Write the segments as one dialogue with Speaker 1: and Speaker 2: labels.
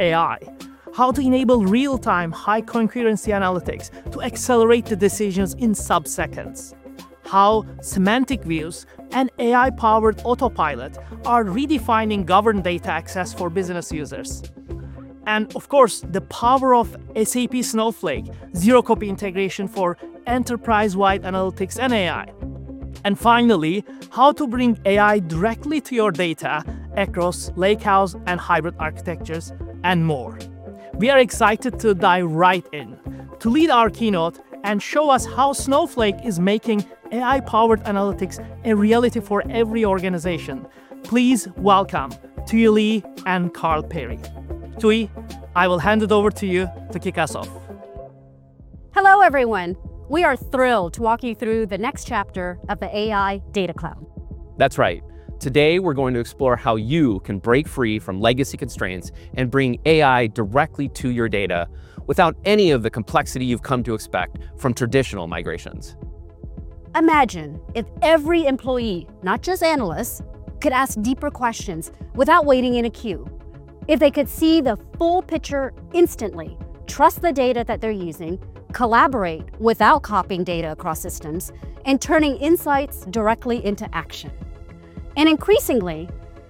Speaker 1: AI. How to enable real-time high-concurrency analytics to accelerate the decisions in sub-seconds. How semantic views and AI-powered autopilot are redefining governed data access for business users. Of course, the power of SAP Snowflake, zero-copy integration for enterprise-wide analytics and AI. Finally, how to bring AI directly to your data across lakehouse and hybrid architectures, and more. We are excited to dive right in. To lead our keynote and show us how Snowflake is making AI-powered analytics a reality for every organization, please welcome Thuy Le and Carl Perry. Thuy, I will hand it over to you to kick us off.
Speaker 2: Hello, everyone. We are thrilled to walk you through the next chapter of the AI Data Cloud.
Speaker 3: That's right. Today, we're going to explore how you can break free from legacy constraints and bring AI directly to your data without any of the complexity you've come to expect from traditional migrations.
Speaker 2: Imagine if every employee, not just analysts, could ask deeper questions without waiting in a queue. If they could see the full picture instantly, trust the data that they're using, collaborate without copying data across systems, and turning insights directly into action. Increasingly,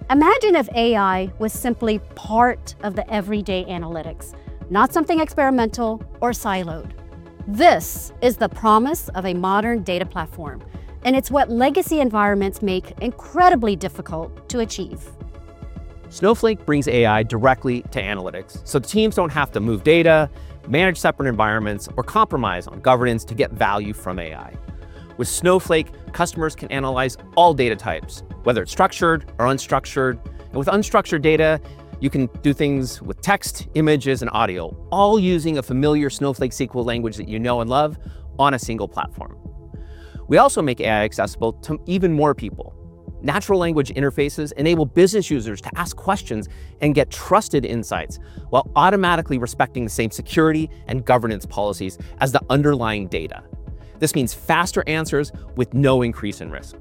Speaker 2: imagine if AI were simply part of the everyday analytics, not something experimental or siloed. This is the promise of a modern data platform, and it's what legacy environments make incredibly difficult to achieve.
Speaker 3: Snowflake brings AI directly to analytics, so teams don't have to move data, manage separate environments, or compromise on governance to get value from AI. With Snowflake, customers can analyze all data types, whether it's structured or unstructured. With unstructured data, you can do things with text, images, and audio, all using a familiar Snowflake SQL language that you know and love on a single platform. We also make AI accessible to even more people. Natural language interfaces enable business users to ask questions and get trusted insights while automatically respecting the same security and governance policies as the underlying data. This means faster answers with no increase in risk.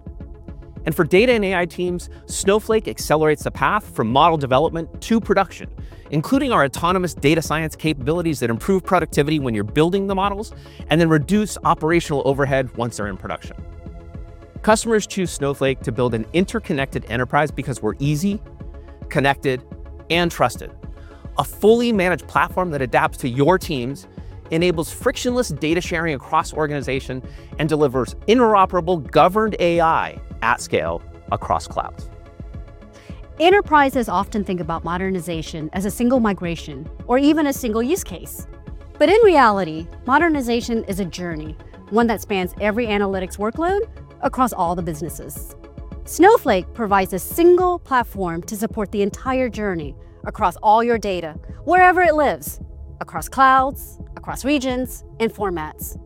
Speaker 3: For data and AI teams, Snowflake accelerates the path from model development to production, including our autonomous data science capabilities that improve productivity when you're building the models, and then reduce operational overhead once they're in production. Customers choose Snowflake to build an interconnected enterprise because we're easy, connected, and trusted. A fully managed platform that adapts to your teams, enables frictionless data sharing across the organization, and delivers interoperable, governed AI at scale across clouds.
Speaker 2: Enterprises often think about modernization as a single migration, or even a single use case. In reality, modernization is a journey. One that spans every analytics workload across all the businesses. Snowflake provides a single platform to support the entire journey across all your data, wherever it lives, across clouds, across regions, and formats.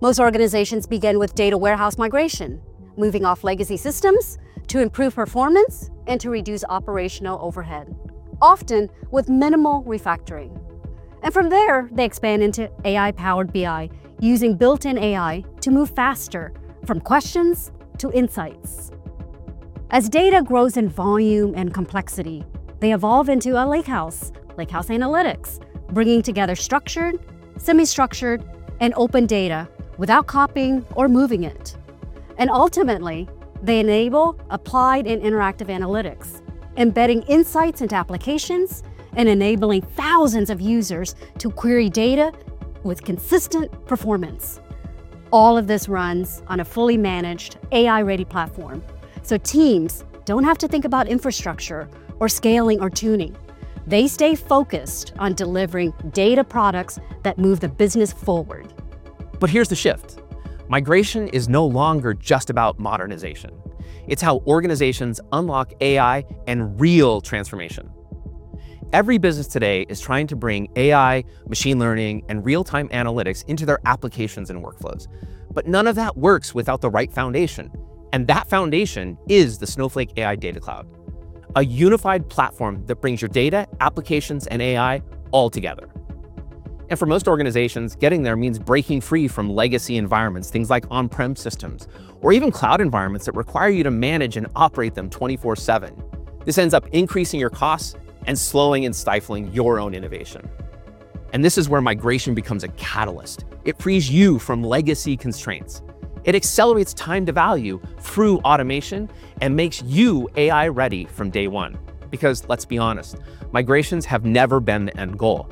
Speaker 2: Most organizations begin with data warehouse migration, moving off legacy systems to improve performance and to reduce operational overhead, often with minimal refactoring. From there, they expand into AI-powered BI, using built-in AI to move faster from questions to insights. As data grows in volume and complexity, they evolve into a lakehouse analytics, bringing together structured, semi-structured, and open data without copying or moving it. Ultimately, they enable applied and interactive analytics, embedding insights into applications, and enabling thousands of users to query data with consistent performance. All of this runs on a fully managed AI-ready platform, so teams don't have to think about infrastructure or scaling, or tuning. They stay focused on delivering data products that move the business forward.
Speaker 3: Here's the shift. Migration is no longer just about modernization. It's how organizations unlock AI and real transformation. Every business today is trying to bring AI, machine learning, and real-time analytics into their applications and workflows. None of that works without the right foundation, and that foundation is the Snowflake AI Data Cloud, a unified platform that brings your data, applications, and AI all together. For most organizations, getting there means breaking free from legacy environments, things like on-prem systems, or even cloud environments that require you to manage and operate them 24/7. This ends up increasing your costs and slowing and stifling your own innovation. This is where migration becomes a catalyst. It frees you from legacy constraints. It accelerates time to value through automation and makes you AI-ready from day one. Because let's be honest, migrations have never been the end goal.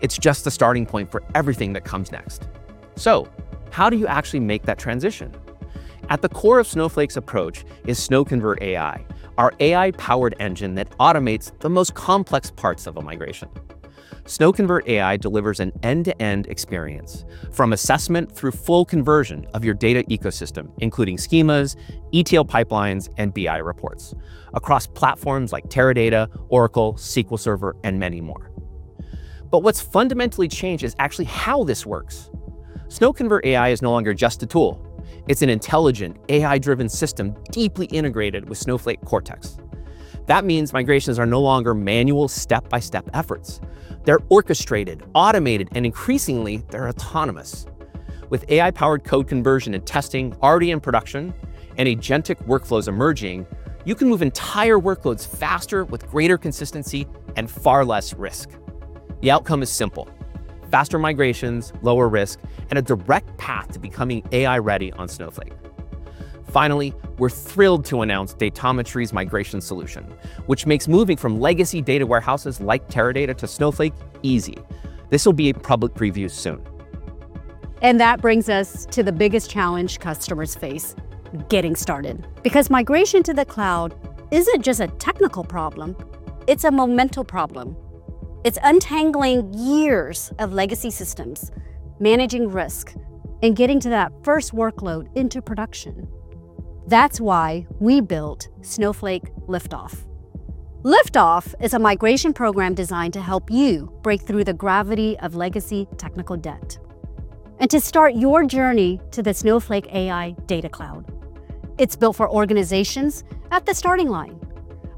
Speaker 3: It's just the starting point for everything that comes next. How do you actually make that transition? At the core of Snowflake's approach is SnowConvert AI, our AI-powered engine that automates the most complex parts of a migration. SnowConvert AI delivers an end-to-end experience, from assessment through full conversion of your data ecosystem, including schemas, ETL pipelines, and BI reports, across platforms like Teradata, Oracle, SQL Server, and many more. What's fundamentally changed is actually how this works. SnowConvert AI is no longer just a tool. It's an intelligent, AI-driven system, deeply integrated with Snowflake Cortex. That means migrations are no longer manual step-by-step efforts. They're orchestrated, automated, and increasingly, they're autonomous. With AI-powered code conversion and testing already in production, and agentic workflows emerging, you can move entire workloads faster with greater consistency and far less risk. The outcome is simple, faster migrations, lower risk, and a direct path to becoming AI-ready on Snowflake. Finally, we're thrilled to announce Datometry's migration solution, which makes moving from legacy data warehouses like Teradata to Snowflake easy. This will be a public preview soon.
Speaker 2: That brings us to the biggest challenge customers face, getting started. Migration to the cloud isn't just a technical problem, it's a monumental problem. It's untangling years of legacy systems, managing risk, and getting that first workload into production. That's why we built Snowflake LiftOff. LiftOff is a migration program designed to help you break through the gravity of legacy technical debt and to start your journey to the Snowflake AI Data Cloud. It's built for organizations at the starting line.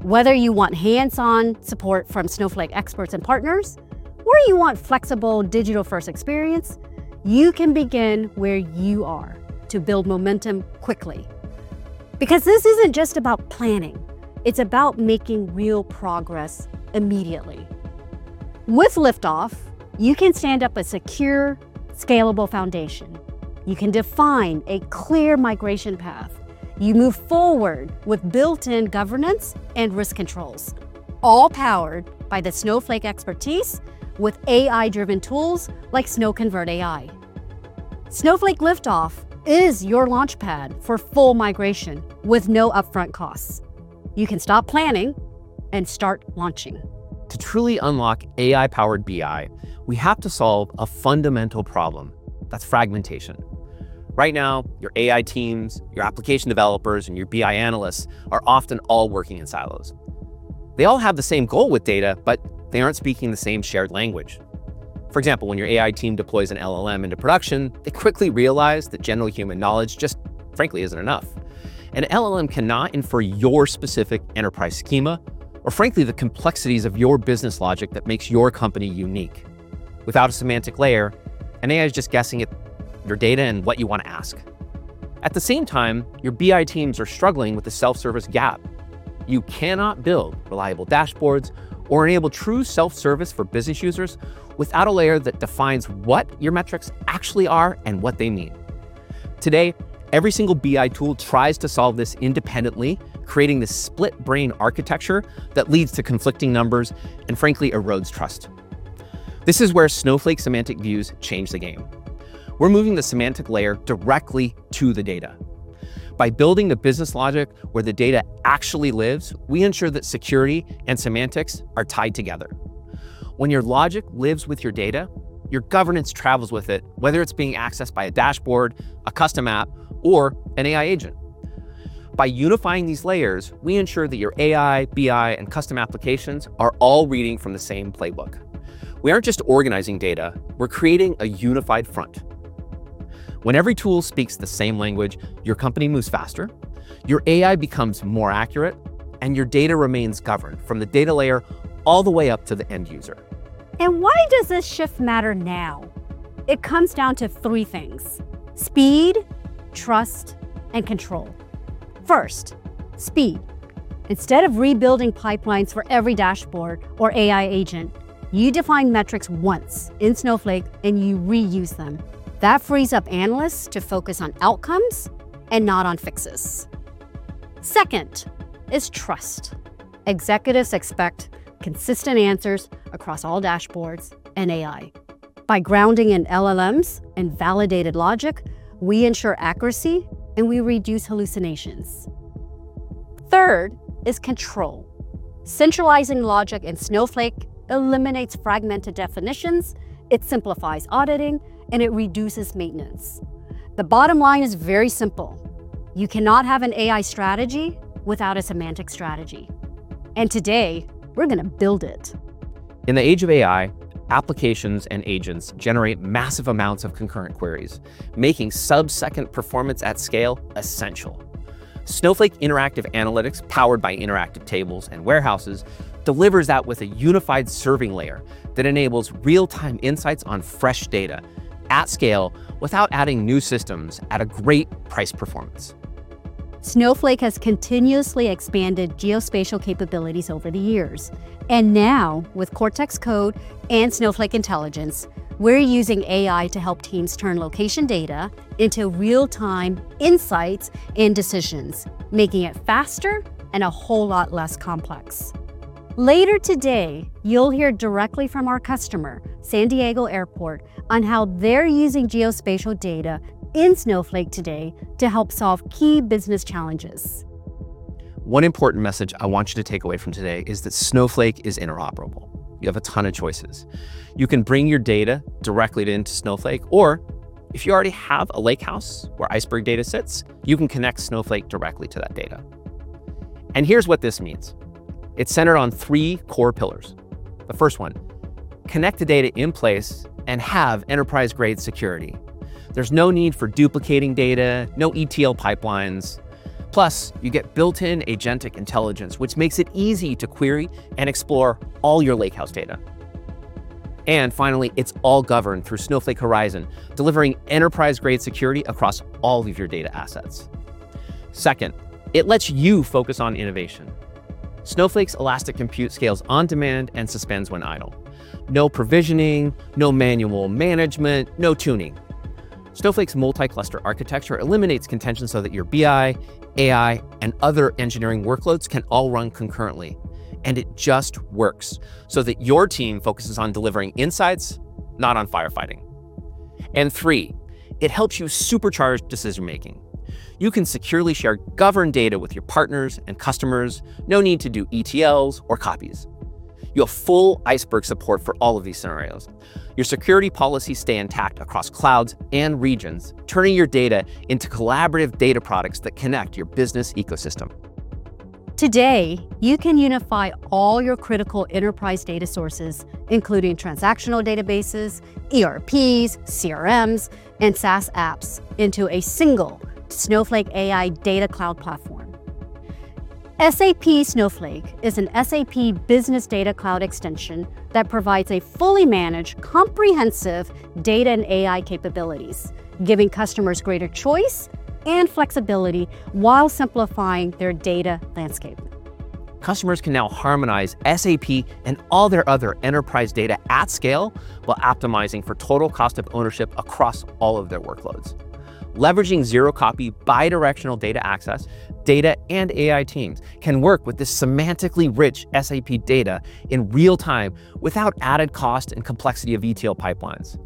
Speaker 2: Whether you want hands-on support from Snowflake experts and partners, or you want a flexible digital-first experience, you can begin where you are to build momentum quickly. This isn't just about planning, it's about making real progress immediately. With LiftOff, you can stand up a secure, scalable foundation. You can define a clear migration path. You move forward with built-in governance and risk controls, all powered by the Snowflake expertise with AI-driven tools like SnowConvert AI. Snowflake LiftOff is your launchpad for full migration with no upfront costs. You can stop planning and start launching.
Speaker 3: To truly unlock AI-powered BI, we have to solve a fundamental problem. That's fragmentation. Right now, your AI teams, your application developers, and your BI analysts are often all working in silos. They all have the same goal with data, but they aren't speaking the same shared language. For example, when your AI team deploys an LLM into production, they quickly realize that general human knowledge just frankly isn't enough. An LLM cannot infer your specific enterprise schema, or frankly, the complexities of your business logic that makes your company unique. Without a semantic layer, an AI is just guessing at your data and what you want to ask. At the same time, your BI teams are struggling with the self-service gap. You cannot build reliable dashboards or enable true self-service for business users without a layer that defines what your metrics actually are and what they mean. Today, every single BI tool tries to solve this independently, creating this split-brain architecture that leads to conflicting numbers and frankly erodes trust. This is where Snowflake semantic views change the game. We're moving the semantic layer directly to the data. By building the business logic where the data actually lives, we ensure that security and semantics are tied together. When your logic lives with your data, your governance travels with it, whether it's being accessed by a dashboard, a custom app, or an AI agent. By unifying these layers, we ensure that your AI, BI, and custom applications are all reading from the same playbook. We aren't just organizing data, we're creating a unified front. When every tool speaks the same language, your company moves faster, your AI becomes more accurate, and your data remains governed from the data layer all the way up to the end user.
Speaker 2: Why does this shift matter now? It comes down to three things, speed, trust, and control. First, speed. Instead of rebuilding pipelines for every dashboard or AI agent, you define metrics once in Snowflake, and you reuse them. That frees up analysts to focus on outcomes and not on fixes. Second is trust. Executives expect consistent answers across all dashboards and AI. By grounding in LLMs and validated logic, we ensure accuracy, and we reduce hallucinations. Third is control. Centralizing logic in Snowflake eliminates fragmented definitions, it simplifies auditing, and it reduces maintenance. The bottom line is very simple. You cannot have an AI strategy without a semantic strategy, and today, we're going to build it.
Speaker 3: In the age of AI, applications and agents generate massive amounts of concurrent queries, making sub-second performance at scale essential. Snowflake Interactive Analytics, powered by interactive tables and warehouses, delivers that with a unified serving layer that enables real-time insights on fresh data at scale without adding new systems at a great price-performance.
Speaker 2: Snowflake has continuously expanded geospatial capabilities over the years. Now, with Cortex Code and Snowflake Intelligence, we're using AI to help teams turn location data into real-time insights and decisions, making it faster and a whole lot less complex. Later today, you'll hear directly from our customer, San Diego Airport, on how they're using geospatial data in Snowflake today to help solve key business challenges.
Speaker 3: One important message I want you to take away from today is that Snowflake is interoperable. You have a ton of choices. You can bring your data directly into Snowflake, or if you already have a lakehouse where Iceberg data sits, you can connect Snowflake directly to that data. Here's what this means. It's centered on three core pillars. The first one, connect the data in place and have enterprise-grade security. There's no need for duplicating data, no ETL pipelines. Plus, you get built-in agentic intelligence, which makes it easy to query and explore all your lakehouse data. Finally, it's all governed through Snowflake Horizon, delivering enterprise-grade security across all of your data assets. Second, it lets you focus on innovation. Snowflake's elastic compute scales on demand and suspends when idle. No provisioning, no manual management, no tuning. Snowflake's multi-cluster architecture eliminates contention so that your BI, AI, and other engineering workloads can all run concurrently, and it just works, so that your team focuses on delivering insights, not on firefighting. Three, it helps you supercharge decision-making. You can securely share governed data with your partners and customers. No need to do ETLs or copies. You have full Iceberg support for all of these scenarios. Your security policies stay intact across clouds and regions, turning your data into collaborative data products that connect your business ecosystem.
Speaker 2: Today, you can unify all your critical enterprise data sources, including transactional databases, ERPs, CRMs, and SaaS apps, into a single Snowflake AI Data Cloud platform. SAP Snowflake is an SAP Business Data Cloud extension that provides a fully managed, comprehensive data and AI capabilities, giving customers greater choice and flexibility while simplifying their data landscape.
Speaker 3: Customers can now harmonize SAP and all their other enterprise data at scale, while optimizing for total cost of ownership across all of their workloads. Leveraging zero-copy, bi-directional data access, data and AI teams can work with the semantically rich SAP data in real-time, without the added cost and complexity of ETL pipelines.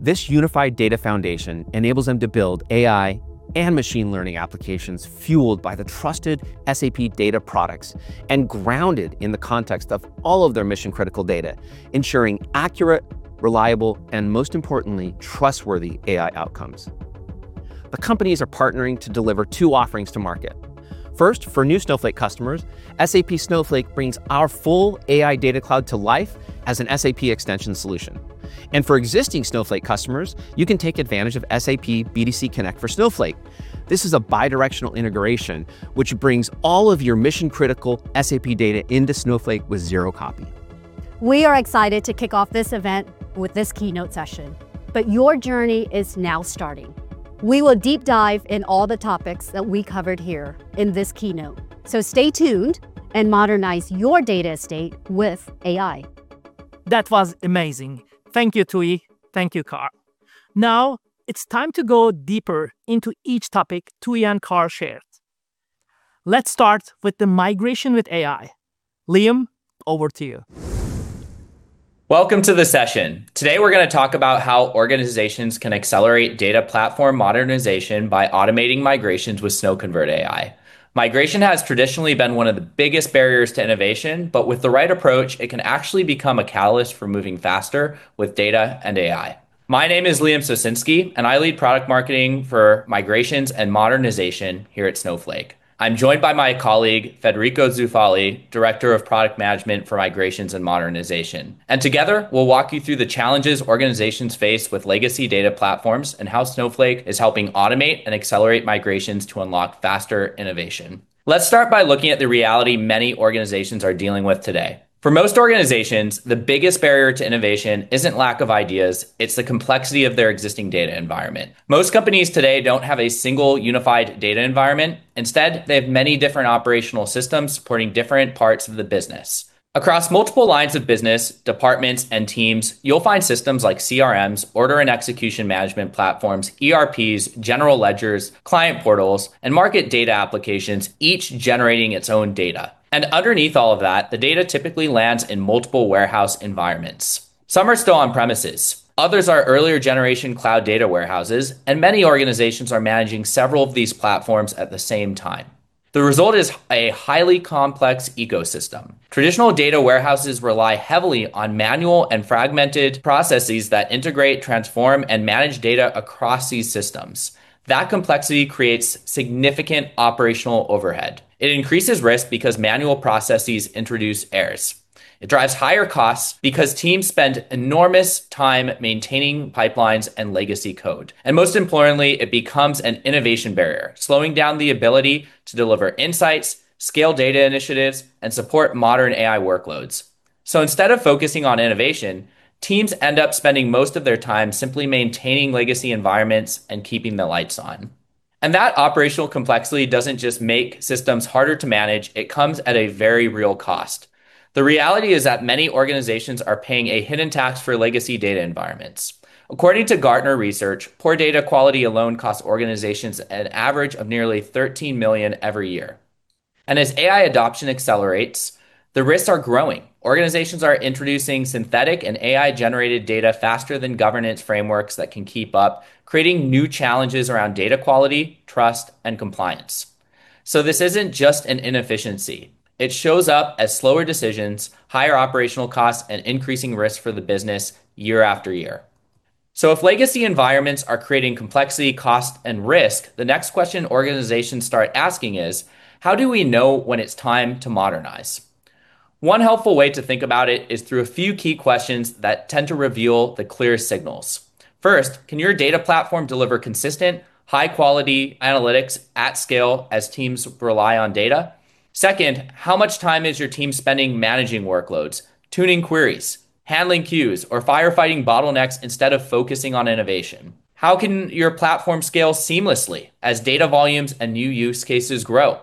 Speaker 3: This unified data foundation enables them to build AI and machine learning applications fueled by the trusted SAP data products and grounded in the context of all of their mission-critical data, ensuring accurate, reliable, and, most importantly, trustworthy AI outcomes. The companies are partnering to deliver two offerings to market. First, for new Snowflake customers, SAP Snowflake brings our full AI Data Cloud to life as an SAP extension solution. For existing Snowflake customers, you can take advantage of SAP BDC Connect for Snowflake. This is a bidirectional integration, which brings all of your mission-critical SAP data into Snowflake with zero-copy.
Speaker 2: We are excited to kick off this event with this keynote session, but your journey is now starting. We will deep dive in all the topics that we covered here in this keynote. Stay tuned and modernize your data estate with AI.
Speaker 1: That was amazing. Thank you, Thuy. Thank you, Carl. Now, it's time to go deeper into each topic Thuy and Carl shared. Let's start with the migration with AI. Liam, over to you.
Speaker 4: Welcome to the session. Today, we're going to talk about how organizations can accelerate data platform modernization by automating migrations with SnowConvert AI. Migration has traditionally been one of the biggest barriers to innovation, but with the right approach, it can actually become a catalyst for moving faster with data and AI. My name is Liam Sosinsky, and I lead product marketing for migrations and modernization here at Snowflake. I'm joined by my colleague, Federico Zoufaly, Director of Product Management for Migrations and Modernization, and together, we'll walk you through the challenges organizations face with legacy data platforms, and how Snowflake is helping automate and accelerate migrations to unlock faster innovation. Let's start by looking at the reality many organizations are dealing with today. For most organizations, the biggest barrier to innovation isn't lack of ideas, it's the complexity of their existing data environment. Most companies today don't have a single unified data environment. Instead, they have many different operational systems supporting different parts of the business. Across multiple lines of business, departments, and teams, you'll find systems like CRMs, order and execution management platforms, ERPs, general ledgers, client portals, and market data applications, each generating its own data. Underneath all of that, the data typically lands in multiple warehouse environments. Some are still on premises, others are earlier-generation cloud data warehouses, and many organizations are managing several of these platforms at the same time. The result is a highly complex ecosystem. Traditional data warehouses rely heavily on manual and fragmented processes that integrate, transform, and manage data across these systems. That complexity creates significant operational overhead. It increases risk because manual processes introduce errors. It drives higher costs because teams spend an enormous amount of time maintaining pipelines and legacy code. Most importantly, it becomes an innovation barrier, slowing down the ability to deliver insights, scale data initiatives, and support modern AI workloads. Instead of focusing on innovation, teams end up spending most of their time simply maintaining legacy environments and keeping the lights on. That operational complexity doesn't just make systems harder to manage, it comes at a very real cost. The reality is that many organizations are paying a hidden tax for legacy data environments. According to Gartner research, poor data quality alone costs organizations an average of nearly $13 million every year. As AI adoption accelerates, the risks are growing. Organizations are introducing synthetic and AI-generated data faster than governance frameworks that can keep up, creating new challenges around data quality, trust, and compliance. This isn't just an inefficiency. It shows up as slower decisions, higher operational costs, and increasing risk for the business year after year. If legacy environments are creating complexity, cost, and risk, the next question organizations start asking is: How do we know when it's time to modernize? One helpful way to think about it is through a few key questions that tend to reveal the clearest signals. First, can your data platform deliver consistent, high-quality analytics at scale as teams rely on data? Second, how much time is your team spending managing workloads, tuning queries, handling queues, or firefighting bottlenecks instead of focusing on innovation? How can your platform scale seamlessly as data volumes and new use cases grow?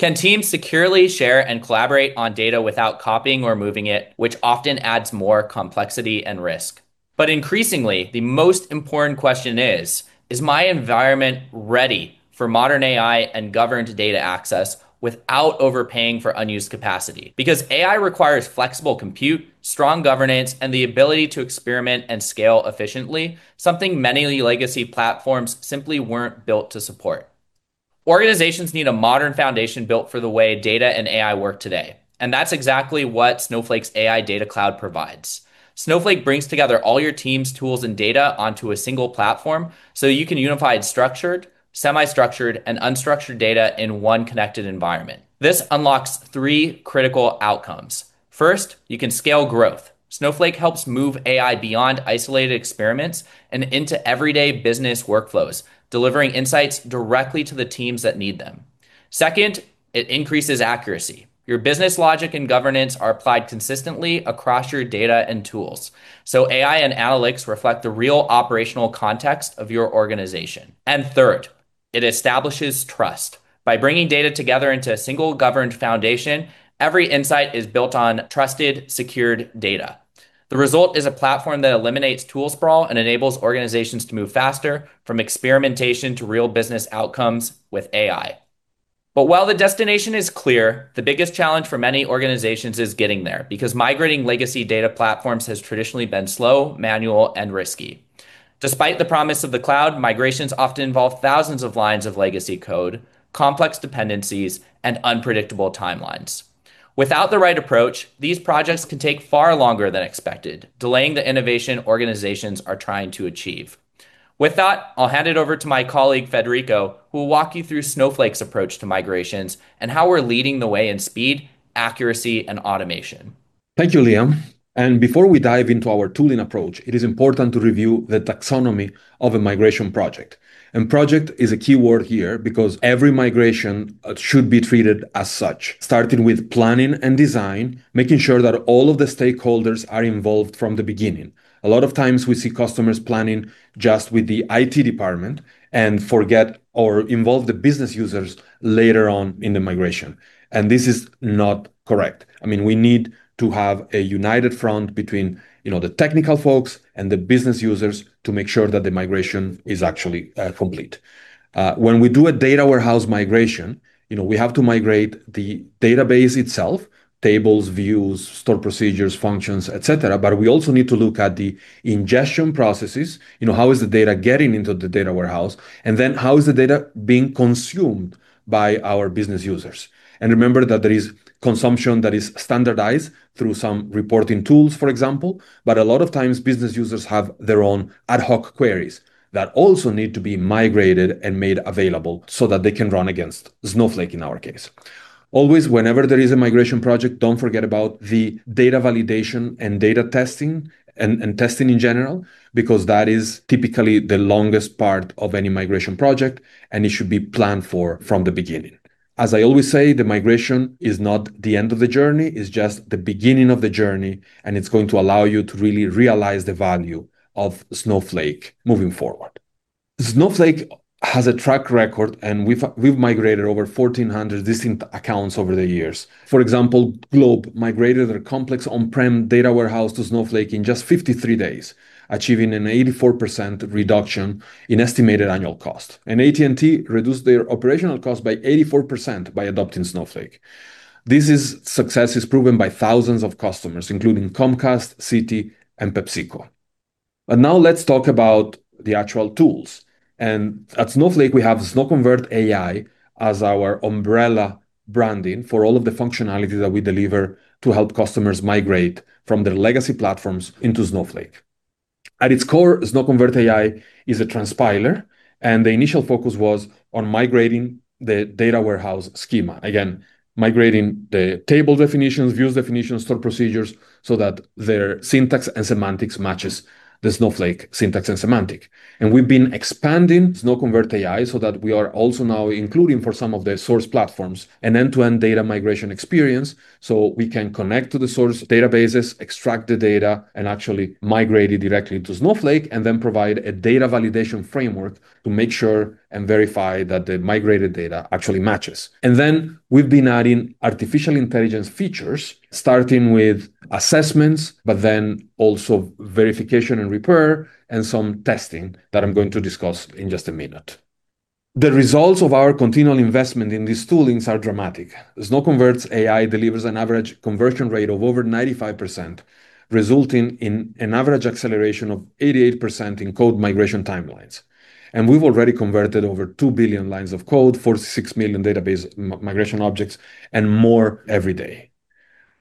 Speaker 4: Can teams securely share and collaborate on data without copying or moving it, which often adds more complexity and risk? Increasingly, the most important question is: Is my environment ready for modern AI and governed data access without overpaying for unused capacity? Because AI requires flexible compute, strong governance, and the ability to experiment and scale efficiently, something many legacy platforms simply weren't built to support. Organizations need a modern foundation built for the way data and AI work today, and that's exactly what Snowflake's AI Data Cloud provides. Snowflake brings together all your team's tools and data onto a single platform so you can unify structured, semi-structured, and unstructured data in one connected environment. This unlocks three critical outcomes. First, you can scale growth. Snowflake helps move AI beyond isolated experiments and into everyday business workflows, delivering insights directly to the teams that need them. Second, it increases accuracy. Your business logic and governance are applied consistently across your data and tools. AI and analytics reflect the real operational context of your organization. Third, it establishes trust. By bringing data together into a single governed foundation, every insight is built on trusted, secured data. The result is a platform that eliminates tool sprawl and enables organizations to move faster from experimentation to real business outcomes with AI. While the destination is clear, the biggest challenge for many organizations is getting there, because migrating legacy data platforms has traditionally been slow, manual, and risky. Despite the promise of the cloud, migrations often involve thousands of lines of legacy code, complex dependencies, and unpredictable timelines. Without the right approach, these projects can take far longer than expected, delaying the innovation organizations are trying to achieve. With that, I'll hand it over to my colleague, Federico, who will walk you through Snowflake's approach to migrations and how we're leading the way in speed, accuracy, and automation.
Speaker 5: Thank you, Liam. Before we dive into our tooling approach, it is important to review the taxonomy of a migration project. Project is a key word here because every migration should be treated as such, starting with planning and design, making sure that all of the stakeholders are involved from the beginning. A lot of times, we see customers planning just with the IT department and forget or involve the business users later on in the migration. This is not correct. We need to have a united front between the technical folks and the business users to make sure that the migration is actually complete. When we do a data warehouse migration, we have to migrate the database itself, tables, views, stored procedures, functions, et cetera. We also need to look at the ingestion processes, how is the data getting into the data warehouse, and then how is the data being consumed by our business users. Remember that there is consumption that is standardized through some reporting tools, for example. A lot of times, business users have their own ad hoc queries that also need to be migrated and made available so that they can run against Snowflake in our case. Always, whenever there is a migration project, don't forget about the data validation and data testing and testing in general, because that is typically the longest part of any migration project, and it should be planned for from the beginning. As I always say, the migration is not the end of the journey, it's just the beginning of the journey, and it's going to allow you to really realize the value of Snowflake moving forward. Snowflake has a track record, and we've migrated over 1,400 distinct accounts over the years. For example, Globe migrated their complex on-prem data warehouse to Snowflake in just 53 days, achieving an 84% reduction in estimated annual cost. AT&T reduced their operational cost by 84% by adopting Snowflake. This success is proven by thousands of customers, including Comcast, Citi, and PepsiCo. Now let's talk about the actual tools. At Snowflake, we have SnowConvert AI as our umbrella branding for all of the functionality that we deliver to help customers migrate from their legacy platforms into Snowflake. At its core, SnowConvert AI is a transpiler, and the initial focus was on migrating the data warehouse schema. Again, migrating the table definitions, views definitions, stored procedures, so that their syntax and semantics matches the Snowflake syntax and semantics. We've been expanding SnowConvert AI so that we are also now including for some of their source platforms an end-to-end data migration experience, so we can connect to the source databases, extract the data, and actually migrate it directly to Snowflake, and then provide a data validation framework to make sure and verify that the migrated data actually matches. We've been adding artificial intelligence features, starting with assessments, but then also verification and repair and some testing that I'm going to discuss in just a minute. The results of our continual investment in these toolings are dramatic. SnowConvert AI delivers an average conversion rate of over 95%, resulting in an average acceleration of 88% in code migration timelines. We've already converted over 2 billion lines of code, 46 million database migration objects, and more every day.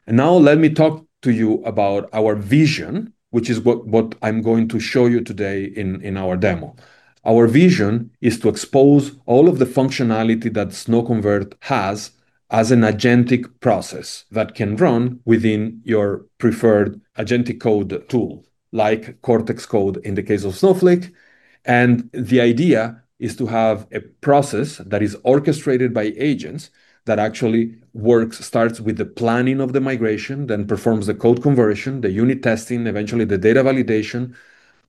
Speaker 5: Now let me talk to you about our vision, which is what I'm going to show you today in our demo. Our vision is to expose all of the functionality that SnowConvert AI has as an agentic process that can run within your preferred agentic code tool, like Cortex Code in the case of Snowflake. The idea is to have a process that is orchestrated by agents that actually works, starts with the planning of the migration, then performs the code conversion, the unit testing, eventually the data validation,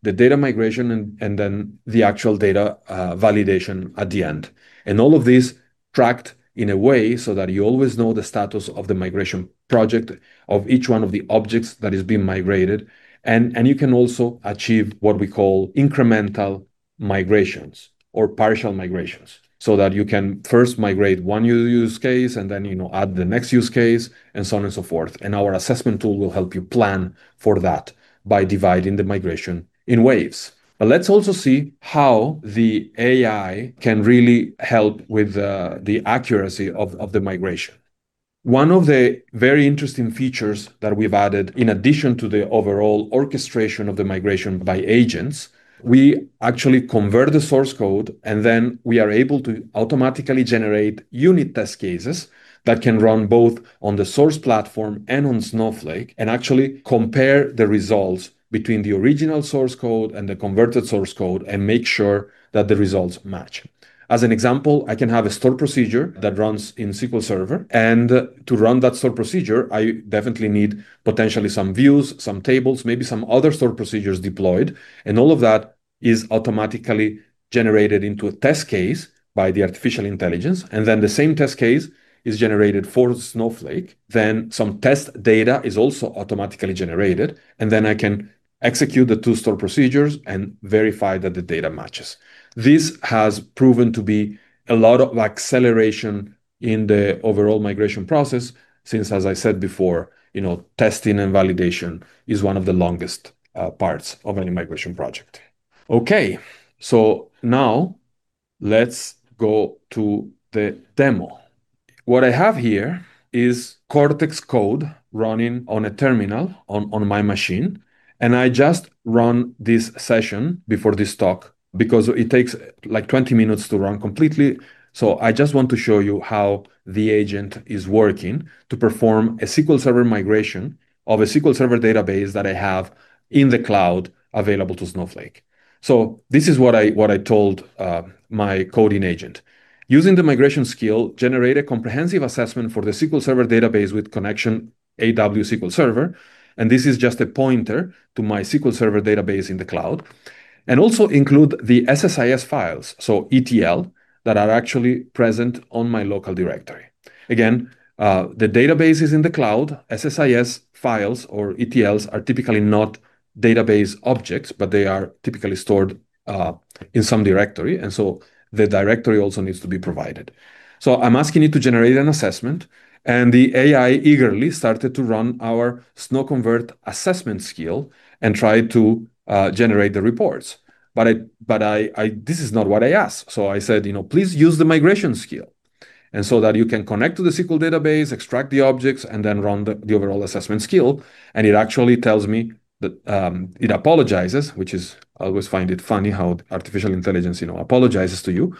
Speaker 5: the data migration, and then the actual data validation at the end. All of these tracked in a way so that you always know the status of the migration project of each one of the objects that is being migrated. You can also achieve what we call incremental migrations or partial migrations, so that you can first migrate one use case and then add the next use case and so on and so forth. Our assessment tool will help you plan for that by dividing the migration in waves. Let's also see how the AI can really help with the accuracy of the migration. One of the very interesting features that we've added, in addition to the overall orchestration of the migration by agents, we actually convert the source code, and then we are able to automatically generate unit test cases that can run both on the source platform and on Snowflake, and actually compare the results between the original source code and the converted source code and make sure that the results match. As an example, I can have a stored procedure that runs in SQL Server, and to run that stored procedure, I definitely need potentially some views, some tables, maybe some other stored procedures deployed. All of that is automatically generated into a test case by the artificial intelligence, and then the same test case is generated for Snowflake. Some test data is also automatically generated, and then I can execute the two stored procedures and verify that the data matches. This has proven to be a lot of acceleration in the overall migration process since, as I said before, testing and validation are one of the longest parts of any migration project. Okay, now let's go to the demo. What I have here is Cortex Code running on a terminal on my machine. I just ran this session before this talk because it takes 20 minutes to run completely. I just want to show you how the agent is working to perform a SQL Server migration of a SQL Server database that I have in the cloud available to Snowflake. This is what I told my coding agent. Using the migration skill, generate a comprehensive assessment for the SQL Server database with connection AdventureWorks SQL Server." This is just a pointer to my SQL Server database in the cloud. "Also include the SSIS files, so ETL, that are actually present on my local directory." The database is in the cloud. SSIS files or ETLs are typically not database objects, but they are typically stored in some directory, and the directory also needs to be provided. I'm asking it to generate an assessment, and the AI eagerly started to run our SnowConvert Assessment skill and try to generate the reports. This is not what I asked. I said, "Please use the migration skill, and so that you can connect to the SQL database, extract the objects, and then run the overall assessment skill." It actually tells me that it apologizes, which is always find it funny how artificial intelligence apologizes to you.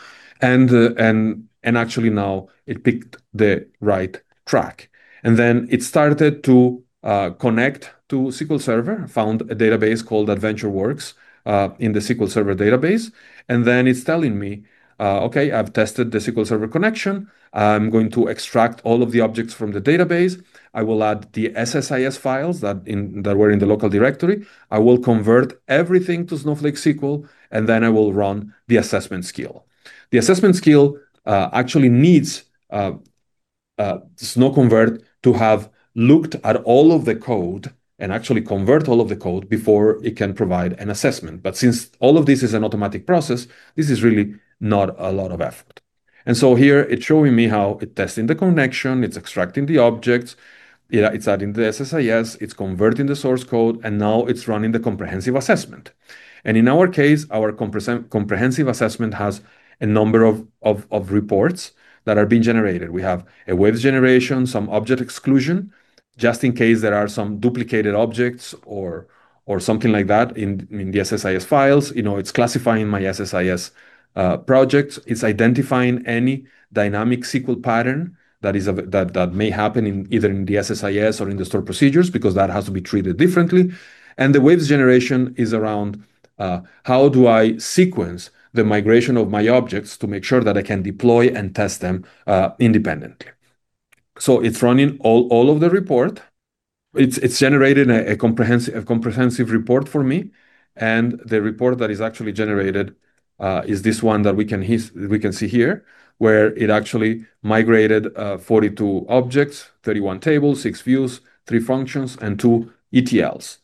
Speaker 5: Actually now it picked the right track. Then it started to connect to SQL Server, found a database called AdventureWorks in the SQL Server database, and then it's telling me, "Okay, I've tested the SQL Server connection. I'm going to extract all of the objects from the database. I will add the SSIS files that were in the local directory. I will convert everything to Snowflake SQL, and then I will run the assessment skill." The assessment skill actually needs SnowConvert to have looked at all of the code and actually convert all of the code before it can provide an assessment. Since all of this is an automatic process, this is really not a lot of effort. Here it's showing me how it's testing the connection, it's extracting the objects, it's adding the SSIS, it's converting the source code, and now it's running the comprehensive assessment. In our case, our comprehensive assessment has a number of reports that are being generated. We have a waves generation, some object exclusion, just in case there are some duplicated objects or something like that in the SSIS files. It's classifying my SSIS project. It's identifying any dynamic SQL pattern that may happen either in the SSIS or in the stored procedures, because that has to be treated differently. The waves generation is around how do I sequence the migration of my objects to make sure that I can deploy and test them independently. It's running all of the report. It's generated a comprehensive report for me, and the report that is actually generated is this one that we can see here, where it actually migrated 42 objects, 31 tables, six views, three functions, and two ETLs.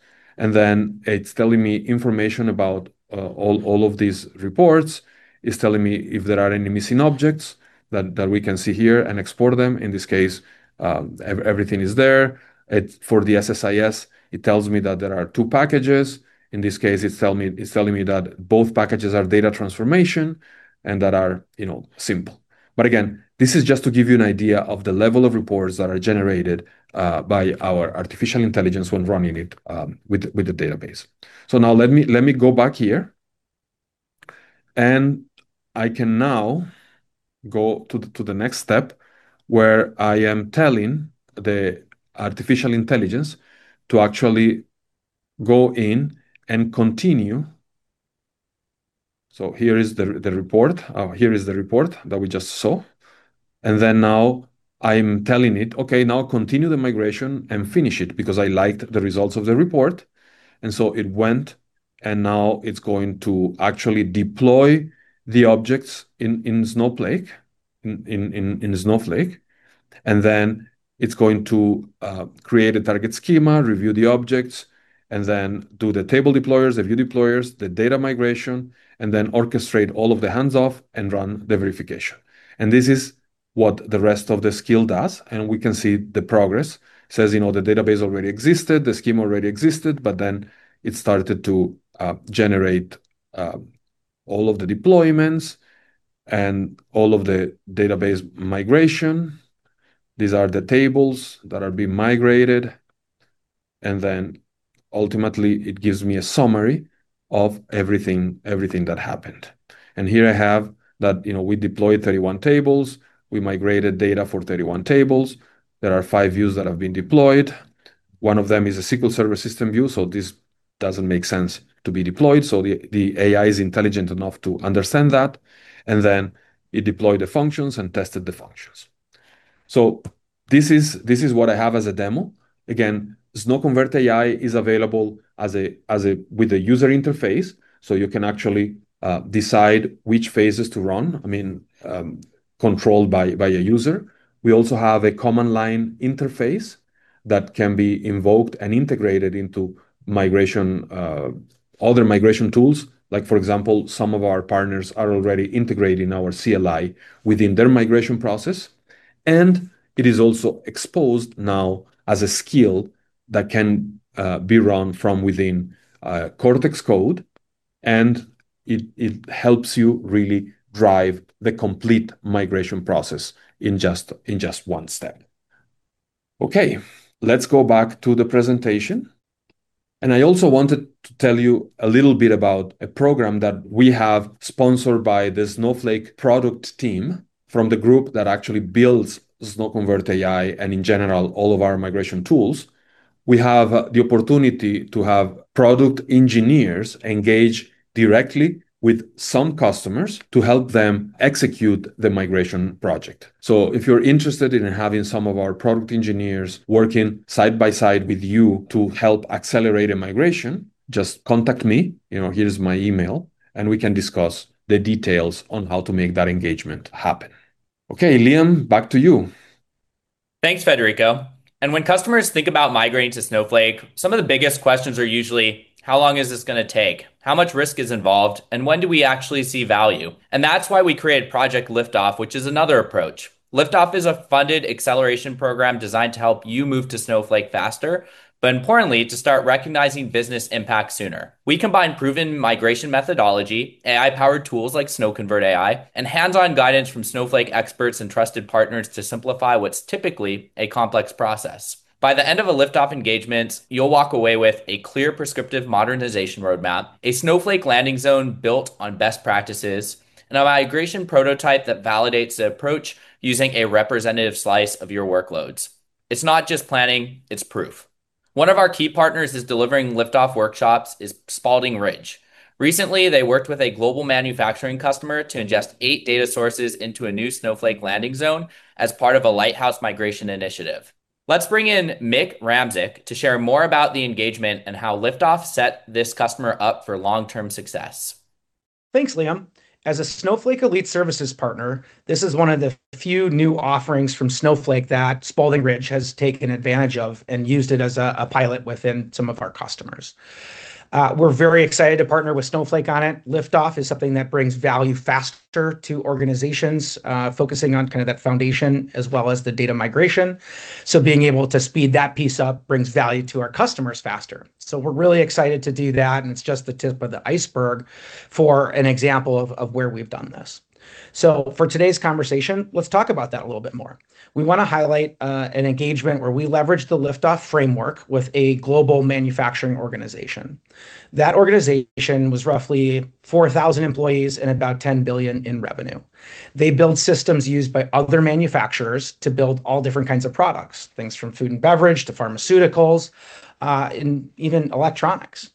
Speaker 5: It's telling me information about all of these reports. It's telling me if there are any missing objects that we can see here and export them. In this case, everything is there. For the SSIS, it tells me that there are 2 packages. In this case, it's telling me that both packages are data transformation and that are simple. Again, this is just to give you an idea of the level of reports that are generated by our artificial intelligence when running it with the database. Now let me go back here. I can now go to the next step, where I am telling the artificial intelligence to actually go in and continue. Here is the report that we just saw. Then now I'm telling it, okay, now continue the migration and finish it, because I liked the results of the report. It went, and now it's going to actually deploy the objects in Snowflake. Then it's going to create a target schema, review the objects, and then do the table deployers, the view deployers, the data migration, and then orchestrate all of the hands-off and run the verification. This is what the rest of the skill does. We can see the progress. It says the database already existed, the schema already existed, but then it started to generate all of the deployments and all of the database migration. These are the tables that are being migrated. Then ultimately, it gives me a summary of everything that happened. Here I have that we deployed 31 tables, we migrated data for 31 tables, there are five views that have been deployed. One of them is a SQL Server system view, so this doesn't make sense to be deployed. The AI is intelligent enough to understand that. It deployed the functions and tested the functions. This is what I have as a demo. Again, SnowConvert AI is available with a user interface, so you can actually decide which phases to run, controlled by a user. We also have a command-line interface that can be invoked and integrated into other migration tools. Like for example, some of our partners are already integrating our CLI within their migration process. It is also exposed now as a skill that can be run from within Cortex Code, and it helps you really drive the complete migration process in just one step. Okay, let's go back to the presentation. I also wanted to tell you a little bit about a program that we have sponsored by the Snowflake product team from the group that actually builds SnowConvert AI, and in general, all of our migration tools. We have the opportunity to have product engineers engage directly with some customers to help them execute the migration project. If you're interested in having some of our product engineers working side by side with you to help accelerate a migration, just contact me, here is my email, and we can discuss the details on how to make that engagement happen. Okay, Liam, back to you.
Speaker 4: Thanks, Federico. When customers think about migrating to Snowflake, some of the biggest questions are usually, how long is this going to take? How much risk is involved, and when do we actually see value? That's why we created Snowflake LiftOff, which is another approach. LiftOff is a funded acceleration program designed to help you move to Snowflake faster, but importantly, to start recognizing business impact sooner. We combine proven migration methodology, AI-powered tools like SnowConvert AI, and hands-on guidance from Snowflake experts and trusted partners to simplify what's typically a complex process. By the end of a LiftOff engagement, you'll walk away with a clear, prescriptive modernization roadmap, a Snowflake landing zone built on best practices, and a migration prototype that validates the approach using a representative slice of your workloads. It's not just planning, it's proof. One of our key partners, Spaulding Ridge, is delivering Liftoff workshops. Recently, they worked with a global manufacturing customer to ingest 8 data sources into a new Snowflake landing zone as part of a lighthouse migration initiative. Let's bring in Mick Ramczyk to share more about the engagement and how Liftoff set this customer up for long-term success.
Speaker 6: Thanks, Liam. As a Snowflake Elite Services partner, this is one of the few new offerings from Snowflake that Spaulding Ridge has taken advantage of and used it as a pilot within some of our customers. We're very excited to partner with Snowflake on it. LiftOff is something that brings value faster to organizations, focusing on that foundation as well as the data migration. Being able to speed that piece up brings value to our customers faster. We're really excited to do that, and it's just the tip of the iceberg for an example of where we've done this. For today's conversation, let's talk about that a little bit more. We want to highlight an engagement where we leveraged the LiftOff framework with a global manufacturing organization. That organization was roughly 4,000 employees and about $10 billion in revenue. They build systems used by other manufacturers to build all different kinds of products, things from food and beverage to pharmaceuticals, and even electronics.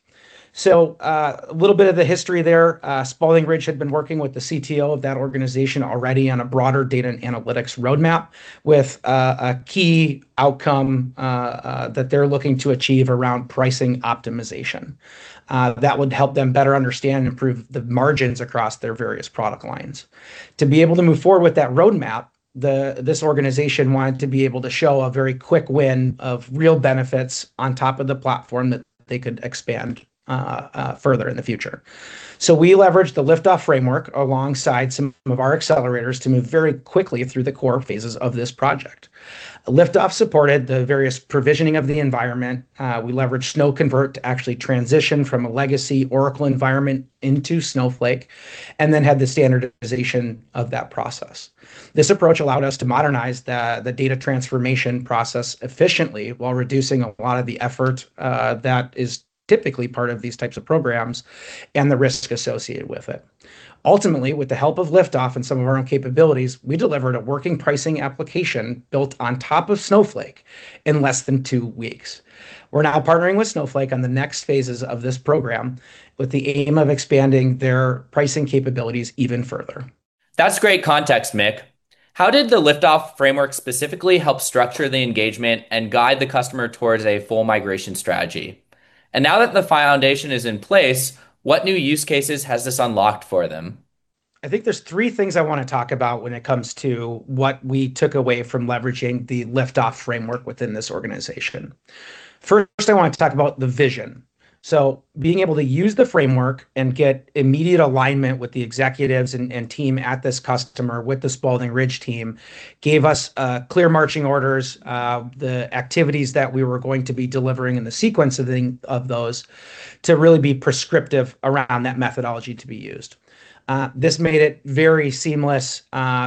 Speaker 6: A little bit of the history there. Spaulding Ridge had been working with the CTO of that organization already on a broader data and analytics roadmap with a key outcome that they're looking to achieve around pricing optimization. That would help them better understand and improve the margins across their various product lines. To be able to move forward with that roadmap, this organization wanted to be able to show a very quick win of real benefits on top of the platform that they could expand further in the future. We leveraged the LiftOff framework alongside some of our accelerators to move very quickly through the core phases of this project. LiftOff supported the various provisioning of the environment. We leveraged SnowConvert to actually transition from a legacy Oracle environment into Snowflake, and then had the standardization of that process. This approach allowed us to modernize the data transformation process efficiently, while reducing a lot of the effort that is typically part of these types of programs, and the risk associated with it. Ultimately, with the help of LiftOff and some of our own capabilities, we delivered a working pricing application built on top of Snowflake in less than two weeks. We're now partnering with Snowflake on the next phases of this program, with the aim of expanding their pricing capabilities even further.
Speaker 4: That's great context, Mick. How did the LiftOff framework specifically help structure the engagement and guide the customer towards a full migration strategy? Now that the foundation is in place, what new use cases has this unlocked for them?
Speaker 6: I think there's three things I want to talk about when it comes to what we took away from leveraging the LiftOff framework within this organization. First, I wanted to talk about the vision. Being able to use the framework and get immediate alignment with the executives and team at this customer, with the Spaulding Ridge team, gave us clear marching orders, the activities that we were going to be delivering and the sequence of those, to really be prescriptive around that methodology to be used. This made it very seamless,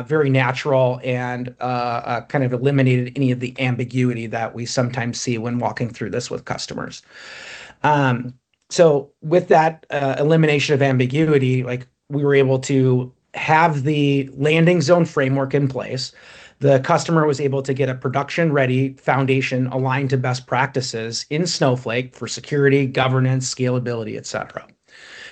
Speaker 6: very natural, and eliminated any of the ambiguity that we sometimes see when walking through this with customers. With that elimination of ambiguity, we were able to have the landing zone framework in place. The customer was able to get a production-ready foundation aligned to best practices in Snowflake for security, governance, scalability, et cetera.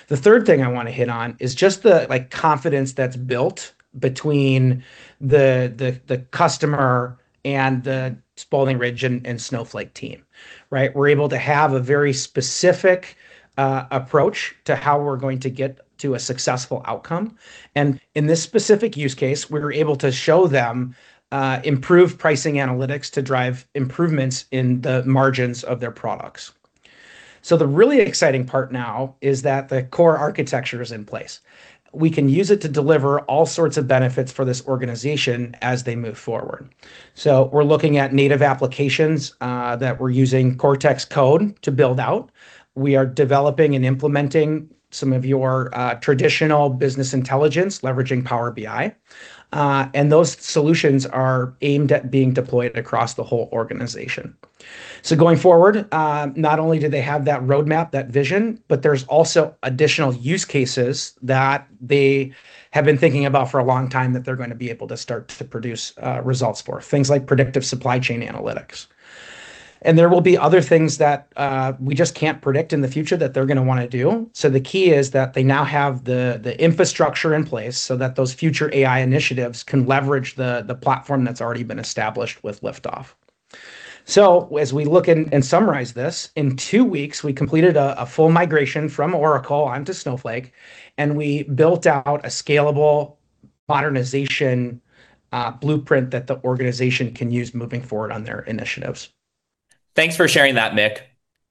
Speaker 6: The third thing I want to hit on is just the confidence that's built between the customer and the Spaulding Ridge and Snowflake team. Right? We're able to have a very specific approach to how we're going to get to a successful outcome. In this specific use case, we were able to show them improved pricing analytics to drive improvements in the margins of their products. The really exciting part now is that the core architecture is in place. We can use it to deliver all sorts of benefits for this organization as they move forward. We're looking at native applications that we're using Cortex Code to build out. We are developing and implementing some of your traditional business intelligence, leveraging Power BI. Those solutions are aimed at being deployed across the whole organization. Going forward, not only do they have that roadmap, that vision, but there's also additional use cases that they have been thinking about for a long time that they're going to be able to start to produce results for, things like predictive supply chain analytics. There will be other things that we just can't predict in the future that they're going to want to do. The key is that they now have the infrastructure in place so that those future AI initiatives can leverage the platform that's already been established with Liftoff. As we look and summarize this, in two weeks, we completed a full migration from Oracle onto Snowflake, and we built out a scalable modernization blueprint that the organization can use moving forward on their initiatives.
Speaker 4: Thanks for sharing that, Mick.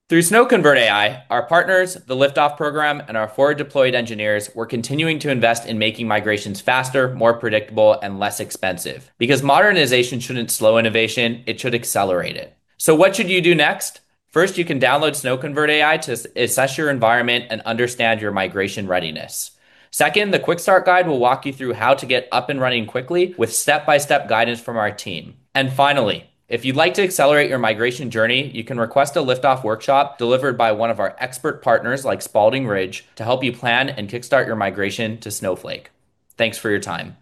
Speaker 4: Through SnowConvert AI, our partners, the LiftOff program, and our forward-deployed engineers, we're continuing to invest in making migrations faster, more predictable, and less expensive. Because modernization shouldn't slow innovation, it should accelerate it. What should you do next? First, you can download SnowConvert AI to assess your environment and understand your migration readiness. Second, the quick start guide will walk you through how to get up and running quickly with step-by-step guidance from our team. Finally, if you'd like to accelerate your migration journey, you can request a LiftOff workshop delivered by one of our expert partners, like Spaulding Ridge, to help you plan and kickstart your migration to Snowflake. Thanks for your time.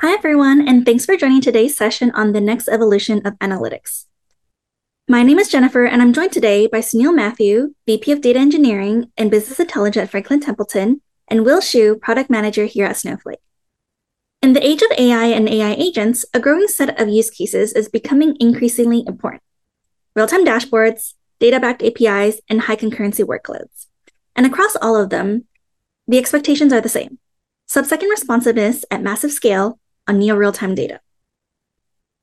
Speaker 7: Hi, everyone, and thanks for joining today's session on the next evolution of analytics. My name is Jennifer, and I'm joined today by Sunil Mathew, VP of Data Engineering and Business Intelligence at Franklin Templeton, and Will Xu, Product Manager here at Snowflake. In the age of AI and AI agents, a growing set of use cases is becoming increasingly important, real-time dashboards, data-backed APIs, and high-concurrency workloads. Across all of them, the expectations are the same, sub-second responsiveness at massive scale on near real-time data.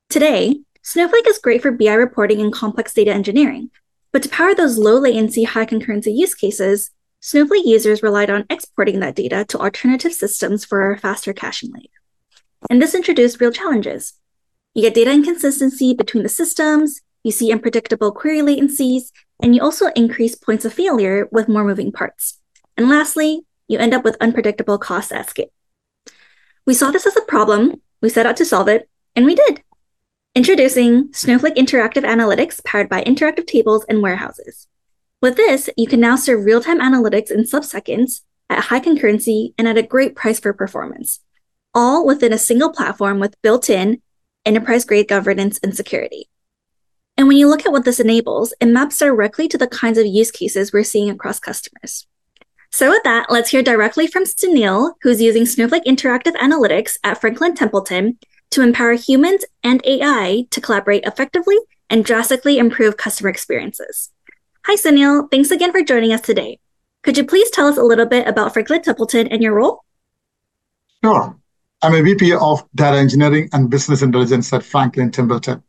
Speaker 7: Today, Snowflake is great for BI reporting and complex data engineering. To power those low-latency, high-concurrency use cases, Snowflake users relied on exporting that data to alternative systems for a faster caching layer. This introduced real challenges. You get data inconsistency between the systems, you see unpredictable query latencies, and you also increase points of failure with more moving parts. Lastly, you end up with unpredictable costs at scale. We saw this as a problem, we set out to solve it, and we did. Introducing Snowflake Interactive Analytics, powered by interactive tables and warehouses. With this, you can now serve real-time analytics in sub-seconds at high concurrency and at a great price for performance, all within a single platform with built-in enterprise-grade governance and security. When you look at what this enables, it maps directly to the kinds of use cases we're seeing across customers. With that, let's hear directly from Sunil, who's using Snowflake Interactive Analytics at Franklin Templeton to empower humans and AI to collaborate effectively and drastically improve customer experiences. Hi, Sunil. Thanks again for joining us today. Could you please tell us a little bit about Franklin Templeton and your role?
Speaker 8: Sure. I'm a VP of Data Engineering and Business Intelligence at Franklin Templeton.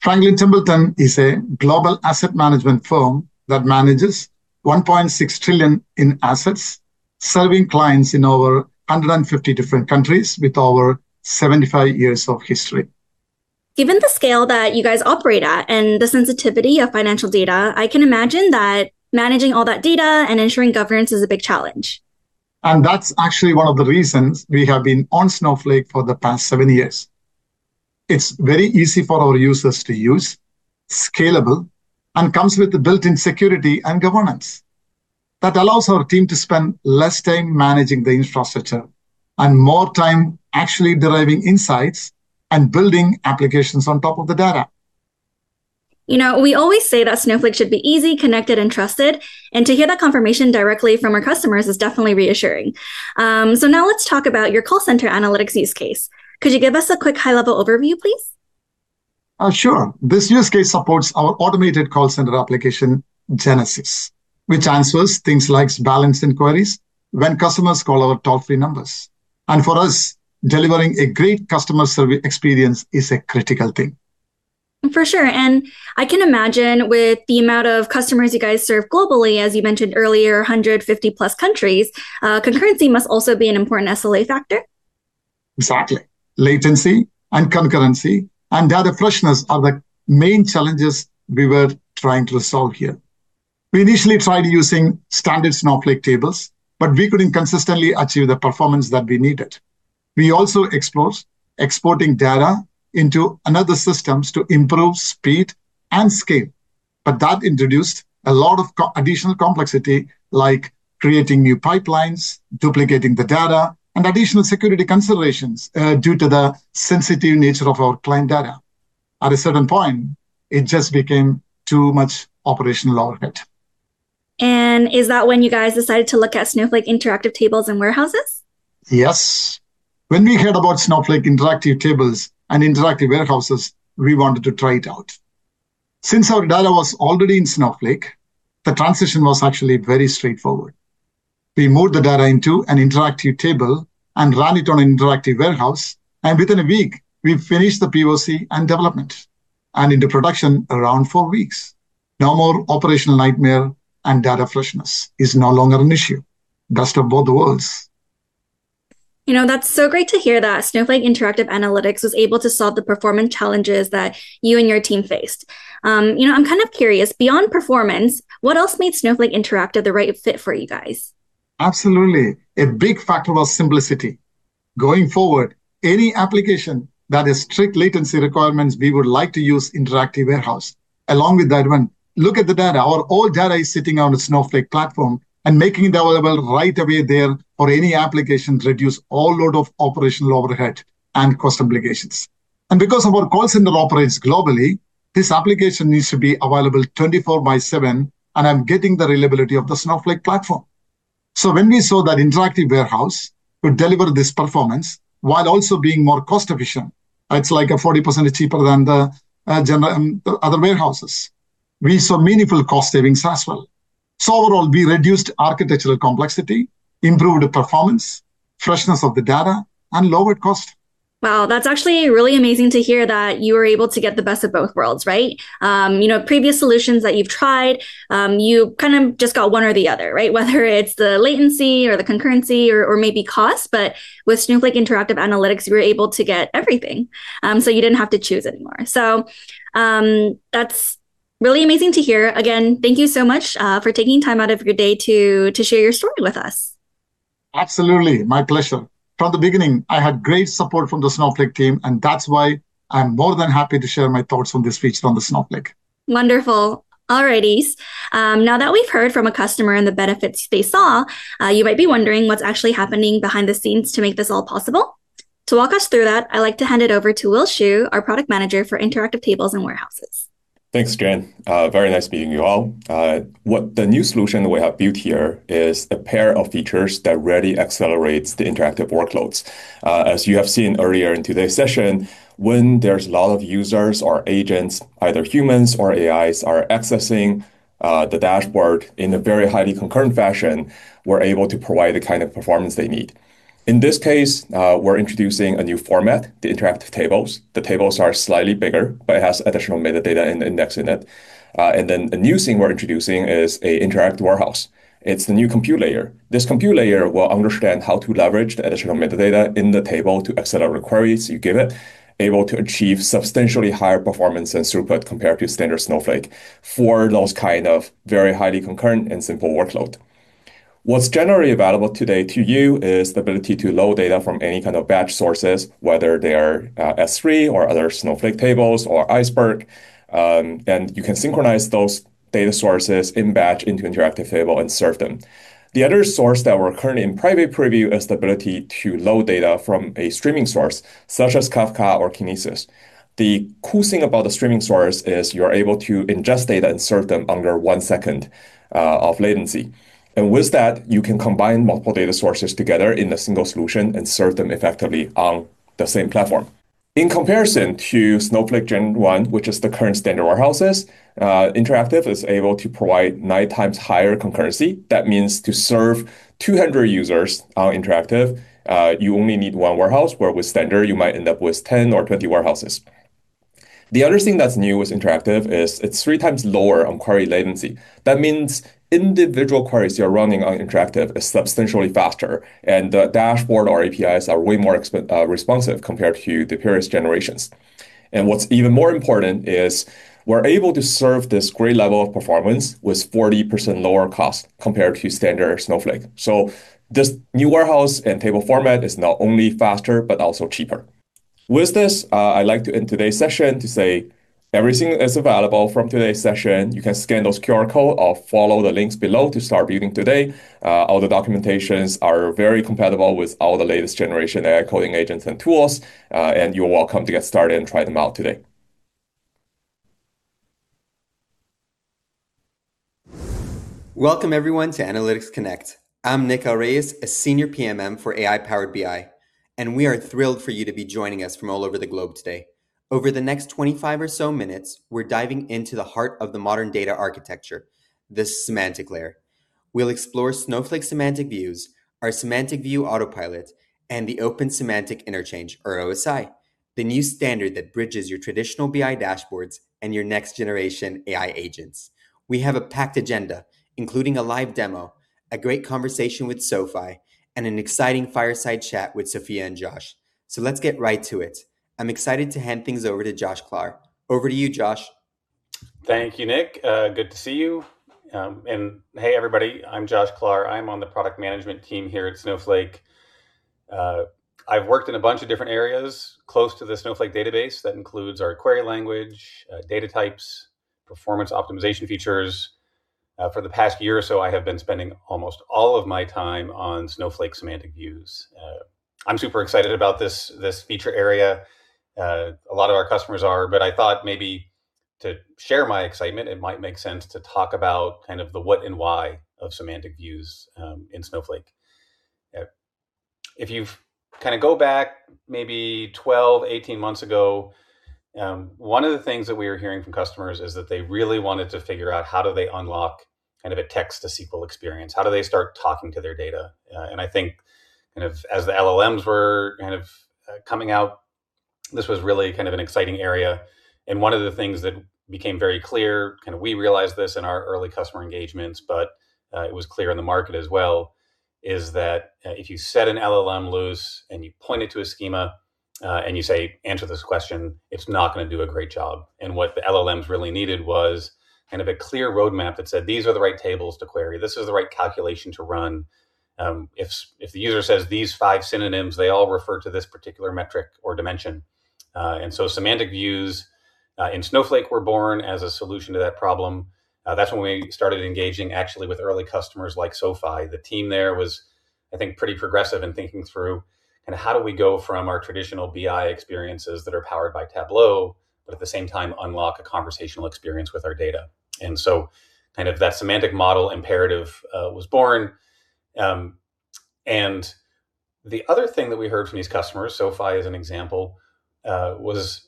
Speaker 8: Franklin Templeton is a global asset management firm that manages $1.6 trillion in assets, serving clients in over 150 different countries with over 75 years of history.
Speaker 7: Given the scale that you guys operate at and the sensitivity of financial data, I can imagine that managing all that data and ensuring governance is a big challenge.
Speaker 8: That's actually one of the reasons we have been on Snowflake for the past seven years. It's very easy for our users to use, scalable, and comes with built-in security and governance that allows our team to spend less time managing the infrastructure and more time actually deriving insights and building applications on top of the data.
Speaker 7: We always say that Snowflake should be easy, connected, and trusted, and to hear that confirmation directly from our customers is definitely reassuring. Now let's talk about your call center analytics use case. Could you give us a quick high-level overview, please?
Speaker 8: Sure. This use case supports our automated call center application, Genesys, which answers things like balance inquiries when customers call our toll-free numbers. For us, delivering a great customer service experience is a critical thing.
Speaker 7: For sure. I can imagine with the amount of customers you guys serve globally, as you mentioned earlier, 150+ countries, concurrency must also be an important SLA factor.
Speaker 8: Exactly. Latency and concurrency and data freshness are the main challenges we were trying to solve here. We initially tried using standard Snowflake tables, but we couldn't consistently achieve the performance that we needed. We also explored exporting data into other systems to improve speed and scale, but that introduced a lot of additional complexity, like creating new pipelines, duplicating the data, and additional security considerations due to the sensitive nature of our client data. At a certain point, it just became too much operational overhead.
Speaker 7: Is that when you guys decided to look at Snowflake interactive tables and warehouses?
Speaker 8: Yes. When we heard about Snowflake interactive tables and interactive warehouses, we wanted to try it out. Since our data was already in Snowflake, the transition was actually very straightforward. We moved the data into an interactive table and ran it on an interactive warehouse, and within a week, we finished the POC and development, and into production around four weeks. No more operational nightmare, and data freshness is no longer an issue. Best of both worlds.
Speaker 7: That's so great to hear that Snowflake Interactive Analytics was able to solve the performance challenges that you and your team faced. I'm kind of curious, beyond performance, what else made Snowflake Interactive the right fit for you guys?
Speaker 8: Absolutely. A big factor was simplicity. Going forward, any application that is strict latency requirements, we would like to use interactive warehouse. Along with that, when look at the data, our all data is sitting on a Snowflake platform, and making it available right away there for any applications reduce all load of operational overhead and cost obligations. Because our call center operates globally, this application needs to be available 24/7, and I'm getting the reliability of the Snowflake platform. When we saw that interactive warehouse would deliver this performance while also being more cost efficient, it's like a 40% cheaper than the other warehouses. We saw meaningful cost savings as well. Overall, we reduced architectural complexity, improved performance, freshness of the data, and lowered cost.
Speaker 7: Wow, that's actually really amazing to hear that you were able to get the best of both worlds, right? Previous solutions that you've tried, you kind of just got one or the other, right? Whether it's the latency or the concurrency or maybe cost. With Snowflake Interactive Analytics, you were able to get everything, so you didn't have to choose anymore. That's really amazing to hear. Again, thank you so much for taking time out of your day to share your story with us.
Speaker 8: Absolutely. My pleasure. From the beginning, I had great support from the Snowflake team, and that's why I'm more than happy to share my thoughts on this feature on the Snowflake.
Speaker 7: Wonderful. All right. Now that we've heard from a customer and the benefits they saw, you might be wondering what's actually happening behind the scenes to make this all possible. To walk us through that, I'd like to hand it over to Will Xu, our Product Manager for interactive tables and warehouses.
Speaker 9: Thanks, Jen. Very nice to meet you all. The new solution we have built here is a pair of features that really accelerates the interactive workloads. As you have seen earlier in today's session, when there's a lot of users or agents, either humans or AIs, are accessing the dashboard in a very highly concurrent fashion, we're able to provide the kind of performance they need. In this case, we're introducing a new format, the interactive tables. The tables are slightly bigger, but it has additional metadata index in it. A new thing we're introducing is an interactive warehouse. It's the new compute layer. This compute layer will understand how to leverage the additional metadata in the table to accelerate queries you give it, able to achieve substantially higher performance and throughput compared to standard Snowflake for those kind of very highly concurrent and simple workload. What's generally available today to you is the ability to load data from any kind of batch sources, whether they are S3 or other Snowflake tables or Iceberg, and you can synchronize those data sources in batch into interactive table and serve them. The other source that we're currently in private preview is the ability to load data from a streaming source, such as Kafka or Kinesis. The cool thing about the streaming source is you're able to ingest data and serve them under one second of latency. With that, you can combine multiple data sources together in a single solution and serve them effectively on the same platform. In comparison to Snowflake gen one, which is the current standard warehouses, Interactive is able to provide nine times higher concurrency. That means to serve 200 users on interactive, you only need one warehouse, where with standard, you might end up with 10 or 20 warehouses. The other thing that's new with interactive is it's three times lower on query latency. That means individual queries you're running on interactive is substantially faster, and the dashboard or APIs are way more responsive compared to the previous generations. What's even more important is we're able to serve this great level of performance with 40% lower cost compared to standard Snowflake. This new warehouse and table format is not only faster but also cheaper. With this, I'd like to end today's session to say everything is available from today's session. You can scan those QR code or follow the links below to start viewing today. All the documentations are very compatible with all the latest generation AI coding agents and tools, and you're welcome to get started and try them out today.
Speaker 1: Welcome everyone to Analytics Connect. I'm Nick El-Rayess, a senior PMM for AI-powered BI, and we are thrilled for you to be joining us from all over the globe today. Over the next 25 or so minutes, we're diving into the heart of the modern data architecture, the semantic layer. We'll explore Snowflake semantic views, our Semantic View Autopilot, and the Open Semantic Interchange, or OSI, the new standard that bridges your traditional BI dashboards and your next-generation AI agents. We have a packed agenda, including a live demo, a great conversation with SoFi, and an exciting fireside chat with Sofia and Josh Klahr. Let's get right to it. I'm excited to hand things over to Josh Klahr. Over to you, Josh.
Speaker 10: Thank you, Nick. Good to see you. Hey, everybody, I'm Josh Klahr. I'm on the product management team here at Snowflake. I've worked in a bunch of different areas close to the Snowflake database. That includes our query language, data types, performance optimization features. For the past year or so, I have been spending almost all of my time on Snowflake semantic views. I'm super excited about this feature area. A lot of our customers are, but I thought maybe to share my excitement, it might make sense to talk about kind of the what and why of semantic views in Snowflake. If you kind of go back maybe 12, 18 months ago, one of the things that we were hearing from customers is that they really wanted to figure out how do they unlock kind of a text-to-SQL experience? How do they start talking to their data? I think as the LLMs were kind of coming out, this was really kind of an exciting area. One of the things that became very clear, kind of we realized this in our early customer engagements, but it was clear in the market as well, is that if you set an LLM loose and you point it to a schema, and you say, "Answer this question," it's not going to do a great job. What the LLMs really needed was kind of a clear roadmap that said, "These are the right tables to query. This is the right calculation to run. If the user says these five synonyms, they all refer to this particular metric or dimension." Semantic views in Snowflake were born as a solution to that problem. That's when we started engaging actually with early customers like SoFi. The team there was, I think, pretty progressive in thinking through kind of how do we go from our traditional BI experiences that are powered by Tableau, but at the same time, unlock a conversational experience with our data. Kind of that semantic model imperative was born. The other thing that we heard from these customers, SoFi as an example, was,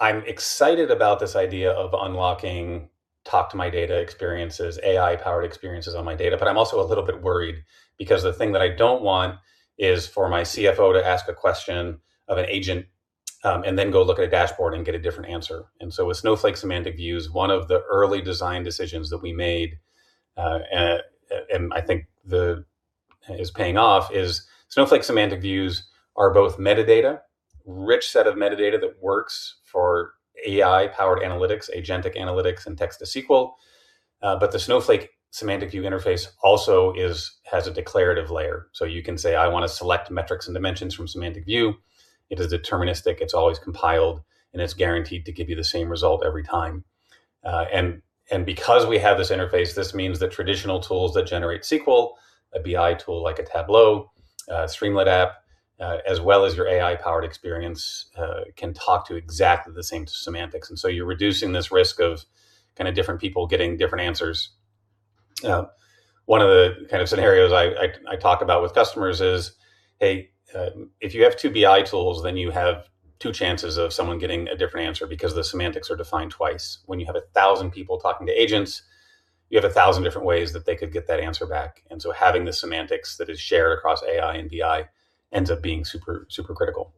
Speaker 10: "I'm excited about this idea of unlocking talk-to-my-data experiences, AI-powered experiences on my data, but I'm also a little bit worried because the thing that I don't want is for my CFO to ask a question of an agent, and then go look at a dashboard and get a different answer." With Snowflake semantic views, one of the early design decisions that we made, and I think is paying off, is Snowflake semantic views are both metadata, rich set of metadata that works for AI-powered analytics, agentic analytics, and text-to-SQL. The Snowflake semantic view interface also has a declarative layer. You can say, "I want to select metrics and dimensions from semantic view." It is deterministic, it's always compiled, and it's guaranteed to give you the same result every time. Because we have this interface, this means that traditional tools that generate SQL, a BI tool like a Tableau, Streamlit app, as well as your AI-powered experience, can talk to exactly the same semantics. You're reducing this risk of kind of different people getting different answers. One of the kind of scenarios I talk about with customers is, hey, if you have two BI tools, then you have two chances of someone getting a different answer because the semantics are defined twice. When you have 1,000 people talking to agents, you have 1,000 different ways that they could get that answer back. Having the semantics that is shared across AI and BI ends up being super critical.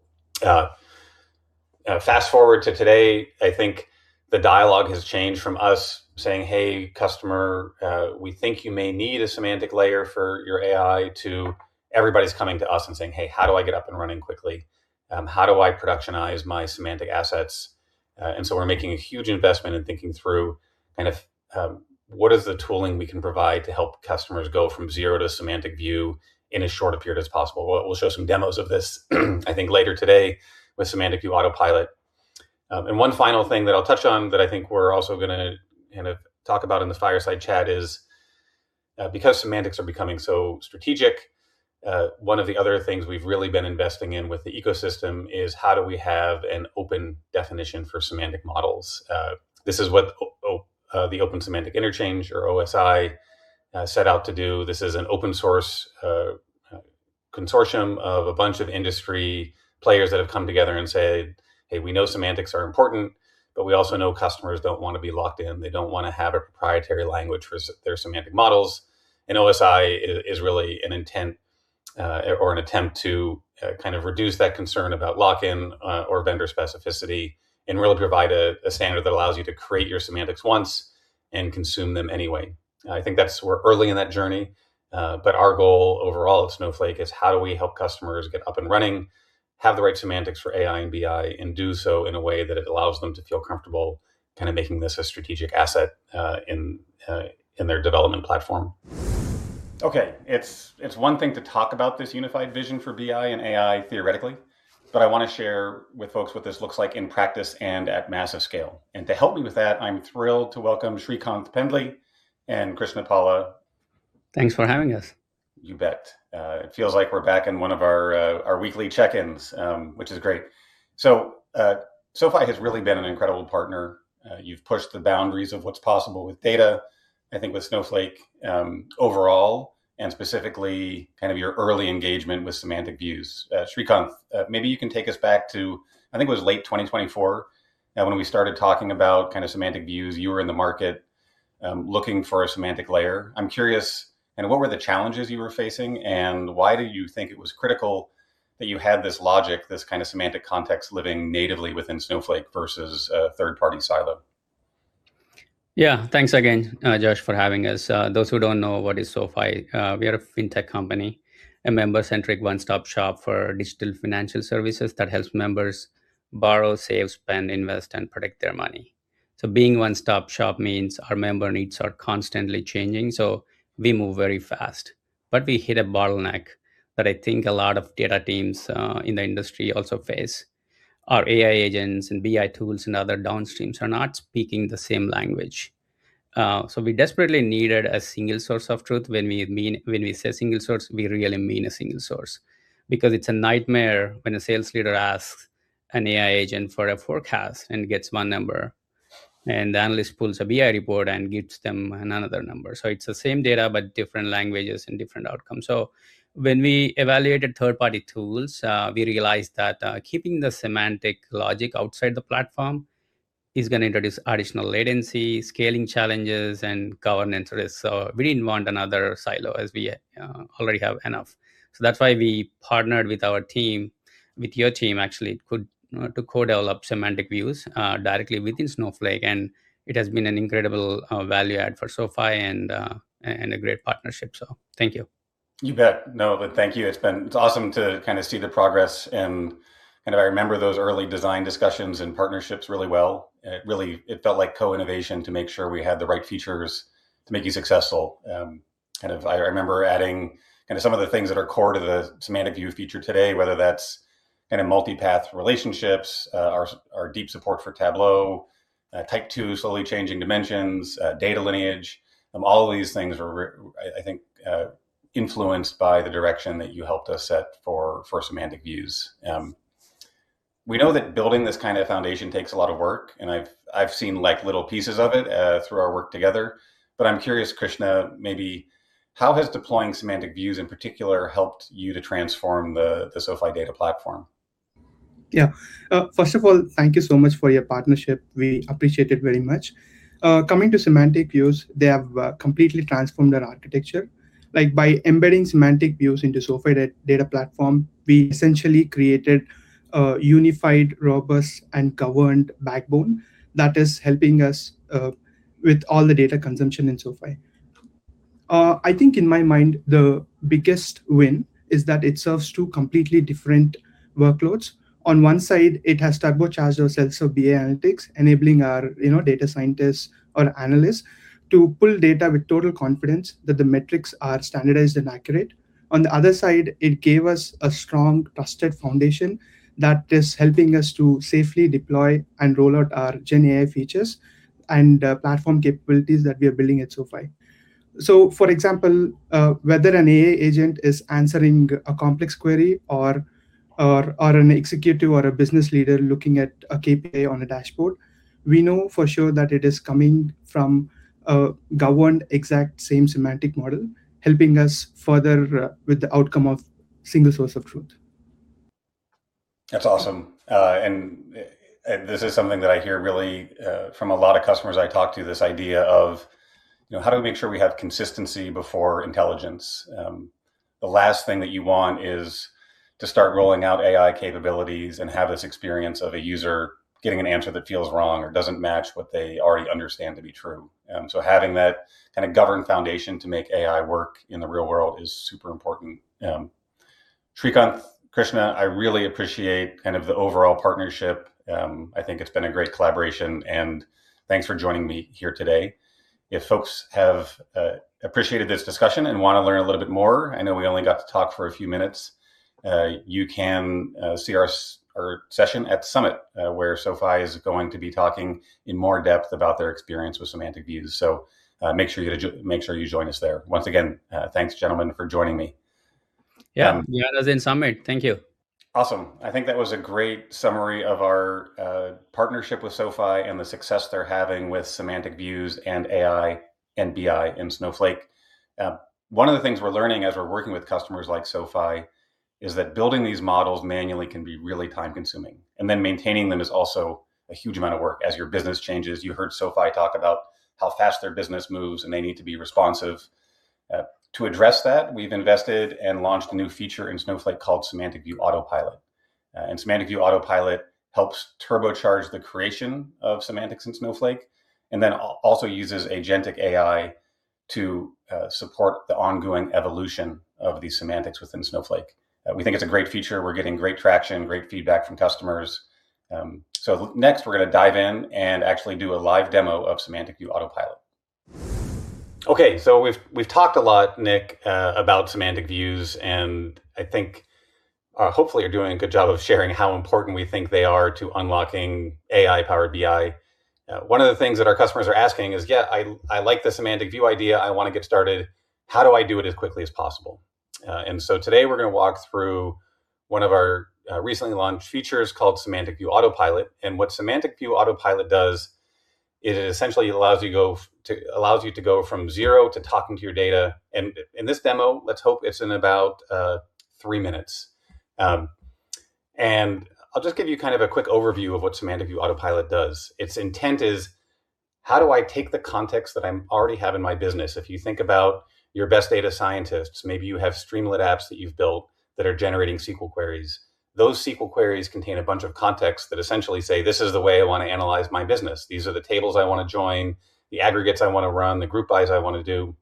Speaker 10: Fast-forward to today, I think the dialogue has changed from us saying, "Hey, customer, we think you may need a semantic layer for your AI" to everybody's coming to us and saying, "Hey, how do I get up and running quickly? How do I productionize my semantic assets?" We're making a huge investment in thinking through kind of what is the tooling we can provide to help customers go from zero to semantic view in as short a period as possible. We'll show some demos of this I think later today with Semantic View Autopilot. One final thing that I'll touch on that I think we're also going to kind of talk about in the fireside chat is, because semantics are becoming so strategic, one of the other things we've really been investing in with the ecosystem is how do we have an open definition for semantic models? This is what the Open Semantic Interchange, or OSI, set out to do. This is an open-source consortium of a bunch of industry players that have come together and said, "Hey, we know semantics are important, but we also know customers don't want to be locked in. They don't want to have a proprietary language for their semantic models." OSI is really an intent. or an attempt to kind of reduce that concern about lock-in or vendor specificity and really provide a standard that allows you to create your semantics once and consume them any way. I think that's. We're early in that journey, but our goal overall at Snowflake is how do we help customers get up and running, have the right semantics for AI and BI, and do so in a way that it allows them to feel comfortable kind of making this a strategic asset in their development platform. Okay, it's one thing to talk about this unified vision for BI and AI theoretically, but I want to share with folks what this looks like in practice and at massive scale. To help me with that, I'm thrilled to welcome Sreekanth Pendli and Krishna Pala.
Speaker 11: Thanks for having us.
Speaker 10: You bet. It feels like we're back in one of our weekly check-ins, which is great. SoFi has really been an incredible partner. You've pushed the boundaries of what's possible with data, I think with Snowflake overall, and specifically kind of your early engagement with semantic views. Sreekanth, maybe you can take us back to, I think it was late 2024 when we started talking about kind of semantic views. You were in the market looking for a semantic layer. I'm curious, what were the challenges you were facing, and why do you think it was critical that you had this logic, this kind of semantic context, living natively within Snowflake versus a third-party silo?
Speaker 11: Yeah. T.anks again, Josh, for having us. Those who don't know what is SoFi, we are a fintech company, a member-centric, one-stop shop for digital financial services that helps members borrow, save, spend, invest, and protect their money. Being a one-stop shop means our member needs are constantly changing, so we move very fast. We hit a bottleneck that I think a lot of data teams in the industry also face. Our AI agents and BI tools and other downstreams are not speaking the same language. We desperately needed a single source of truth. When we say single source, we really mean a single source, because it's a nightmare when a sales leader asks an AI agent for a forecast and gets one number, and the analyst pulls a BI report and gives them another number. It's the same data, but different languages and different outcomes. When we evaluated third-party tools, we realized that keeping the semantic logic outside the platform is going to introduce additional latency, scaling challenges, and governance risks. We didn't want another silo as we already have enough. That's why we partnered with our team, with your team, actually, to co-develop semantic views directly within Snowflake, and it has been an incredible value add for SoFi and a great partnership. Thank you.
Speaker 10: You bet. No, but thank you. It's awesome to kind of see the progress and I remember those early design discussions and partnerships really well, and it felt like co-innovation to make sure we had the right features to make you successful. I remember adding some of the things that are core to the semantic view feature today, whether that's in a multi-path relationships, our deep support for Tableau, type two slowly changing dimensions, data lineage. All of these things were, I think, influenced by the direction that you helped us set for semantic views. We know that building this kind of foundation takes a lot of work, and I've seen little pieces of it through our work together. I'm curious, Krishna, maybe how has deploying semantic views in particular helped you to transform the SoFi data platform?
Speaker 12: Yeah. First of all, thank you so much for your partnership. We appreciate it very much. Coming to semantic views, they have completely transformed our architecture. By embedding semantic views into SoFi data platform, we essentially created a unified, robust, and governed backbone that is helping us with all the data consumption in SoFi. I think in my mind, the biggest win is that it serves two completely different workloads. On one side, it has turbocharged our sense of BI analytics, enabling our data scientists or analysts to pull data with total confidence that the metrics are standardized and accurate. On the other side, it gave us a strong, trusted foundation that is helping us to safely deploy and roll out our gen AI features and platform capabilities that we are building at SoFi. For example, whether an AI agent is answering a complex query or an executive or a business leader looking at a KPI on a dashboard, we know for sure that it is coming from a governed exact same semantic model, helping us further with the outcome of single source of truth.
Speaker 10: That's awesome. This is something that I hear really from a lot of customers I talk to, this idea of how do we make sure we have consistency before intelligence? The last thing that you want is to start rolling out AI capabilities and have this experience of a user getting an answer that feels wrong or doesn't match what they already understand to be true. Having that kind of governed foundation to make AI work in the real world is super important. Srikanth, Krishna, I really appreciate kind of the overall partnership. I think it's been a great collaboration, and thanks for joining me here today. If folks have appreciated this discussion and want to learn a little bit more, I know we only got to talk for a few minutes, you can see our session at Summit, where SoFi is going to be talking in more depth about their experience with semantic views. Make sure you join us there. Once again, thanks gentlemen for joining me.
Speaker 11: Yeah. See you others in Summit. Thank you.
Speaker 10: Awesome. I think that was a great summary of our partnership with SoFi and the success they're having with semantic views and AI and BI in Snowflake. One of the things we're learning as we're working with customers like SoFi is that building these models manually can be really time-consuming, and then maintaining them is also a huge amount of work as your business changes. You heard SoFi talk about how fast their business moves, and they need to be responsive. To address that, we've invested and launched a new feature in Snowflake called Semantic View Autopilot. Semantic View Autopilot helps turbocharge the creation of semantics in Snowflake, and then also uses agentic AI to support the ongoing evolution of these semantics within Snowflake. We think it's a great feature. We're getting great traction, great feedback from customers. Next, we're going to dive in and actually do a live demo of Semantic View Autopilot. Okay, we've talked a lot, Nick, about Semantic Views, and I think hopefully are doing a good job of sharing how important we think they are to unlocking AI-powered BI. One of the things that our customers are asking is, "Yeah, I like the Semantic View idea. I want to get started. How do I do it as quickly as possible?" Today we're going to walk through one of our recently launched features called Semantic View Autopilot. What Semantic View Autopilot does is it essentially allows you to go from zero to talking to your data. In this demo, let's hope it's in about three minutes. I'll just give you a quick overview of what Semantic View Autopilot does. It's intent is, how do I take the context that I already have in my business? If you think about your best data scientists, maybe you have Streamlit apps that you've built that are generating SQL queries. Those SQL queries contain a bunch of context that essentially say, "This is the way I want to analyze my business. These are the tables I want to join, the aggregates I want to run, the group bys I want to do."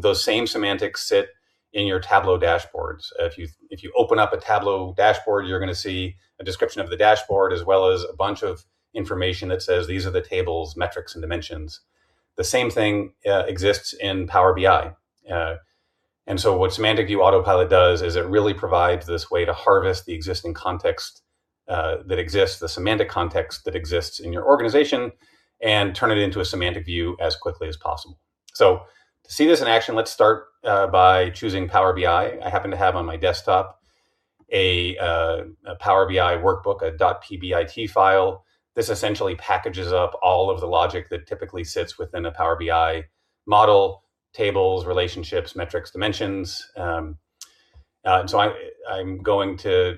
Speaker 10: Those same semantics sit in your Tableau dashboards. If you open up a Tableau dashboard, you're going to see a description of the dashboard, as well as a bunch of information that says, "These are the tables, metrics, and dimensions." The same thing exists in Power BI. What Semantic View Autopilot does is it really provides this way to harvest the existing context that exists, the semantic context that exists in your organization, and turn it into a semantic view as quickly as possible. To see this in action, let's start by choosing Power BI. I happen to have on my desktop a Power BI workbook, a .pbit file. This essentially packages up all of the logic that typically sits within a Power BI model, tables, relationships, metrics, dimensions. I'm going to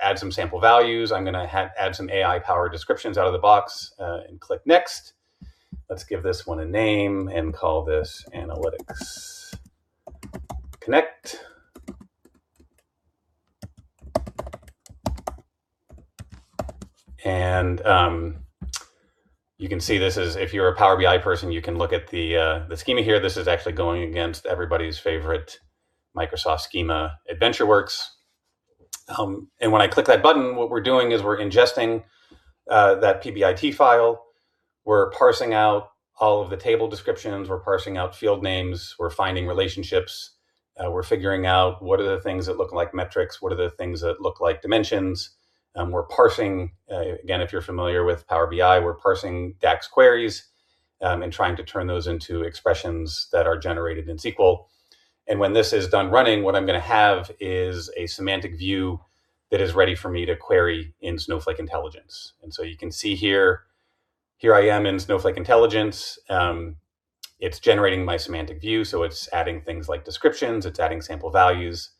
Speaker 10: add some sample values. I'm going to add some AI-powered descriptions out of the box, and click Next. Let's give this one a name and call this Analytics Connect. You can see this as if you're a Power BI person, you can look at the schema here. This is actually going against everybody's favorite Microsoft schema, AdventureWorks. When I click that button, what we're doing is we're ingesting that PBIT file. We're parsing out all of the table descriptions. We're parsing out field names. We're finding relationships. We're figuring out what are the things that look like metrics, what are the things that look like dimensions. We're parsing, again, if you're familiar with Power BI, we're parsing DAX queries, and trying to turn those into expressions that are generated in SQL. When this is done running, what I'm going to have is a semantic view that is ready for me to query in Snowflake Intelligence. You can see here I am in Snowflake Intelligence. It's generating my semantic view, so it's adding things like descriptions. It's adding sample values.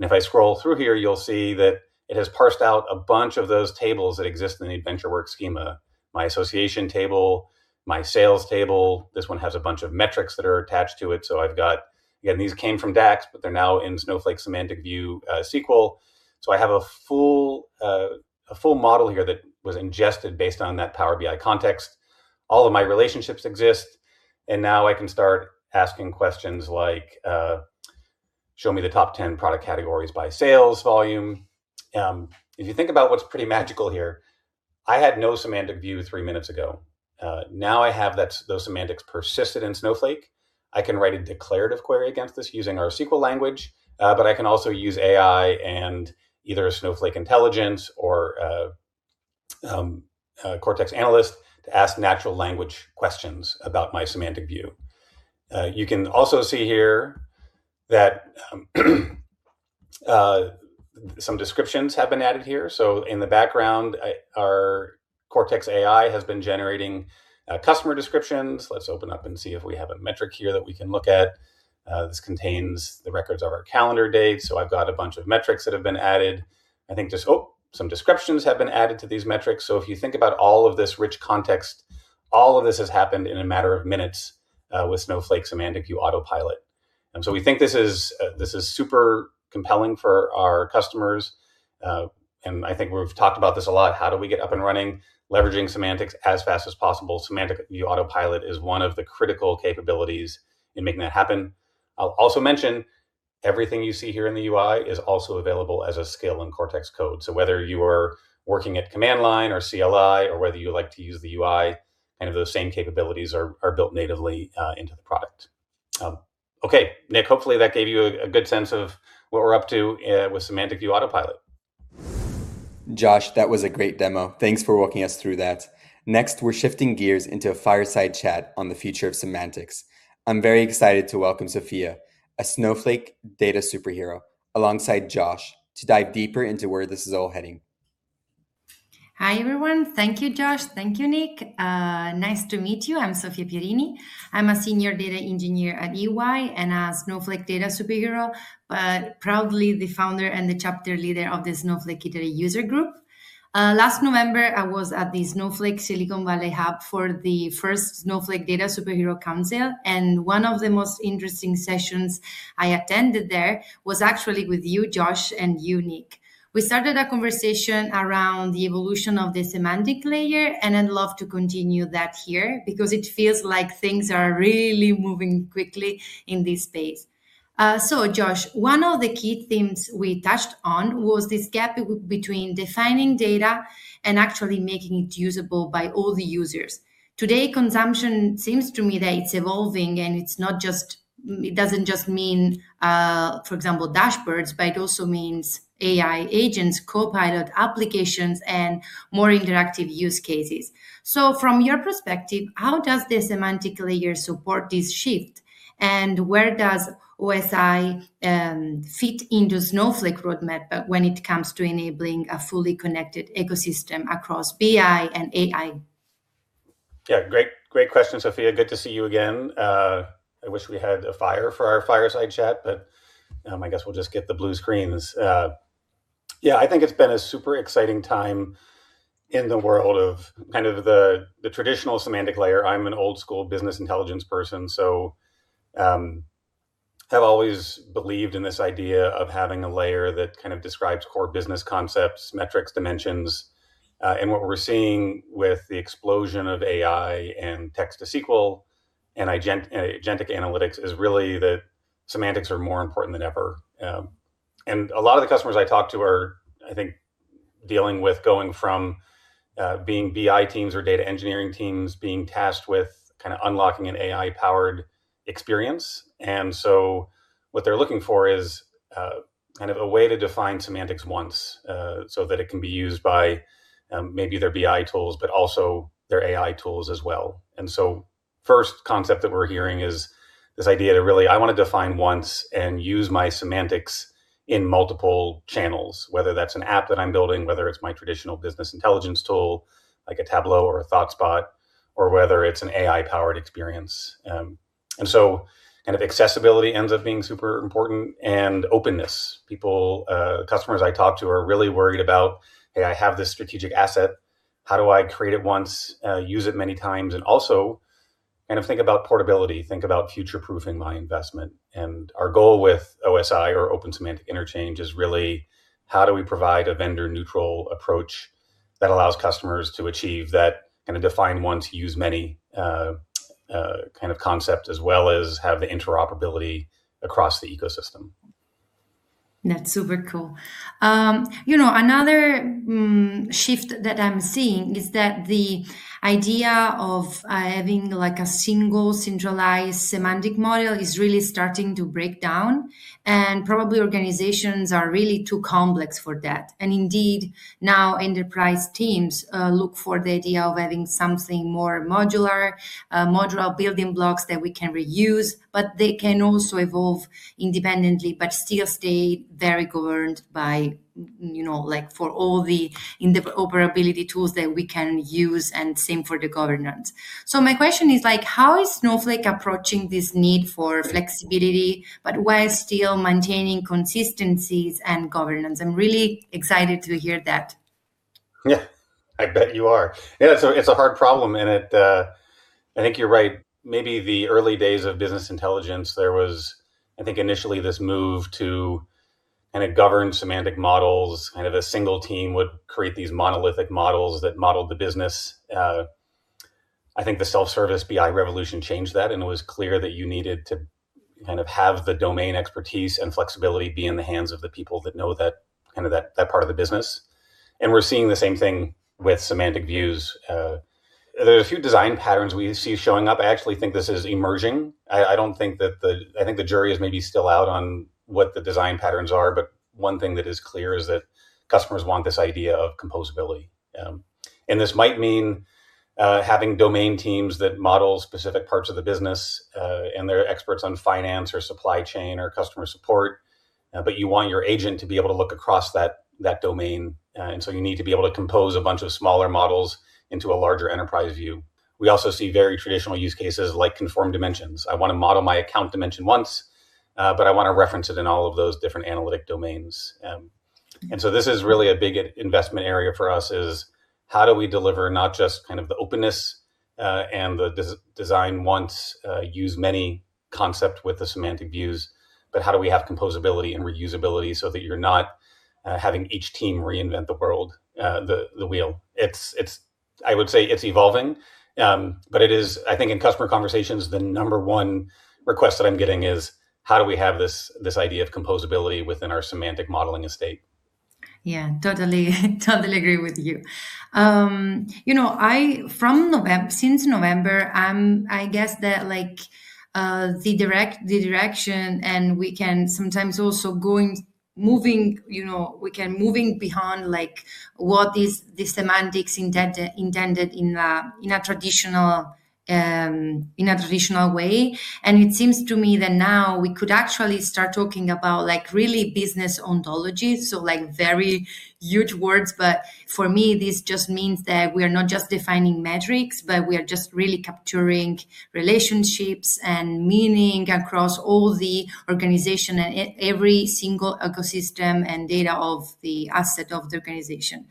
Speaker 10: If I scroll through here, you'll see that it has parsed out a bunch of those tables that exist in the AdventureWorks schema, my association table, my sales table. This one has a bunch of metrics that are attached to it. I've got, again, these came from DAX, but they're now in Snowflake semantic view SQL. I have a full model here that was ingested based on that Power BI context. All of my relationships exist, and now I can start asking questions like, "Show me the top 10 product categories by sales volume." If you think about what's pretty magical here, I had no semantic view three minutes ago. Now I have those semantics persisted in Snowflake. I can write a declarative query against this using our SQL language, but I can also use AI and either Snowflake Intelligence or Cortex Analyst to ask natural language questions about my semantic view. You can also see here that some descriptions have been added here. In the background, our Cortex AI has been generating customer descriptions. Let's open up and see if we have a metric here that we can look at. This contains the records of our calendar date. I've got a bunch of metrics that have been added. I think some descriptions have been added to these metrics. If you think about all of this rich context, all of this has happened in a matter of minutes, with Snowflake Semantic View Autopilot. We think this is super compelling for our customers. I think we've talked about this a lot. How do we get up and running leveraging semantics as fast as possible? Semantic View Autopilot is one of the critical capabilities in making that happen. I'll also mention everything you see here in the UI is also available as SQL in Cortex Code. Whether you are working at command line or CLI or whether you like to use the UI, kind of those same capabilities are built natively into the product. Okay, Nick, hopefully that gave you a good sense of what we're up to with Semantic View Autopilot.
Speaker 1: Josh, that was a great demo. Thanks for walking us through that. Next, we're shifting gears into a fireside chat on the future of semantics. I'm very excited to welcome Sofia, a Snowflake Data Superhero, alongside Josh, to dive deeper into where this is all heading.
Speaker 13: Hi, everyone. Thank you, Josh. Thank you, Nick. Nice to meet you. I'm Sofia Pierini. I'm a senior data engineer at EY and a Snowflake Data Superhero, but proudly the founder and the chapter leader of the Snowflake Italy User Group. Last November, I was at the Snowflake Silicon Valley Hub for the first Snowflake Data Superhero Council, and one of the most interesting sessions I attended there was actually with you, Josh, and you, Nick. We started a conversation around the evolution of the semantic layer, and I'd love to continue that here because it feels like things are really moving quickly in this space. Josh, one of the key themes we touched on was this gap between defining data and actually making it usable by all the users. Today, consumption seems to me that it's evolving, and it doesn't just mean, for example, dashboards, but it also means AI agents, copilot applications, and more interactive use cases. From your perspective, how does the semantic layer support this shift, and where does OSI fit into Snowflake roadmap when it comes to enabling a fully connected ecosystem across BI and AI?
Speaker 10: Yeah. Great question, Sofia. Good to see you again. I wish we had a fire for our fireside chat, but I guess we'll just get the blue screens. Yeah, I think it's been a super exciting time in the world of the traditional semantic layer. I'm an old school business intelligence person, so I've always believed in this idea of having a layer that describes core business concepts, metrics, dimensions. What we're seeing with the explosion of AI and text-to-SQL and agentic analytics is really that semantics are more important than ever. A lot of the customers I talk to are, I think, dealing with going from being BI teams or data engineering teams being tasked with unlocking an AI-powered experience. What they're looking for is a way to define semantics once, so that it can be used by maybe their BI tools, but also their AI tools as well. First concept that we're hearing is this idea to really, I want to define once and use my semantics in multiple channels, whether that's an app that I'm building, whether it's my traditional business intelligence tool like a Tableau or a ThoughtSpot, or whether it's an AI-powered experience. Accessibility ends up being super important and openness. Customers I talk to are really worried about, "Hey, I have this strategic asset. How do I create it once, use it many times?" And also think about portability, think about future-proofing my investment. Our goal with OSI or Open Semantic Interchange is really how do we provide a vendor-neutral approach that allows customers to achieve that kind of define once, use many, kind of concept, as well as have the interoperability across the ecosystem.
Speaker 13: That's super cool. Another shift that I'm seeing is that the idea of having a single centralized semantic model is really starting to break down, and probably organizations are really too complex for that. Indeed, now enterprise teams look for the idea of having something more modular building blocks that we can reuse, but they can also evolve independently, but still stay very governed by, for all the interoperability tools that we can use and same for the governance. My question is how is Snowflake approaching this need for flexibility, but while still maintaining consistencies and governance? I'm really excited to hear that.
Speaker 10: Yeah. I bet you are. Yeah, so it's a hard problem, and I think you're right. Maybe the early days of business intelligence there was, I think, initially this move to kind of govern semantic models, a single team would create these monolithic models that modeled the business. I think the self-service BI revolution changed that, and it was clear that you needed to have the domain expertise and flexibility be in the hands of the people that know that part of the business. We're seeing the same thing with semantic views. There are a few design patterns we see showing up. I actually think this is emerging. I think the jury is maybe still out on what the design patterns are, but one thing that is clear is that customers want this idea of composability. This might mean, having domain teams that model specific parts of the business, and they're experts on finance or supply chain or customer support. You want your agent to be able to look across that domain, and so you need to be able to compose a bunch of smaller models into a larger enterprise view. We also see very traditional use cases like conformed dimensions. I want to model my account dimension once, but I want to reference it in all of those different analytic domains. This is really a big investment area for us is how do we deliver not just the openness, and the design once, use many concept with the semantic views, but how do we have composability and reusability so that you're not having each team reinvent the wheel. I would say it's evolving, but it is, I think in customer conversations, the number one request that I'm getting is how do we have this idea of composability within our semantic modeling estate?
Speaker 13: Yeah. Totally agree with you. Since November, I guess that's the direction and we can sometimes also be moving beyond what is the semantic intent in a traditional way. It seems to me that now we could actually start talking about really business ontology. Very huge words, but for me, this just means that we are not just defining metrics, but we are just really capturing relationships and meaning across all the organization and every single ecosystem and data of the asset of the organization.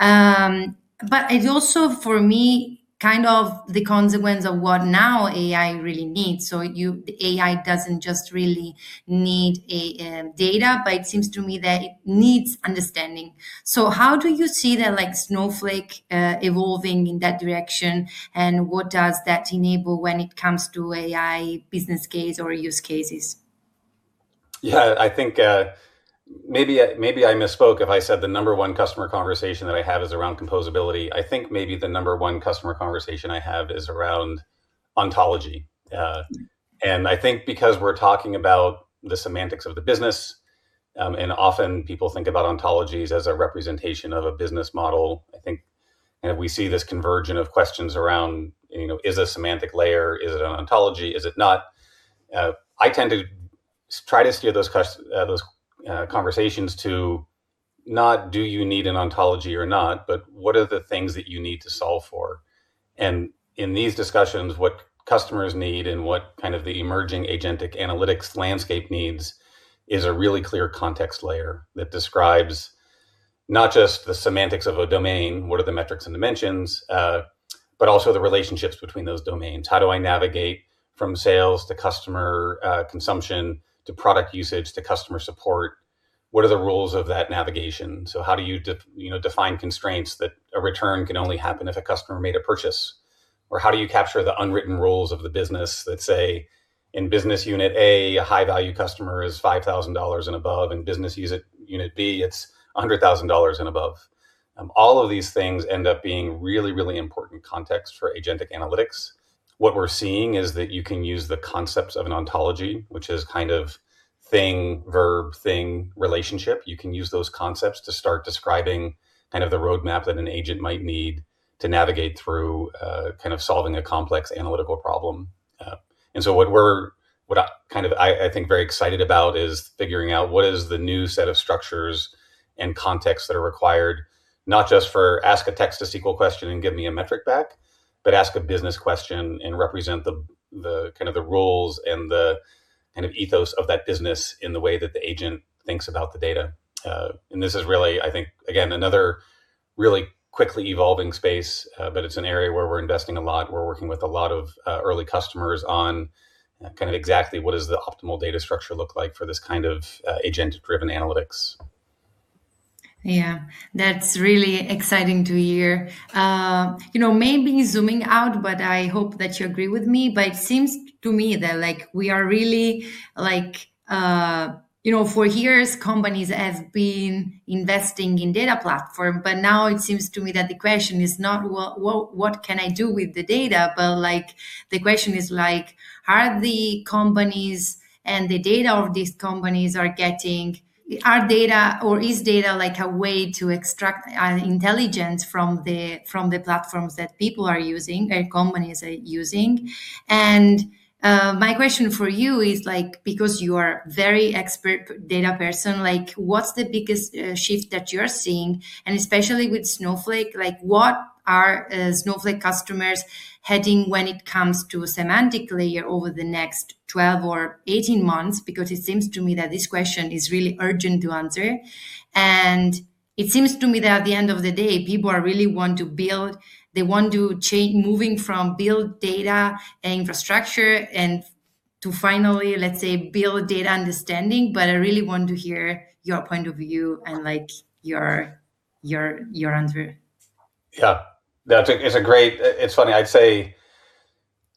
Speaker 13: It also, for me, kind of the consequence of what now AI really needs. AI doesn't just really need data, but it seems to me that it needs understanding. How do you see Snowflake evolving in that direction, and what does that enable when it comes to AI business case or use cases?
Speaker 10: Yeah, I think maybe I misspoke if I said the number one customer conversation that I have is around composability. I think maybe the number one customer conversation I have is around ontology. I think because we're talking about the semantics of the business, and often people think about ontologies as a representation of a business model, I think we see this convergence of questions around, is a semantic layer, is it an ontology, is it not? I tend to try to steer those conversations to not do you need an ontology or not, but what are the things that you need to solve for? In these discussions, what customers need and what kind of the emerging agentic analytics landscape needs is a really clear context layer that describes not just the semantics of a domain, what are the metrics and dimensions, but also the relationships between those domains. How do I navigate from sales to customer consumption to product usage to customer support? What are the rules of that navigation? So how do you define constraints that a return can only happen if a customer made a purchase? Or how do you capture the unwritten rules of the business that say, in business unit A, a high-value customer is $5,000 and above, and business unit B, it's $100,000 and above. All of these things end up being really, really important context for agentic analytics. What we're seeing is that you can use the concepts of an ontology, which is kind of thing, verb, thing, relationship. You can use those concepts to start describing the roadmap that an agent might need to navigate through solving a complex analytical problem. What I'm very excited about is figuring out what is the new set of structures and contexts that are required, not just to ask a text-to-SQL question and give me a metric back, but to ask a business question and represent the rules and the ethos of that business in the way that the agent thinks about the data. This is really, I think, again, another really quickly evolving space, but it's an area where we're investing a lot. We're working with a lot of early customers on kind of exactly what does the optimal data structure look like for this kind of agent-driven analytics.
Speaker 13: Yeah. That's really exciting to hear. Maybe zooming out, but I hope that you agree with me, but it seems to me that we are really. For years, companies have been investing in data platform, but now it seems to me that the question is not what can I do with the data, but the question is, Are data or is data a way to extract intelligence from the platforms that people are using and companies are using? My question for you is, because you are very expert data person, what's the biggest shift that you're seeing, and especially with Snowflake, what are Snowflake customers seeing when it comes to semantic layer over the next 12 or 18 months? Because it seems to me that this question is really urgent to answer. It seems to me that at the end of the day, people really want to build, they want to change moving from build data infrastructure and to finally, let's say, build data understanding. I really want to hear your point of view and your answer.
Speaker 10: Yeah. It's funny. I'd say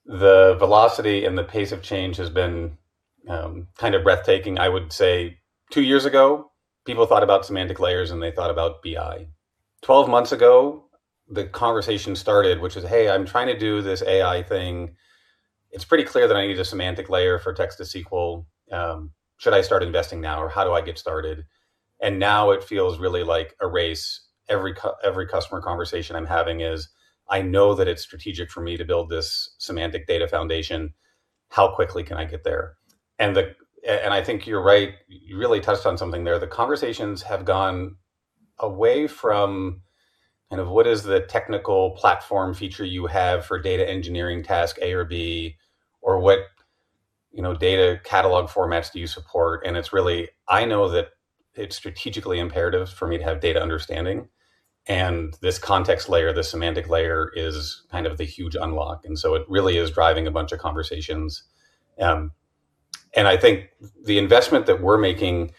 Speaker 10: the velocity and the pace of change has been kind of breathtaking. I would say two years ago, people thought about semantic layers, and they thought about BI. 12 months ago, the conversation started, which is, "Hey, I'm trying to do this AI thing. It's pretty clear that I need a semantic layer for text-to-SQL. Should I start investing now, or how do I get started?" Now it feels really like a race. Every customer conversation I'm having is, I know that it's strategic for me to build this semantic data foundation. How quickly can I get there? I think you're right. You really touched on something there. The conversations have gone away from what is the technical platform feature you have for data engineering task A or B, or what data catalog formats do you support? It's really, I know that it's strategically imperative for me to have data understanding, and this context layer, this semantic layer is kind of the huge unlock. It really is driving a bunch of conversations. I think the investment that we're making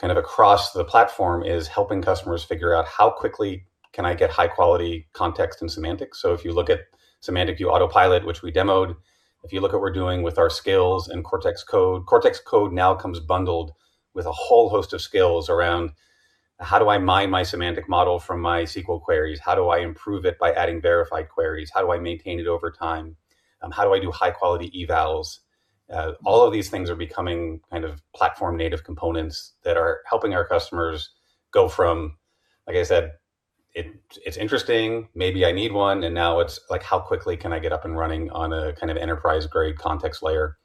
Speaker 10: across the platform is helping customers figure out how quickly can I get high-quality context and semantics. If you look at Semantic View Autopilot, which we demoed, if you look at what we're doing with our skills and Cortex Code, Cortex Code now comes bundled with a whole host of skills around how do I mine my semantic model from my SQL queries? How do I improve it by adding verified queries? How do I maintain it over time? How do I do high-quality evals? All of these things are becoming platform-native components that are helping our customers go from, like I said. It's interesting. Maybe I need one, and now it's like, how quickly can I get up and running on a kind of enterprise-grade context layer?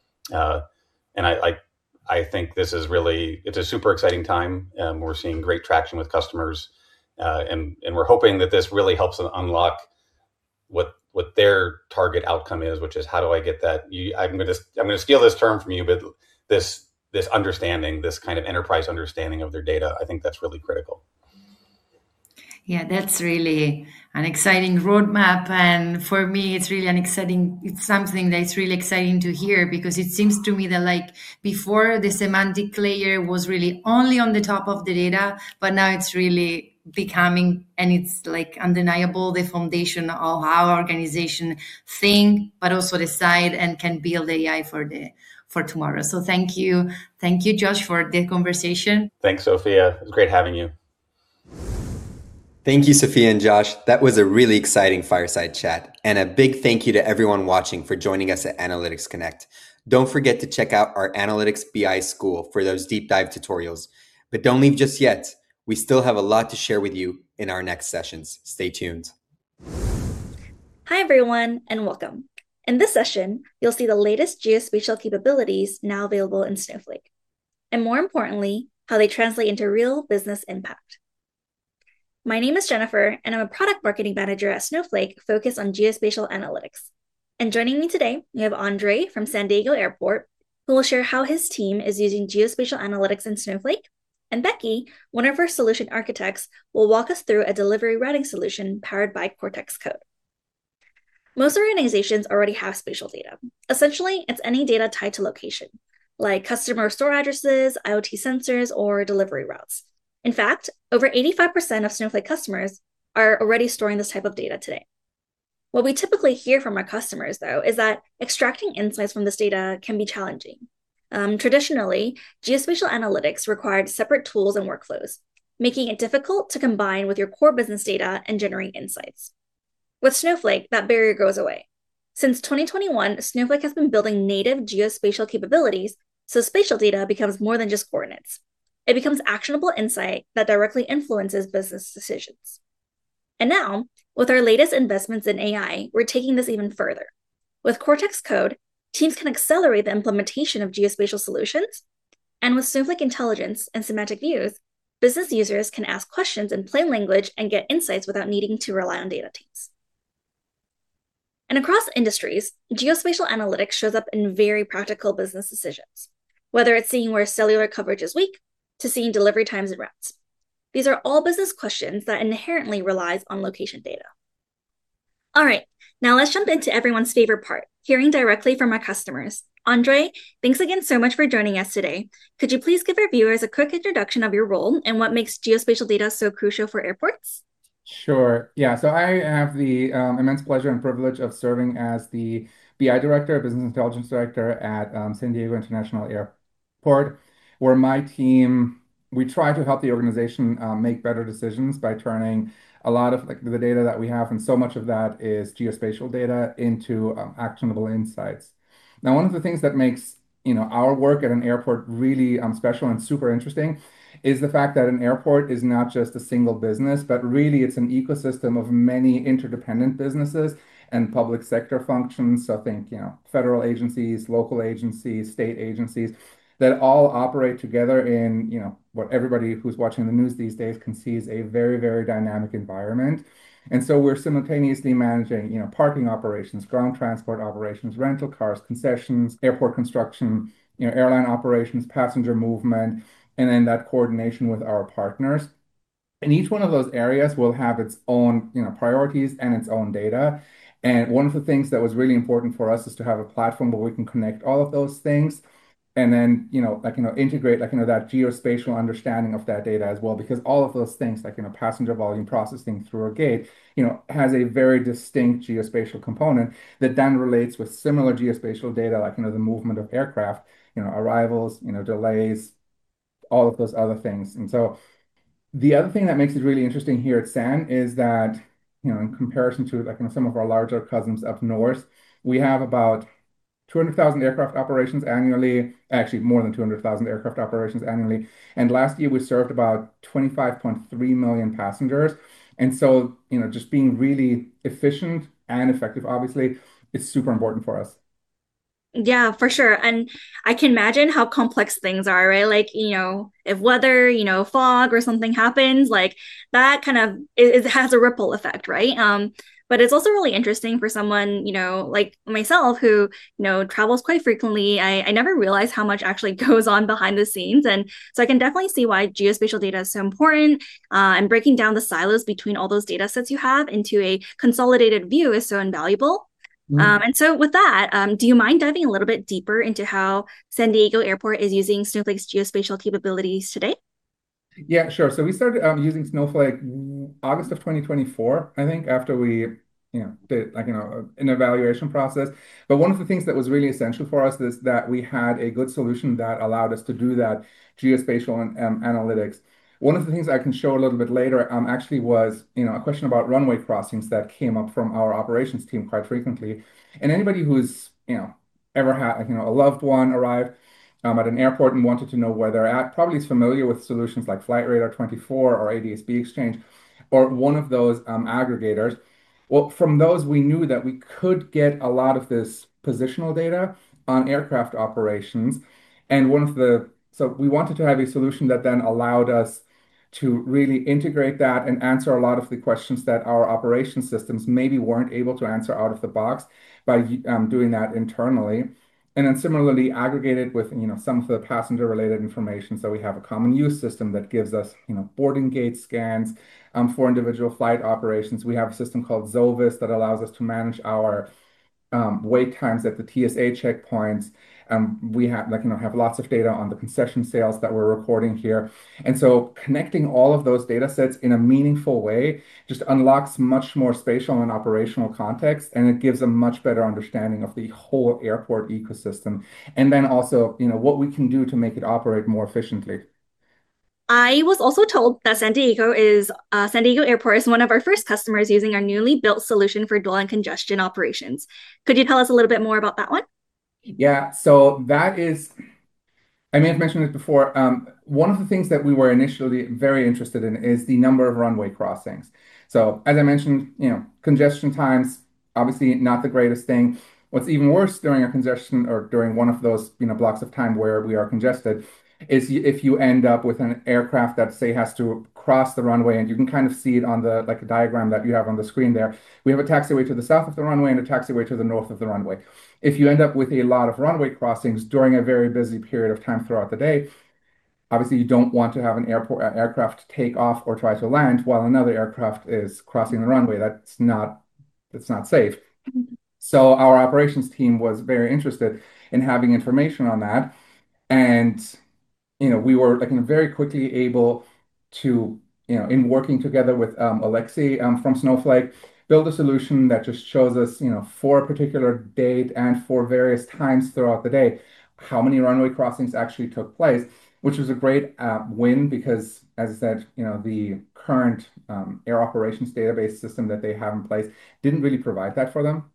Speaker 10: I think it's a super exciting time, and we're seeing great traction with customers. We're hoping that this really helps them unlock what their target outcome is, which is how do I get that. I'm going to steal this term from you, but this understanding, this kind of enterprise understanding of their data, I think that's really critical.
Speaker 13: Yeah, that's really an exciting roadmap. For me, it's something that's really exciting to hear because it seems to me that before, the semantic layer was really only on the top of the data, but now it's really becoming, and it's undeniable, the foundation of how our organization thinks, but also decide and can build AI for tomorrow. Thank you. Thank you, Josh, for the conversation.
Speaker 10: Thanks, Sofia. It was great having you.
Speaker 1: Thank you, Sofia and Josh. That was a really exciting fireside chat. A big thank you to everyone watching for joining us at Analytics Connect. Don't forget to check out our Analytics BI school for those deep dive tutorials. Don't leave just yet. We still have a lot to share with you in our next sessions. Stay tuned.
Speaker 7: Hi, everyone, and welcome. In this session, you'll see the latest geospatial capabilities now available in Snowflake. More importantly, how they translate into real business impact. My name is Jennifer, and I'm a product marketing manager at Snowflake, focused on geospatial analytics. Joining me today, we have Andrei from San Diego Airport, who will share how his team is using geospatial analytics in Snowflake. Becky, one of our solution architects, will walk us through a delivery routing solution powered by Cortex Code. Most organizations already have spatial data. Essentially, it's any data tied to location, like customer store addresses, IoT sensors, or delivery routes. In fact, over 85% of Snowflake customers are already storing this type of data today. What we typically hear from our customers, though, is that extracting insights from this data can be challenging. Traditionally, geospatial analytics required separate tools and workflows, making it difficult to combine with your core business data and generate insights. With Snowflake, that barrier goes away. Since 2021, Snowflake has been building native geospatial capabilities, so spatial data becomes more than just coordinates. It becomes actionable insight that directly influences business decisions. Now, with our latest investments in AI, we're taking this even further. With Cortex Code, teams can accelerate the implementation of geospatial solutions. With Snowflake Intelligence and semantic views, business users can ask questions in plain language and get insights without needing to rely on data teams. Across industries, geospatial analytics shows up in very practical business decisions, whether it's seeing where cellular coverage is weak, to seeing delivery times and routes. These are all business questions that inherently relies on location data. All right. Now let's jump into everyone's favorite part, hearing directly from our customers. Andre, thanks again so much for joining us today. Could you please give our viewers a quick introduction of your role and what makes geospatial data so crucial for airports?
Speaker 14: Sure, yeah. I have the immense pleasure and privilege of serving as the BI Director, Business Intelligence Director, at San Diego International Airport, where my team, we try to help the organization make better decisions by turning a lot of the data that we have, and so much of that is geospatial data, into actionable insights. Now, one of the things that makes our work at an airport really special and super interesting is the fact that an airport is not just a single business, but really it's an ecosystem of many interdependent businesses and public sector functions. Think federal agencies, local agencies, state agencies that all operate together in what everybody who's watching the news these days can see is a very, very dynamic environment. We're simultaneously managing parking operations, ground transport operations, rental cars, concessions, airport construction, airline operations, passenger movement, and then that coordination with our partners. Each one of those areas will have its own priorities and its own data. One of the things that was really important for us is to have a platform where we can connect all of those things and then integrate that geospatial understanding of that data as well, because all of those things, like passenger volume processing through a gate, has a very distinct geospatial component that then relates with similar geospatial data, like the movement of aircraft, arrivals, delays, all of those other things. The other thing that makes it really interesting here at SAN is that in comparison to some of our larger cousins up north, we have about 200,000 aircraft operations annually, actually more than 200,000 aircraft operations annually. Last year, we served about 25.3 million passengers. Just being really efficient and effective, obviously, is super important for us.
Speaker 7: Yeah, for sure. I can imagine how complex things are, right? If weather, fog or something happens, that kind of has a ripple effect, right? It's also really interesting for someone like myself who travels quite frequently. I never realized how much actually goes on behind the scenes, and so I can definitely see why geospatial data is so important. Breaking down the silos between all those data sets you have into a consolidated view is so invaluable.
Speaker 14: Mm-hmm.
Speaker 7: With that, do you mind diving a little bit deeper into how San Diego Airport is using Snowflake's geospatial capabilities today?
Speaker 14: Yeah, sure. We started using Snowflake August of 2024, I think after we did an evaluation process. One of the things that was really essential for us is that we had a good solution that allowed us to do that geospatial analytics. One of the things I can show a little bit later, actually was a question about runway crossings that came up from our operations team quite frequently. Anybody who's ever had a loved one arrive at an airport and wanted to know where they're at probably is familiar with solutions like Flightradar24 or ADSBExchange, or one of those aggregators. Well, from those, we knew that we could get a lot of this positional data on aircraft operations. We wanted to have a solution that then allowed us to really integrate that and answer a lot of the questions that our operation systems maybe weren't able to answer out of the box by doing that internally, similarly aggregated with some of the passenger-related information. We have a common use system that gives us boarding gate scans for individual flight operations. We have a system called Xovis that allows us to manage our wait times at the TSA checkpoints. We have lots of data on the concession sales that we're recording here. Connecting all of those data sets in a meaningful way just unlocks much more spatial and operational context, and it gives a much better understanding of the whole airport ecosystem, what we can do to make it operate more efficiently.
Speaker 7: I was also told that San Diego Airport is one of our first customers using our newly built solution for runway congestion operations. Could you tell us a little bit more about that one?
Speaker 14: Yeah. I may have mentioned this before. One of the things that we were initially very interested in is the number of runway crossings. As I mentioned, congestion times, obviously not the greatest thing. What's even worse during a congestion or during one of those blocks of time where we are congested is if you end up with an aircraft that, say, has to cross the runway, and you can kind of see it on the diagram that you have on the screen there. We have a taxiway to the south of the runway and a taxiway to the north of the runway. If you end up with a lot of runway crossings during a very busy period of time throughout the day, obviously, you don't want to have an aircraft take off or try to land while another aircraft is crossing the runway. That's not safe.
Speaker 7: Mm-hmm.
Speaker 14: Our operations team was very interested in having information on that, and we were very quickly able to, in working together with Alexey from Snowflake, build a solution that just shows us for a particular date and for various times throughout the day, how many runway crossings actually took place, which was a great win because, as I said, the current air operations database system that they have in place didn't really provide that for them.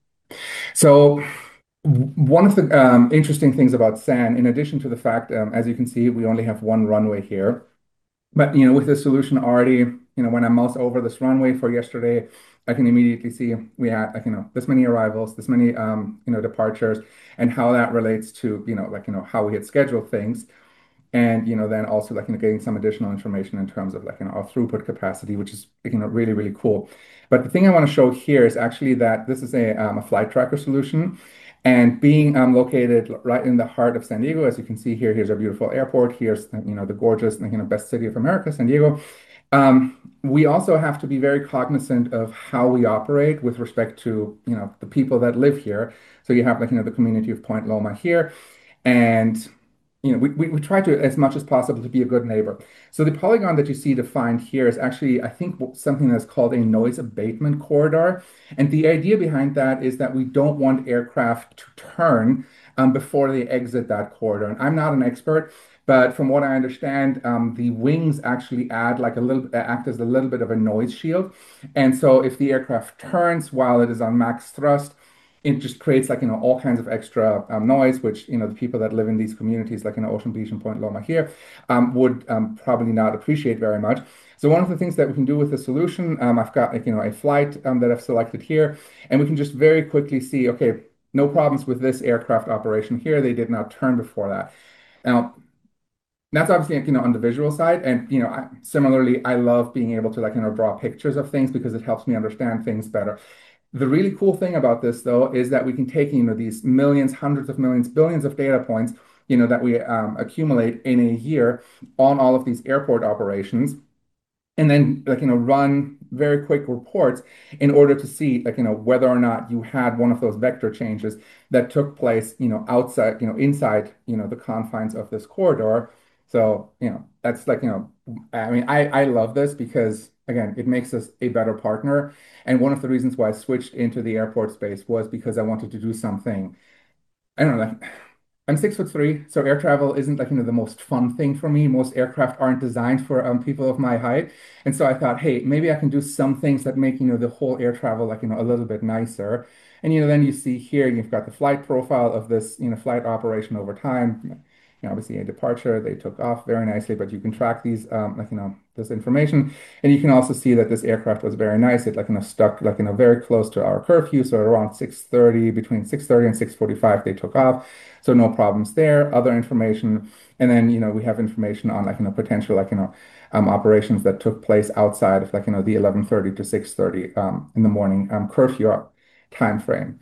Speaker 14: One of the interesting things about SAN, in addition to the fact, as you can see, we only have one runway here. With this solution already, when I mouse over this runway for yesterday, I can immediately see we had this many arrivals, this many departures, and how that relates to how we had scheduled things. Then also getting some additional information in terms of our throughput capacity, which is really, really cool. The thing I want to show here is actually that this is a flight tracker solution. Being located right in the heart of San Diego, as you can see here's our beautiful airport. Here's the gorgeous, the best city of America, San Diego. We also have to be very cognizant of how we operate with respect to the people that live here. You have the community of Point Loma here. We try to, as much as possible, to be a good neighbor. The polygon that you see defined here is actually, I think, something that's called a noise abatement corridor. The idea behind that is that we don't want aircraft to turn before they exit that corridor. I'm not an expert, but from what I understand, the wings actually act as a little bit of a noise shield. If the aircraft turns while it is on max thrust, it just creates all kinds of extra noise, which the people that live in these communities, like in Ocean Beach and Point Loma here, would probably not appreciate very much. One of the things that we can do with the solution, I've got a flight that I've selected here, and we can just very quickly see, okay, no problems with this aircraft operation here. They did not turn before that. Now, that's obviously on the visual side. Similarly, I love being able to draw pictures of things because it helps me understand things better. The really cool thing about this, though, is that we can take these millions, hundreds of millions, billions of data points that we accumulate in a year on all of these airport operations, and then run very quick reports in order to see whether or not you had one of those vector changes that took place inside the confines of this corridor. I love this because, again, it makes us a better partner. One of the reasons why I switched into the airport space was because I wanted to do something. I don't know. I'm 6 foot 3, so air travel isn't the most fun thing for me. Most aircraft aren't designed for people of my height. I thought, "Hey, maybe I can do some things that make the whole air travel a little bit nicer." You see here you've got the flight profile of this flight operation over time. Obviously, a departure. They took off very nicely, but you can track this information. You can also see that this aircraft was very nice. It stuck very close to our curfew. Between 6:30 A.M. and 6:45 A.M., they took off. No problems there. Other information. We have information on potential operations that took place outside of the 11:30 P.M. to 6:30 A.M. curfew timeframe.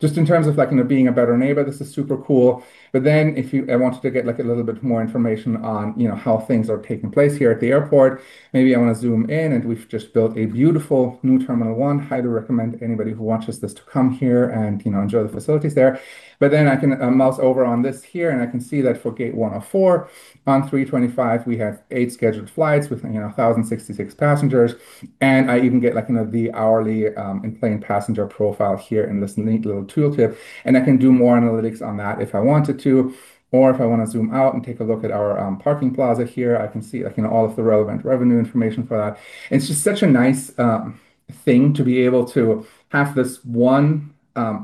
Speaker 14: Just in terms of being a better neighbor, this is super cool. If I wanted to get a little bit more information on how things are taking place here at the airport, maybe I want to zoom in, and we've just built a beautiful new terminal one. I highly recommend anybody who watches this to come here and enjoy the facilities there. I can mouse over on this here, and I can see that for gate 104 on 3/25, we have 8 scheduled flights with 1,066 passengers. I even get the hourly and plane passenger profile here in this neat little tooltip, and I can do more analytics on that if I wanted to. If I want to zoom out and take a look at our parking plaza here, I can see all of the relevant revenue information for that. It's just such a nice thing to be able to have this one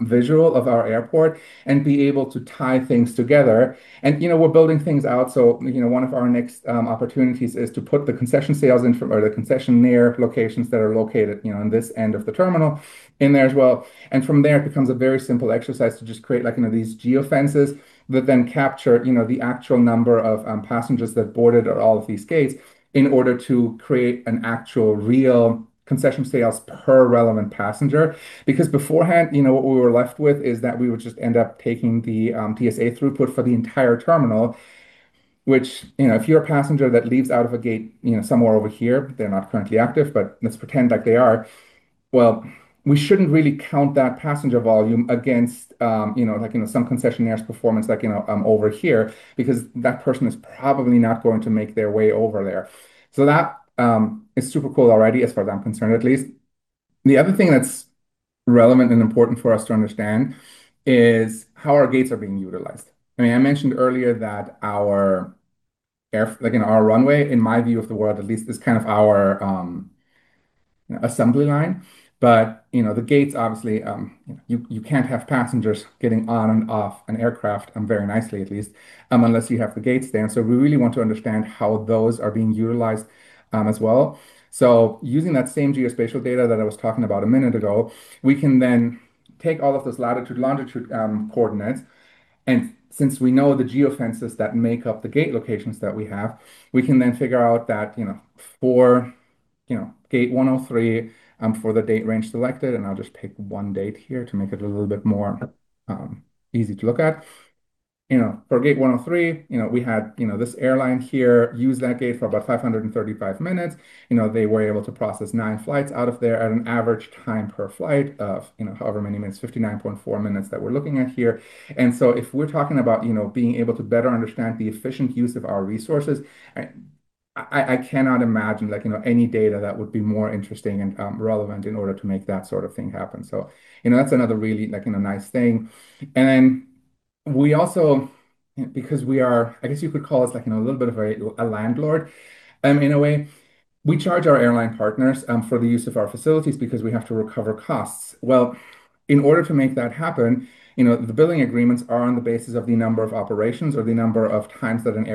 Speaker 14: visual of our airport and be able to tie things together. We're building things out. One of our next opportunities is to put the concession sales in, or the concessionaire locations that are located on this end of the terminal in there as well. From there, it becomes a very simple exercise to just create these geo fences that then capture the actual number of passengers that boarded all of these gates in order to create an actual, real concession sales per relevant passenger. Because beforehand, what we were left with is that we would just end up taking the TSA throughput for the entire terminal. Which, if you're a passenger that leaves out of a gate somewhere over here, they're not currently active, but let's pretend like they are. Well, we shouldn't really count that passenger volume against some concessionaire's performance over here, because that person is probably not going to make their way over there. That is super cool already, as far as I'm concerned, at least. The other thing that's relevant and important for us to understand is how our gates are being utilized. I mentioned earlier that our runway, in my view of the world at least, is kind of our assembly line. The gates, obviously, you can't have passengers getting on and off an aircraft very nicely, at least, unless you have the gates there. We really want to understand how those are being utilized as well. Using that same geospatial data that I was talking about a minute ago, we can then take all of those latitude, longitude coordinates, and since we know the geo-fences that make up the gate locations that we have, we can then figure out that for gate 103, for the date range selected, and I'll just pick one date here to make it a little bit more easy to look at. For gate 103, we had this airline here use that gate for about 535 minutes. They were able to process 9 flights out of there at an average time per flight of however many minutes, 59.4 minutes that we're looking at here. If we're talking about being able to better understand the efficient use of our resources, I cannot imagine any data that would be more interesting and relevant in order to make that sort of thing happen. That's another really nice thing. We also, because we are, I guess you could call us a little bit of a landlord in a way. We charge our airline partners for the use of our facilities because we have to recover costs. Well, in order to make that happen, the billing agreements are on the basis of the number of operations or the number of times that an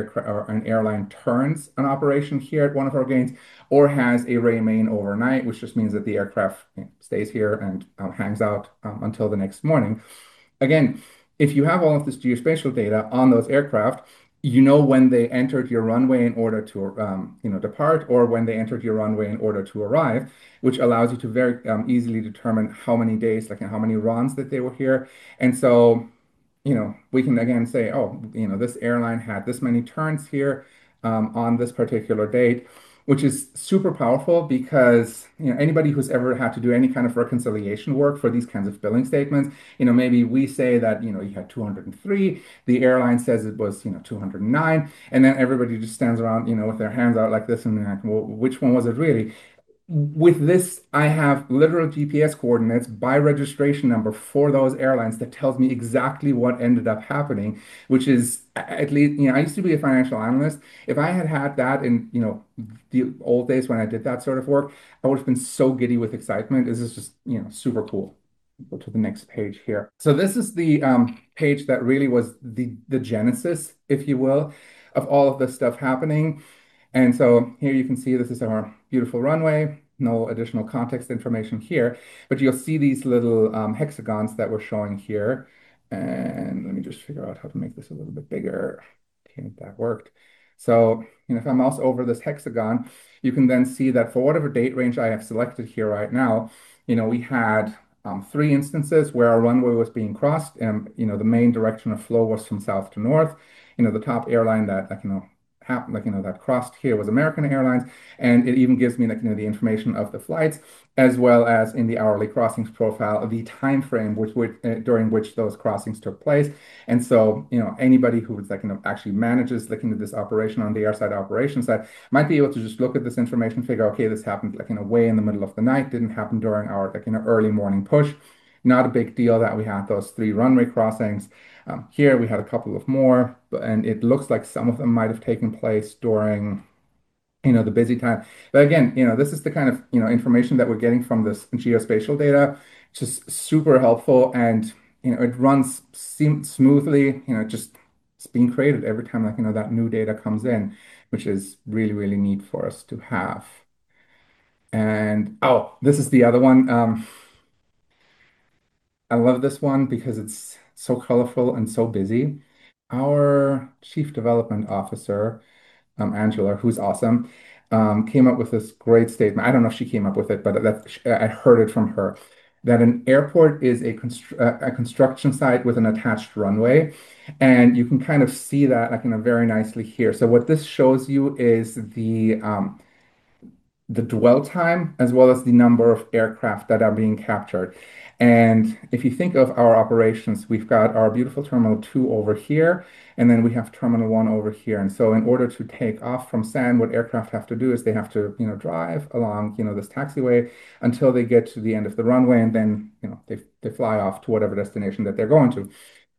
Speaker 14: airline turns an operation here at one of our gates or has a remain overnight, which just means that the aircraft stays here and hangs out until the next morning. Again, if you have all of this geospatial data on those aircraft, you know when they entered your runway in order to depart or when they entered your runway in order to arrive, which allows you to very easily determine how many days and how many runs that they were here. We can again say, oh, this airline had this many turns here on this particular date, which is super powerful because anybody who's ever had to do any kind of reconciliation work for these kinds of billing statements, maybe we say that you had 203. The airline says it was 209, and then everybody just stands around with their hands out like this and they're like, "Well, which one was it really?" With this, I have literal GPS coordinates by registration number for those airlines that tells me exactly what ended up happening, which is at least. I used to be a financial analyst. If I had had that in the old days when I did that sort of work, I would have been so giddy with excitement. This is just super cool. Go to the next page here. This is the page that really was the genesis, if you will, of all of this stuff happening. Here you can see this is our beautiful runway. No additional context information here, but you'll see these little hexagons that we're showing here. Let me just figure out how to make this a little bit bigger. Okay, that worked. If I mouse over this hexagon, you can then see that for whatever date range I have selected here right now, we had three instances where our runway was being crossed, and the main direction of flow was from south to north. The top airline that crossed here was American Airlines, and it even gives me the information of the flights as well as in the hourly crossings profile, the time frame during which those crossings took place. Anybody who actually manages looking at this operation on the airside operations side might be able to just look at this information and figure, okay, this happened in the way in the middle of the night. Didn't happen during our early morning push. Not a big deal that we had those 3 runway crossings. Here we had a couple of more, and it looks like some of them might have taken place during the busy time. Again, this is the kind of information that we're getting from this geospatial data, which is super helpful, and it runs smoothly. Just it's being created every time that new data comes in, which is really, really neat for us to have. Oh, this is the other one. I love this one because it's so colorful and so busy. Our Chief Development Officer, Angela, who's awesome, came up with this great statement. I don't know if she came up with it, but I heard it from her, that an airport is a construction site with an attached runway, and you can kind of see that very nicely here. What this shows you is the dwell time as well as the number of aircraft that are being captured. If you think of our operations, we've got our beautiful Terminal Two over here, and then we have Terminal One over here. In order to take off from SAN, what aircraft have to do is they have to drive along this taxiway until they get to the end of the runway, and then they fly off to whatever destination that they're going to.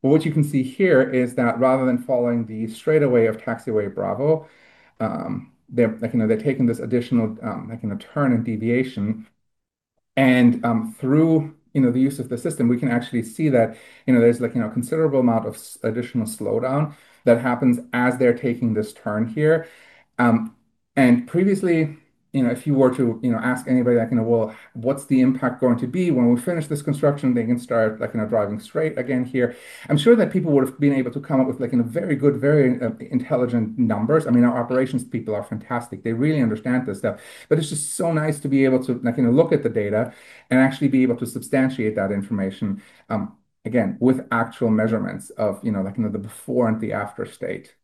Speaker 14: What you can see here is that rather than following the straightaway of Taxiway Bravo, they're taking this additional turn and deviation. Through the use of the system, we can actually see that there's a considerable amount of additional slowdown that happens as they're taking this turn here. Previously, if you were to ask anybody, "Well, what's the impact going to be when we finish this construction? They can start driving straight again here." I'm sure that people would have been able to come up with very good, very intelligent numbers. Our operations people are fantastic. They really understand this stuff. But it's just so nice to be able to look at the data and actually be able to substantiate that information, again, with actual measurements of the before and the after state.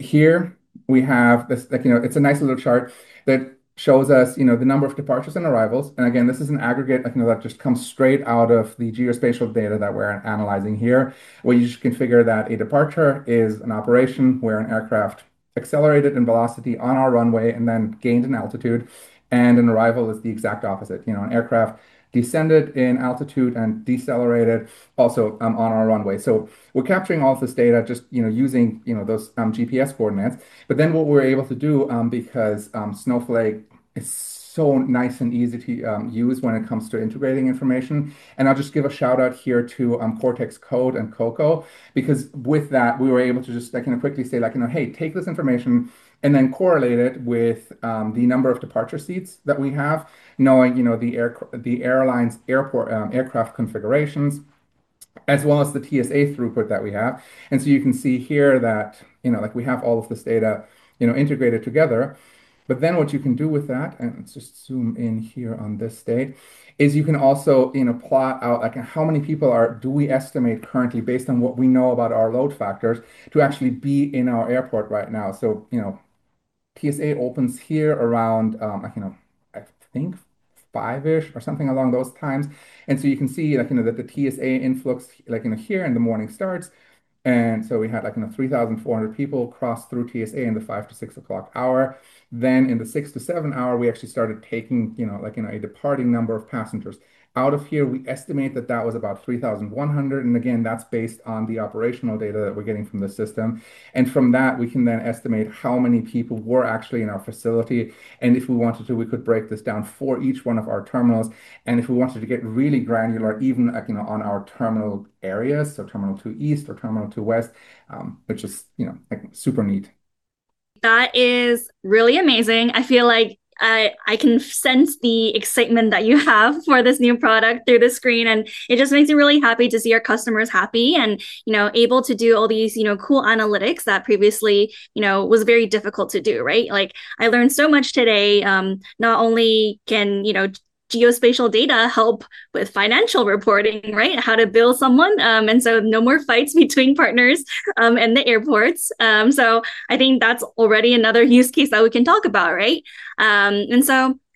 Speaker 14: Here we have this, it's a nice little chart that shows us the number of departures and arrivals. Again, this is an aggregate that just comes straight out of the geospatial data that we're analyzing here, where you just configure that a departure is an operation where an aircraft accelerated in velocity on our runway and then gained an altitude, and an arrival is the exact opposite. An aircraft descended in altitude and decelerated also on our runway. We're capturing all this data, just using those GPS coordinates. What we're able to do, because Snowflake is so nice and easy to use when it comes to integrating information, and I'll just give a shout-out here to Cortex Code and Coco, because with that, we were able to just quickly say, "Hey, take this information and then correlate it with the number of departure seats that we have," knowing the airlines' aircraft configurations, as well as the TSA throughput that we have. You can see here that we have all of this data integrated together. What you can do with that, and let's just zoom in here on this date, is you can also plot out how many people do we estimate currently, based on what we know about our load factors, to actually be in our airport right now. TSA opens here around, I think, 5:00ish, or something along those times. You can see that the TSA influx here in the morning starts, and so we had 3,400 people cross through TSA in the 5:00 to 6:00 hour. In the 6:00 to 7:00 hour, we actually started taking a departing number of passengers. Out of here, we estimate that that was about 3,100, and again, that's based on the operational data that we're getting from the system. From that, we can then estimate how many people were actually in our facility. If we wanted to, we could break this down for each one of our terminals, and if we wanted to get really granular, even on our terminal areas, so terminal to east or terminal to west, which is super neat.
Speaker 7: That is really amazing. I feel like I can sense the excitement that you have for this new product through the screen, and it just makes me really happy to see our customers happy and able to do all these cool analytics that previously was very difficult to do. I learned so much today. Not only can geospatial data help with financial reporting, how to bill someone. No more fights between partners and the airports. I think that's already another use case that we can talk about.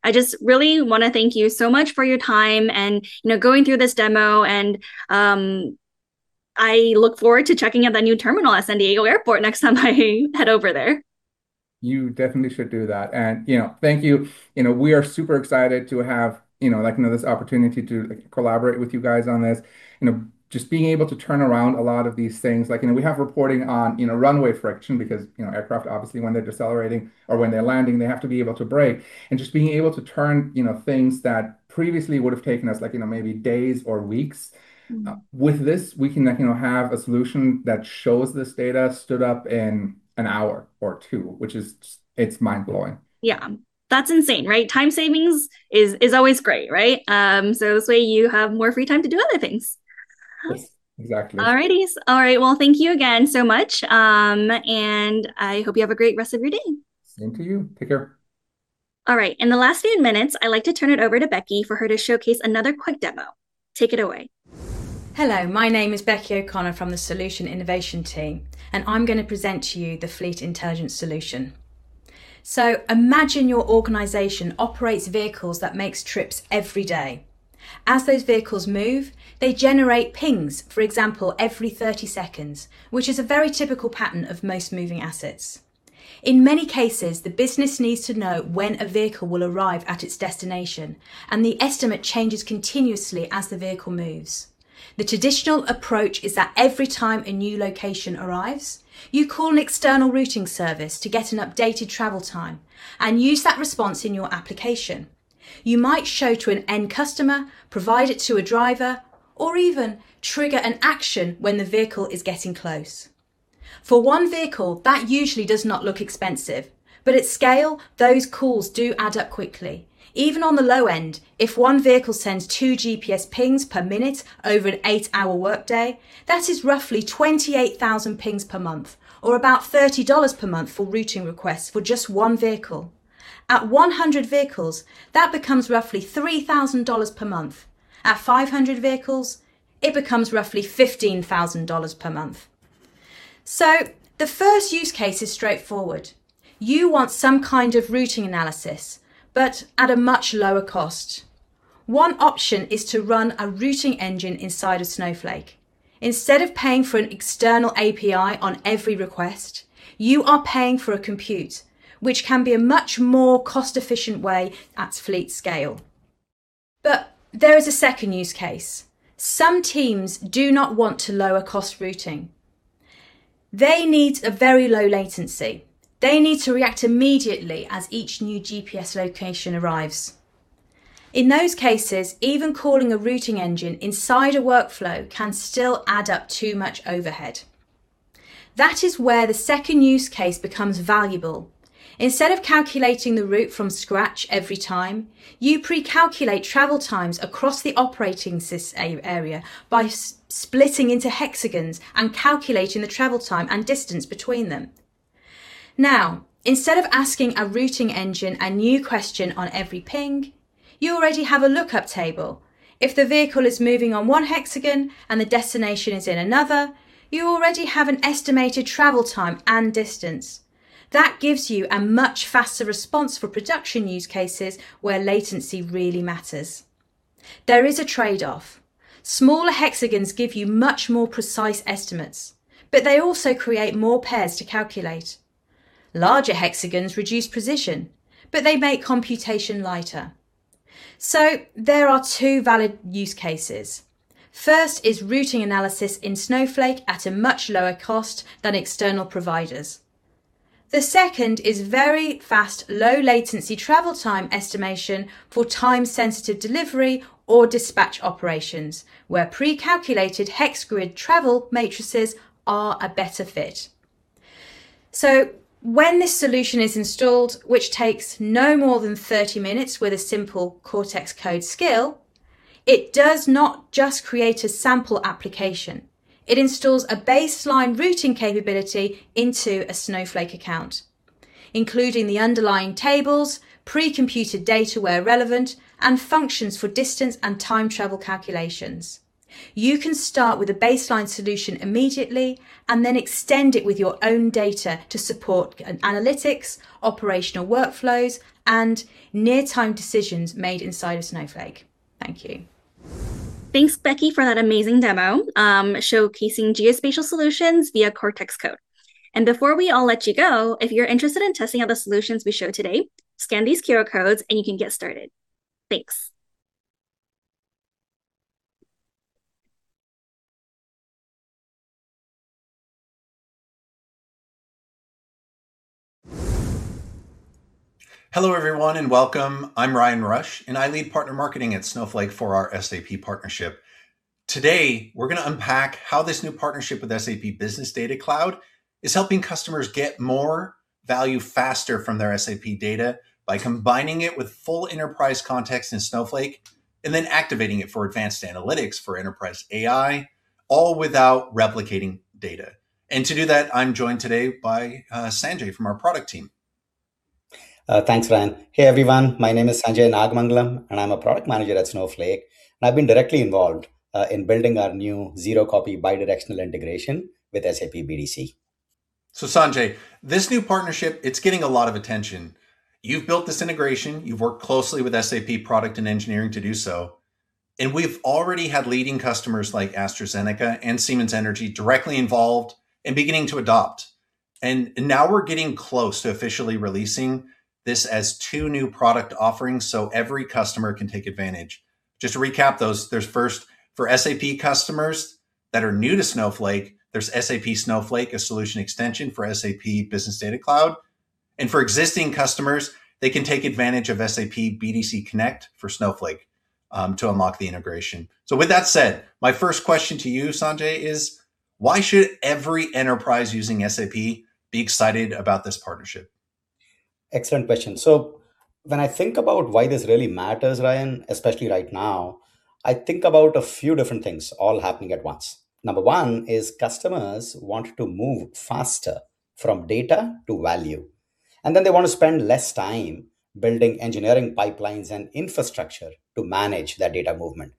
Speaker 7: I just really want to thank you so much for your time and going through this demo and I look forward to checking out that new terminal at San Diego Airport next time I head over there.
Speaker 14: You definitely should do that. Thank you. We are super excited to have this opportunity to collaborate with you guys on this. Just being able to turn around a lot of these things. We have reporting on runway friction because aircraft, obviously, when they're decelerating or when they're landing, they have to be able to brake. Just being able to turn things that previously would have taken us maybe days or weeks. With this, we can now have a solution that shows this data stood up in an hour or two, which is mind-blowing.
Speaker 7: Yeah. That's insane. Time savings is always great. This way you have more free time to do other things.
Speaker 14: Yes, exactly.
Speaker 7: All right. Well, thank you again so much. I hope you have a great rest of your day.
Speaker 14: Same to you. Take care.
Speaker 7: All right. In the last few minutes, I'd like to turn it over to Becky for her to showcase another quick demo. Take it away.
Speaker 15: Hello, my name is Becky O'Connor from the Solution Innovation team, and I'm going to present to you the fleet intelligence solution. Imagine your organization operates vehicles that makes trips every day. As those vehicles move, they generate pings, for example, every 30 seconds, which is a very typical pattern of most moving assets. In many cases, the business needs to know when a vehicle will arrive at its destination, and the estimate changes continuously as the vehicle moves. The traditional approach is that every time a new location arrives, you call an external routing service to get an updated travel time and use that response in your application. You might show to an end customer, provide it to a driver, or even trigger an action when the vehicle is getting close. For one vehicle, that usually does not look expensive, but at scale, those calls do add up quickly. Even on the low end, if one vehicle sends 2 GPS pings per minute over an 8-hour workday, that is roughly 28,000 pings per month, or about $30 per month for routing requests for just one vehicle. At 100 vehicles, that becomes roughly $3,000 per month. At 500 vehicles, it becomes roughly $15,000 per month. The first use case is straightforward. You want some kind of routing analysis, but at a much lower cost. One option is to run a routing engine inside of Snowflake. Instead of paying for an external API on every request, you are paying for a compute, which can be a much more cost-efficient way at fleet scale. There is a second use case. Some teams do not want to lower-cost routing. They need a very low latency. They need to react immediately as each new GPS location arrives. In those cases, even calling a routing engine inside a workflow can still add up too much overhead. That is where the second use case becomes valuable. Instead of calculating the route from scratch every time, you pre-calculate travel times across the operating system area by splitting into hexagons and calculating the travel time and distance between them. Now, instead of asking a routing engine a new question on every ping, you already have a lookup table. If the vehicle is moving on one hexagon and the destination is in another, you already have an estimated travel time and distance. That gives you a much faster response for production use cases where latency really matters. There is a trade-off. Smaller hexagons give you much more precise estimates, but they also create more pairs to calculate. Larger hexagons reduce precision, but they make computation lighter. There are two valid use cases. First is routing analysis in Snowflake at a much lower cost than external providers. The second is very fast, low latency travel time estimation for time sensitive delivery or dispatch operations, where pre-calculated hex grid travel matrices are a better fit. When this solution is installed, which takes no more than 30 minutes with a simple Cortex Code skill, it does not just create a sample application, it installs a baseline routing capability into a Snowflake account, including the underlying tables, pre-computed data where relevant, and functions for distance and time travel calculations. You can start with a baseline solution immediately and then extend it with your own data to support analytics, operational workflows, and near-time decisions made inside of Snowflake. Thank you.
Speaker 7: Thanks, Becky, for that amazing demo showcasing geospatial solutions via Cortex Code. Before we all let you go, if you're interested in testing out the solutions we showed today, scan these QR codes and you can get started. Thanks.
Speaker 16: Hello, everyone, and welcome. I'm Ryan Rush, and I lead partner marketing at Snowflake for our SAP partnership. Today, we're going to unpack how this new partnership with SAP Business Data Cloud is helping customers get more value faster from their SAP data by combining it with full enterprise context in Snowflake and then activating it for advanced analytics for enterprise AI, all without replicating data. To do that, I'm joined today by Sanjay from our product team.
Speaker 17: Thanks, Ryan. Hey, everyone. My name is Sanjay Nagamangalam, and I'm a product manager at Snowflake. I've been directly involved in building our new zero copy, bidirectional integration with SAP BDC.
Speaker 16: Sanjay, this new partnership, it's getting a lot of attention. You've built this integration, you've worked closely with SAP product and engineering to do so, and we've already had leading customers like AstraZeneca and Siemens Energy directly involved and beginning to adopt. Now we're getting close to officially releasing this as two new product offerings, so every customer can take advantage. Just to recap those, there's first for SAP customers that are new to Snowflake, there's SAP Snowflake, a solution extension for SAP Business Data Cloud, and for existing customers, they can take advantage of SAP BDC Connect for Snowflake to unlock the integration. With that said, my first question to you, Sanjay, is why should every enterprise using SAP be excited about this partnership?
Speaker 17: Excellent question. When I think about why this really matters, Ryan, especially right now, I think about a few different things all happening at once. Number one is customers want to move faster from data to value, and then they want to spend less time building engineering pipelines and infrastructure to manage their data movement.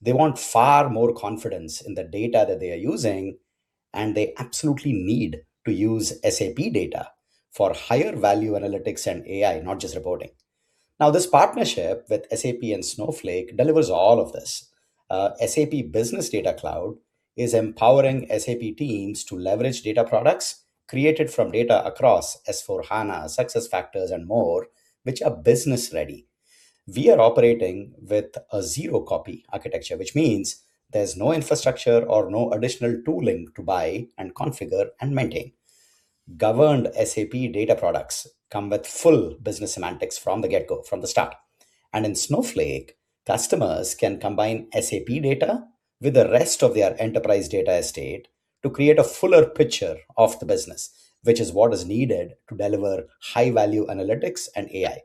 Speaker 17: They want far more confidence in the data that they are using, and they absolutely need to use SAP data for higher value analytics and AI, not just reporting. Now, this partnership with SAP and Snowflake delivers all of this. SAP Business Data Cloud is empowering SAP teams to leverage data products created from data across S/4HANA, SuccessFactors, and more, which are business ready. We are operating with a zero copy architecture, which means there's no infrastructure or no additional tooling to buy and configure and maintain. Governed SAP data products come with full business semantics from the get-go, from the start. In Snowflake, customers can combine SAP data with the rest of their enterprise data estate to create a fuller picture of the business, which is what is needed to deliver high value analytics and AI.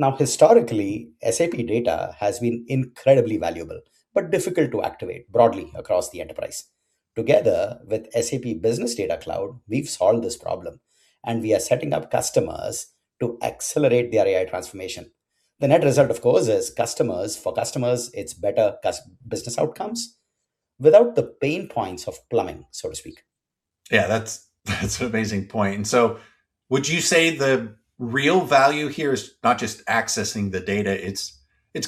Speaker 17: Now, historically, SAP data has been incredibly valuable, but difficult to activate broadly across the enterprise. Together with SAP Business Data Cloud, we've solved this problem, and we are setting up customers to accelerate their AI transformation. The net result, of course, is for customers, it's better business outcomes without the pain points of plumbing, so to speak.
Speaker 16: Yeah, that's an amazing point. Would you say the real value here is not just accessing the data, it's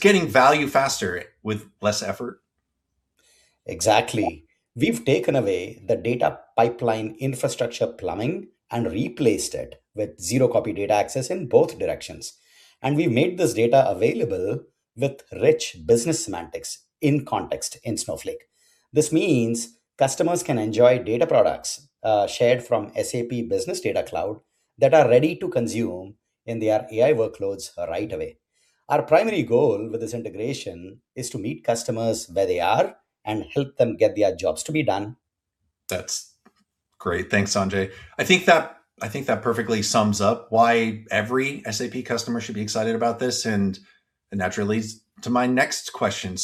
Speaker 16: getting value faster with less effort?
Speaker 17: Exactly. We've taken away the data pipeline infrastructure plumbing and replaced it with zero-copy data access in both directions. We've made this data available with rich business semantics in context in Snowflake. This means customers can enjoy data products shared from SAP Business Data Cloud that are ready to consume in their AI workloads right away. Our primary goal with this integration is to meet customers where they are and help them get their jobs to be done.
Speaker 16: That's great. Thanks, Sanjay. I think that perfectly sums up why every SAP customer should be excited about this, and that leads to my next question.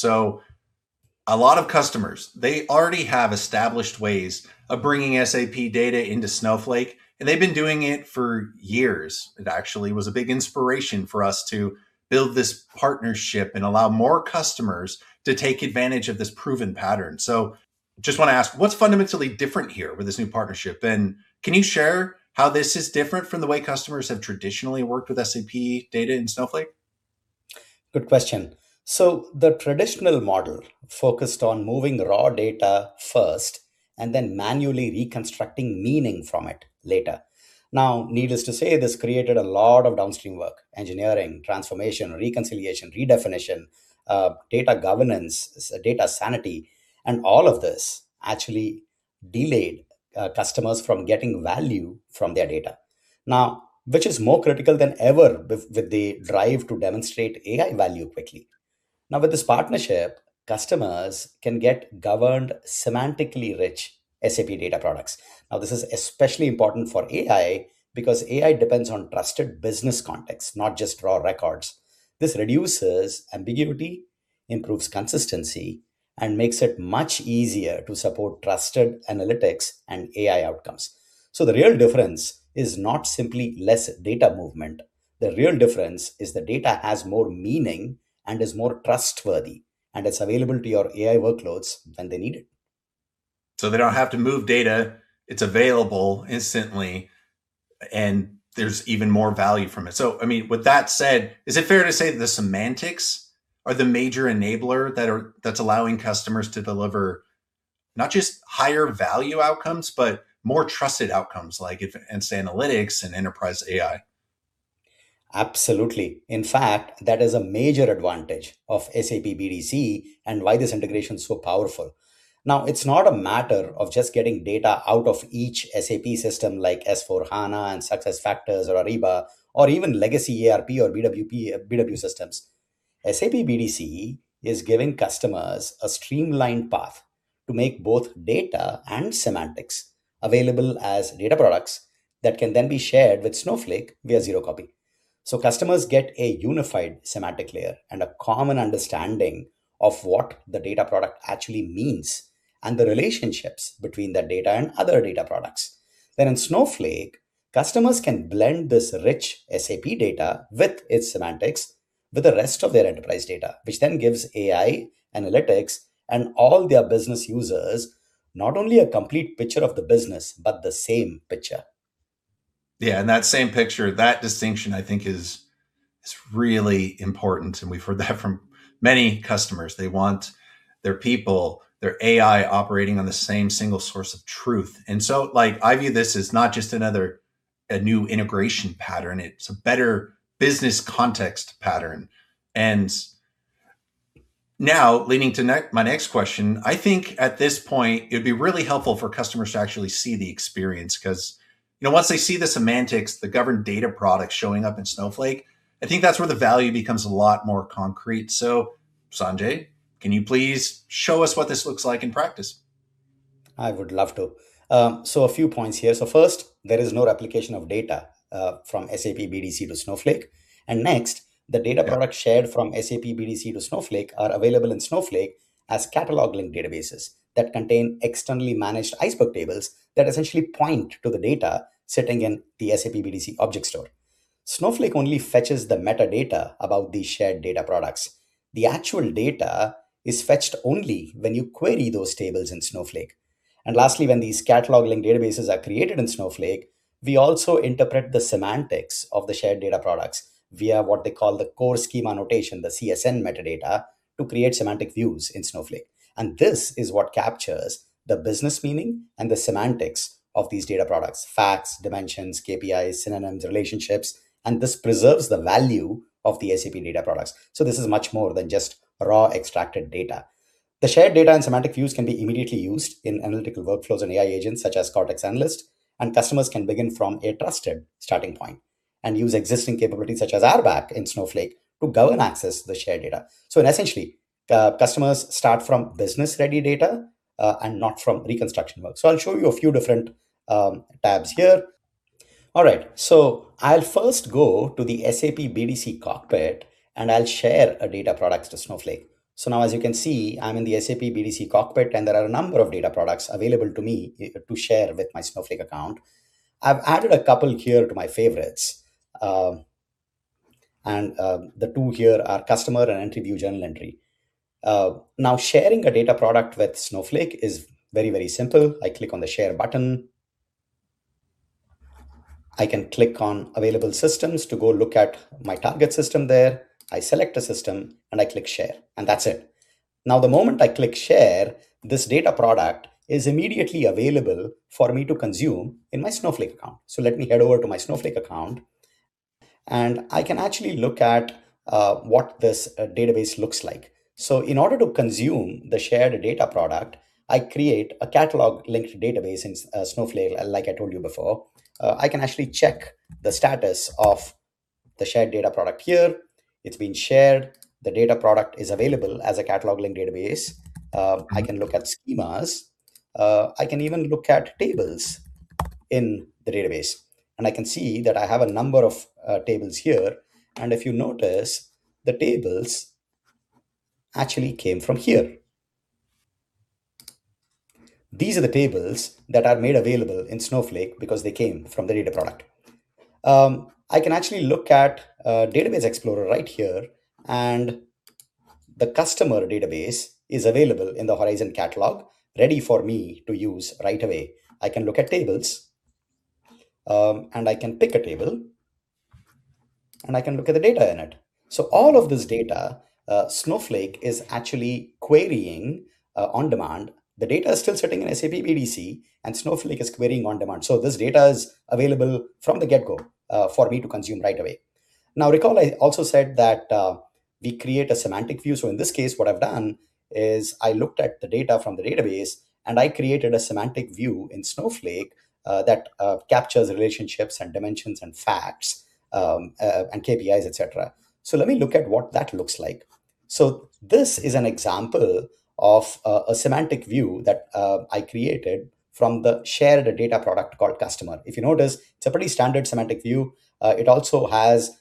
Speaker 16: A lot of customers, they already have established ways of bringing SAP data into Snowflake, and they've been doing it for years. It actually was a big inspiration for us to build this partnership and allow more customers to take advantage of this proven pattern. Just want to ask, what's fundamentally different here with this new partnership? And can you share how this is different from the way customers have traditionally worked with SAP data in Snowflake?
Speaker 17: Good question. The traditional model focused on moving raw data first and then manually reconstructing meaning from it later. Needless to say, this created a lot of downstream work, engineering, transformation, reconciliation, redefinition, data governance, data sanity, and all of this actually delayed customers from getting value from their data, which is more critical than ever with the drive to demonstrate AI value quickly. With this partnership, customers can get governed semantically rich SAP data products. This is especially important for AI, because AI depends on trusted business context, not just raw records. This reduces ambiguity, improves consistency, and makes it much easier to support trusted analytics and AI outcomes. The real difference is not simply less data movement. The real difference is the data has more meaning and is more trustworthy, and it's available to your AI workloads when they need it.
Speaker 16: They don't have to move data, it's available instantly, and there's even more value from it. I mean, with that said, is it fair to say the semantics are the major enabler that's allowing customers to deliver not just higher value outcomes, but more trusted outcomes like in, say, analytics and enterprise AI?
Speaker 17: Absolutely. In fact, that is a major advantage of SAP BDC and why this integration is so powerful. Now, it's not a matter of just getting data out of each SAP system like S/4HANA and SuccessFactors or Ariba, or even legacy ERP or BW systems. SAP BDC is giving customers a streamlined path to make both data and semantics available as data products that can then be shared with Snowflake via zero-copy. Customers get a unified semantic layer and a common understanding of what the data product actually means and the relationships between that data and other data products. In Snowflake, customers can blend this rich SAP data with its semantics with the rest of their enterprise data, which then gives AI, analytics, and all their business users not only a complete picture of the business, but the same picture.
Speaker 16: Yeah, that same picture, that distinction, I think is really important, and we've heard that from many customers. They want their people, their AI operating on the same single source of truth. I view this as not just another new integration pattern, it's a better business context pattern. Now leading to my next question. I think at this point, it'd be really helpful for customers to actually see the experience, because once they see the semantics, the governed data products showing up in Snowflake, I think that's where the value becomes a lot more concrete. Sanjay, can you please show us what this looks like in practice?
Speaker 17: I would love to. A few points here. First, there is no replication of data from SAP BDC to Snowflake. Next, the data products shared from SAP BDC to Snowflake are available in Snowflake as catalog-linked databases that contain externally managed Iceberg tables that essentially point to the data sitting in the SAP BDC object store. Snowflake only fetches the metadata about these shared data products. The actual data is fetched only when you query those tables in Snowflake. Lastly, when these catalog-linked databases are created in Snowflake, we also interpret the semantics of the shared data products via what they call the Core Schema Notation, the CSN metadata, to create semantic views in Snowflake. This is what captures the business meaning and the semantics of these data products, facts, dimensions, KPIs, synonyms, relationships, and this preserves the value of the SAP data products. This is much more than just raw extracted data. The shared data and semantic views can be immediately used in analytical workflows and AI agents such as Cortex Analyst, and customers can begin from a trusted starting point and use existing capabilities such as RBAC in Snowflake to govern access the shared data. Essentially, customers start from business-ready data, and not from reconstruction work. I'll show you a few different tabs here. All right, I'll first go to the SAP BDC cockpit, and I'll share a data product to Snowflake. Now as you can see, I'm in the SAP BDC cockpit, and there are a number of data products available to me to share with my Snowflake account. I've added a couple here to my favorites. The two here are customer and interview journal entry. Now, sharing a data product with Snowflake is very, very simple. I click on the share button. I can click on available systems to go look at my target system there. I select a system, and I click share. That's it. Now, the moment I click share, this data product is immediately available for me to consume in my Snowflake account. Let me head over to my Snowflake account, and I can actually look at what this database looks like. In order to consume the shared data product, I create a catalog-linked database in Snowflake, like I told you before. I can actually check the status of the shared data product here. It's been shared. The data product is available as a catalog-linked database. I can look at schemas. I can even look at tables in the database. I can see that I have a number of tables here. If you notice, the tables actually came from here. These are the tables that are made available in Snowflake because they came from the data product. I can actually look at Database Explorer right here, and the customer database is available in the Horizon Catalog ready for me to use right away. I can look at tables, and I can pick a table, and I can look at the data in it. All of this data, Snowflake is actually querying on demand. The data is still sitting in SAP BDC, and Snowflake is querying on demand. This data is available from the get-go for me to consume right away. Now, recall I also said that we create a semantic view. In this case, what I've done is I looked at the data from the database, and I created a semantic view in Snowflake that captures relationships and dimensions and facts, and KPIs, et cetera. Let me look at what that looks like. This is an example of a semantic view that I created from the shared data product called Customer. If you notice, it's a pretty standard semantic view. It also has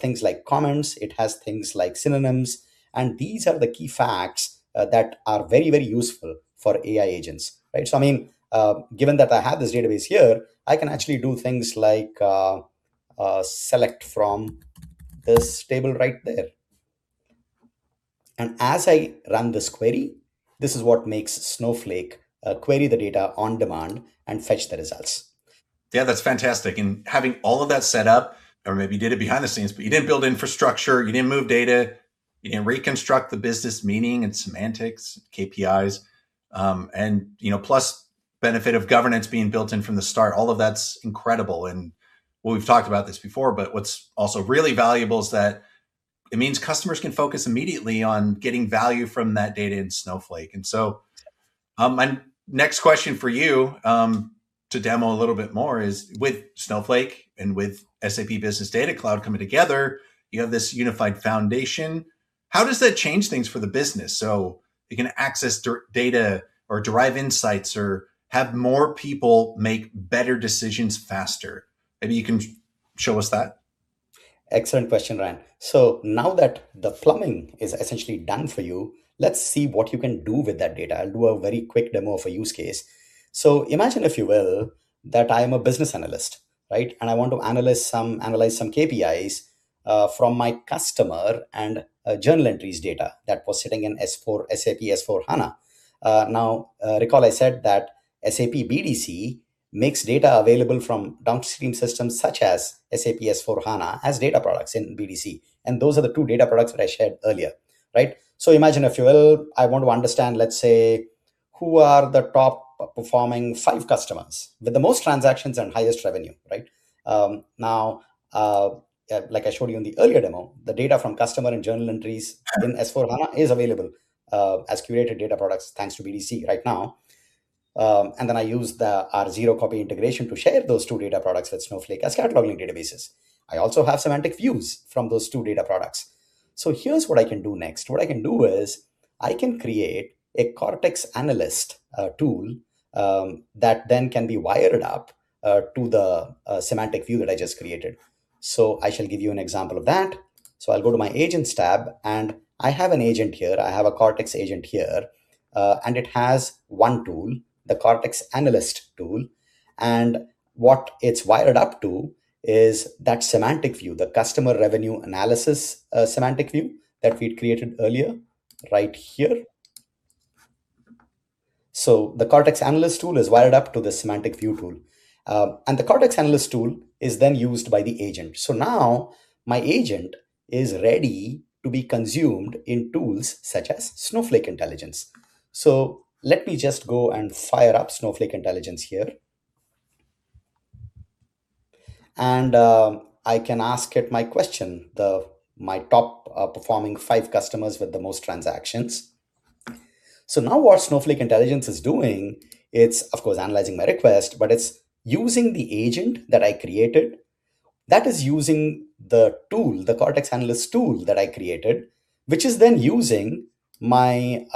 Speaker 17: things like comments, it has things like synonyms, and these are the key facts that are very, very useful for AI agents, right? I mean, given that I have this database here, I can actually do things like select from this table right there. As I run this query, this is what makes Snowflake query the data on demand and fetch the results.
Speaker 16: Yeah, that's fantastic. Having all of that set up, or maybe you did it behind the scenes, but you didn't build infrastructure, you didn't move data, you didn't reconstruct the business meaning and semantics, KPIs, plus benefit of governance being built in from the start. All of that's incredible. We've talked about this before, but what's also really valuable is that it means customers can focus immediately on getting value from that data in Snowflake. My next question for you to demo a little bit more is with Snowflake and with SAP Business Data Cloud coming together, you have this unified foundation. How does that change things for the business, so you can access data or derive insights or have more people make better decisions faster? Maybe you can show us that.
Speaker 17: Excellent question, Ryan. Now that the plumbing is essentially done for you, let's see what you can do with that data. I'll do a very quick demo of a use case. Imagine, if you will, that I am a business analyst, right? I want to analyze some KPIs from my customer and journal entries data that was sitting in SAP S/4HANA. Now, recall I said that SAP BDC makes data available from downstream systems such as SAP S/4HANA as data products in BDC. Those are the two data products that I shared earlier, right? Imagine, if you will, I want to understand, let's say, who are the top-performing five customers with the most transactions and highest revenue, right? Now, like I showed you in the earlier demo, the data from customer and journal entries in S/4HANA is available as curated data products, thanks to BDC right now. I use the zero-copy integration to share those two data products with Snowflake as catalog-linked databases. I also have semantic views from those two data products. Here's what I can do next. What I can do is I can create a Cortex Analyst tool, that then can be wired up to the semantic view that I just created. I shall give you an example of that. I'll go to my Agents tab, and I have an agent here, I have a Cortex agent here. It has one tool, the Cortex Analyst tool. What it's wired up to is that semantic view, the customer revenue analysis semantic view that we'd created earlier, right here. The Cortex Analyst tool is wired up to the semantic view tool. The Cortex Analyst tool is then used by the agent. Now my agent is ready to be consumed in tools such as Snowflake Intelligence. Let me just go and fire up Snowflake Intelligence here. I can ask it my question, my top-performing five customers with the most transactions. Now what Snowflake Intelligence is doing, it's, of course, analyzing my request, but it's using the agent that I created. That is using the tool, the Cortex Analyst tool that I created, which is then using my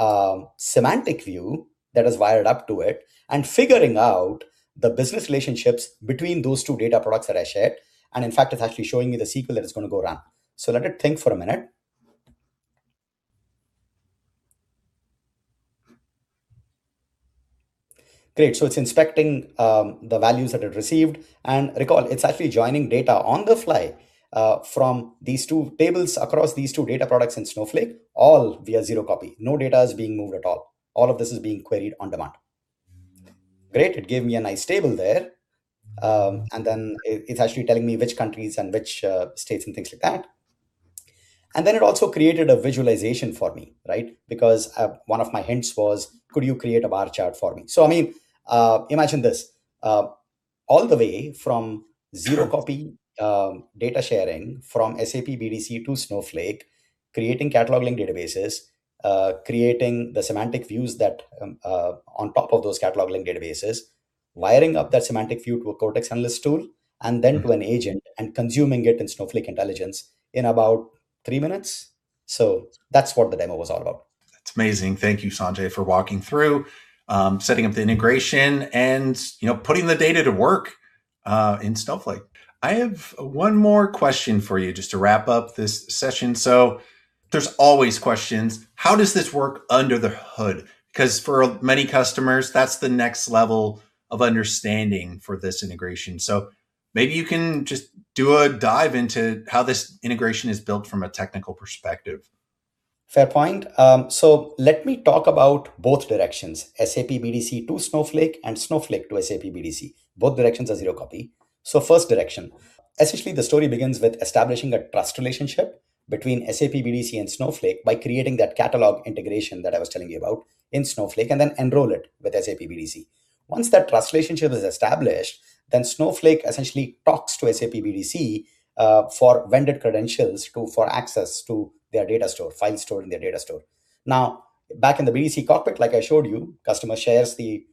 Speaker 17: semantic view that is wired up to it and figuring out the business relationships between those two data products that I shared. In fact, it's actually showing me the SQL that is going to go around. Let it think for a minute. Great. It's inspecting the values that it received, and recall, it's actually joining data on the fly from these two tables across these two data products in Snowflake, all via Zero Copy. No data is being moved at all. All of this is being queried on demand. Great. It gave me a nice table there. It's actually telling me which countries and which states and things like that. It also created a visualization for me, right? Because one of my hints was, could you create a bar chart for me? I mean, imagine this. All the way from zero-copy data sharing from SAP BDC to Snowflake, creating catalog-linked databases, creating the semantic views on top of those catalog-linked databases, wiring up that semantic view to a Cortex Analyst tool, and then to an agent, and consuming it in Snowflake Intelligence in about 3 minutes. That's what the demo was all about.
Speaker 16: That's amazing. Thank you, Sanjay, for walking through setting up the integration and putting the data to work in Snowflake. I have one more question for you just to wrap up this session. There's always questions. How does this work under the hood? Because for many customers, that's the next level of understanding for this integration. Maybe you can just do a dive into how this integration is built from a technical perspective.
Speaker 17: Fair point. Let me talk about both directions, SAP BDC to Snowflake and Snowflake to SAP BDC. Both directions are zero-copy. First direction. Essentially, the story begins with establishing a trust relationship between SAP BDC and Snowflake by creating that catalog integration that I was telling you about in Snowflake, and then enroll it with SAP BDC. Once that trust relationship is established, then Snowflake essentially talks to SAP BDC for vendor credentials for access to their data store, file store in their data store. Now, back in the BDC cockpit, like I showed you, customer shares the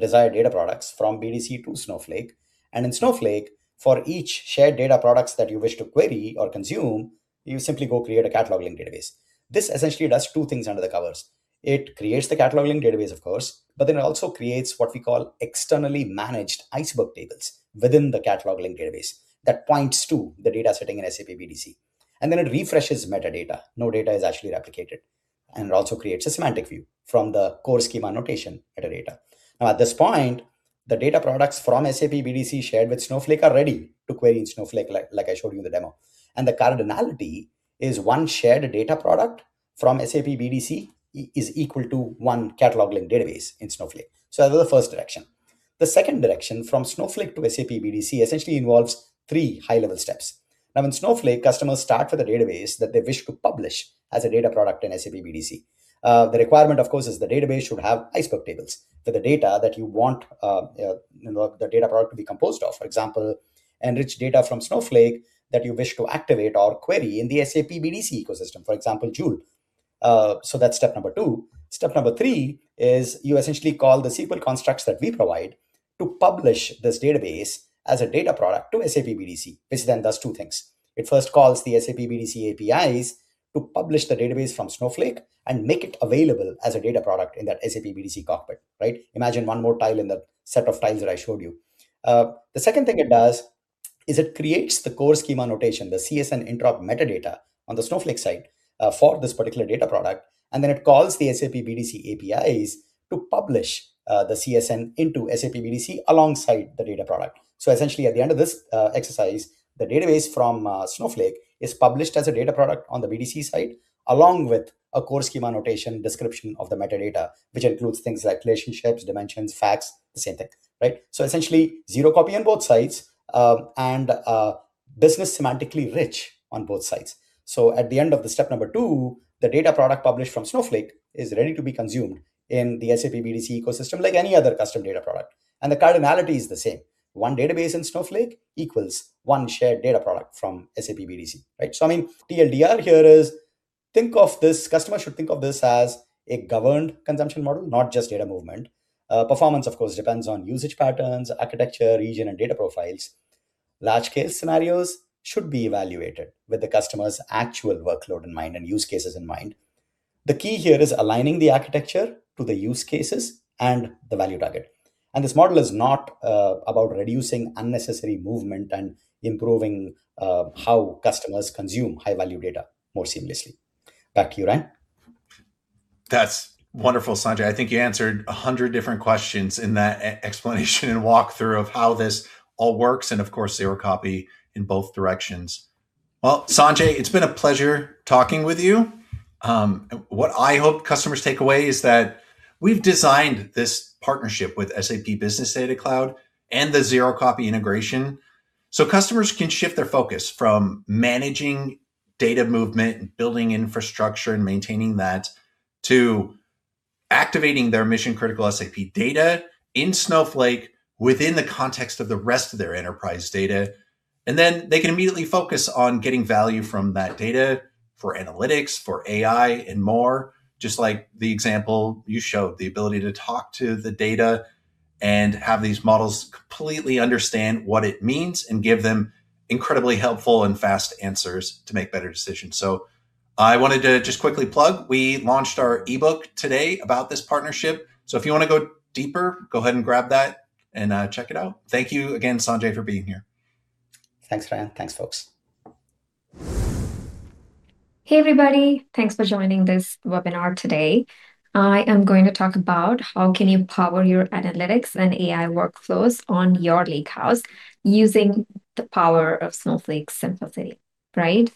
Speaker 17: desired data products from BDC to Snowflake. In Snowflake, for each shared data products that you wish to query or consume, you simply go create a catalog-linked database. This essentially does two things under the covers. It creates the catalog-linked database, of course, but then it also creates what we call externally managed Iceberg tables within the catalog-linked database that points to the data sitting in SAP BDC. It refreshes metadata. No data is actually replicated. It also creates a semantic view from the Core Schema Notation metadata. Now, at this point, the data products from SAP BDC shared with Snowflake are ready to query in Snowflake like I showed you in the demo. The cardinality is one shared data product from SAP BDC is equal to one catalog-linked database in Snowflake. That was the first direction. The second direction from Snowflake to SAP BDC essentially involves three high-level steps. Now in Snowflake, customers start with a database that they wish to publish as a data product in SAP BDC. The requirement, of course, is the database should have Iceberg tables for the data that you want the data product to be composed of, for example, enrich data from Snowflake that you wish to activate or query in the SAP BDC ecosystem. For example, Joule. That's step number two. Step number three is you essentially call the SQL constructs that we provide to publish this database as a data product to SAP BDC, which then does two things. It first calls the SAP BDC APIs to publish the database from Snowflake and make it available as a data product in that SAP BDC cockpit. Imagine one more tile in the set of tiles that I showed you. The second thing it does is it creates the Core Schema Notation, the CSN and metadata on the Snowflake side for this particular data product, and then it calls the SAP BDC APIs to publish the CSN into SAP BDC alongside the data product. Essentially at the end of this exercise, the database from Snowflake is published as a data product on the BDC side, along with a Core Schema Notation description of the metadata, which includes things like relationships, dimensions, facts, the same thing. Essentially, zero-copy on both sides, and business-semantically rich on both sides. At the end of the step number 2, the data product published from Snowflake is ready to be consumed in the SAP BDC ecosystem like any other custom data product. The cardinality is the same. One database in Snowflake equals one shared data product from SAP BDC. I mean, TLDR here is customers should think of this as a governed consumption model, not just data movement. Performance, of course, depends on usage patterns, architecture, region, and data profiles. Large case scenarios should be evaluated with the customer's actual workload in mind and use cases in mind. The key here is aligning the architecture to the use cases and the value target. This model is not about reducing unnecessary movement and improving how customers consume high-value data more seamlessly. Back to you, Ryan.
Speaker 16: That's wonderful, Sanjay. I think you answered 100 different questions in that explanation and walkthrough of how this all works, and of course, zero-copy in both directions. Well, Sanjay, it's been a pleasure talking with you. What I hope customers take away is that we've designed this partnership with SAP Business Data Cloud and the zero-copy integration so customers can shift their focus from managing data movement and building infrastructure and maintaining that to activating their mission-critical SAP data in Snowflake within the context of the rest of their enterprise data. They can immediately focus on getting value from that data for analytics, for AI, and more. Just like the example you showed, the ability to talk to the data and have these models completely understand what it means and give them incredibly helpful and fast answers to make better decisions. I wanted to just quickly plug. We launched our e-book today about this partnership. If you want to go deeper, go ahead and grab that and check it out. Thank you again, Sanjay, for being here.
Speaker 17: Thanks, Ryan. Thanks, folks.
Speaker 18: Hey, everybody. Thanks for joining this webinar today. I am going to talk about how can you power your analytics and AI workflows on your lakehouse using the power of Snowflake's simplicity. I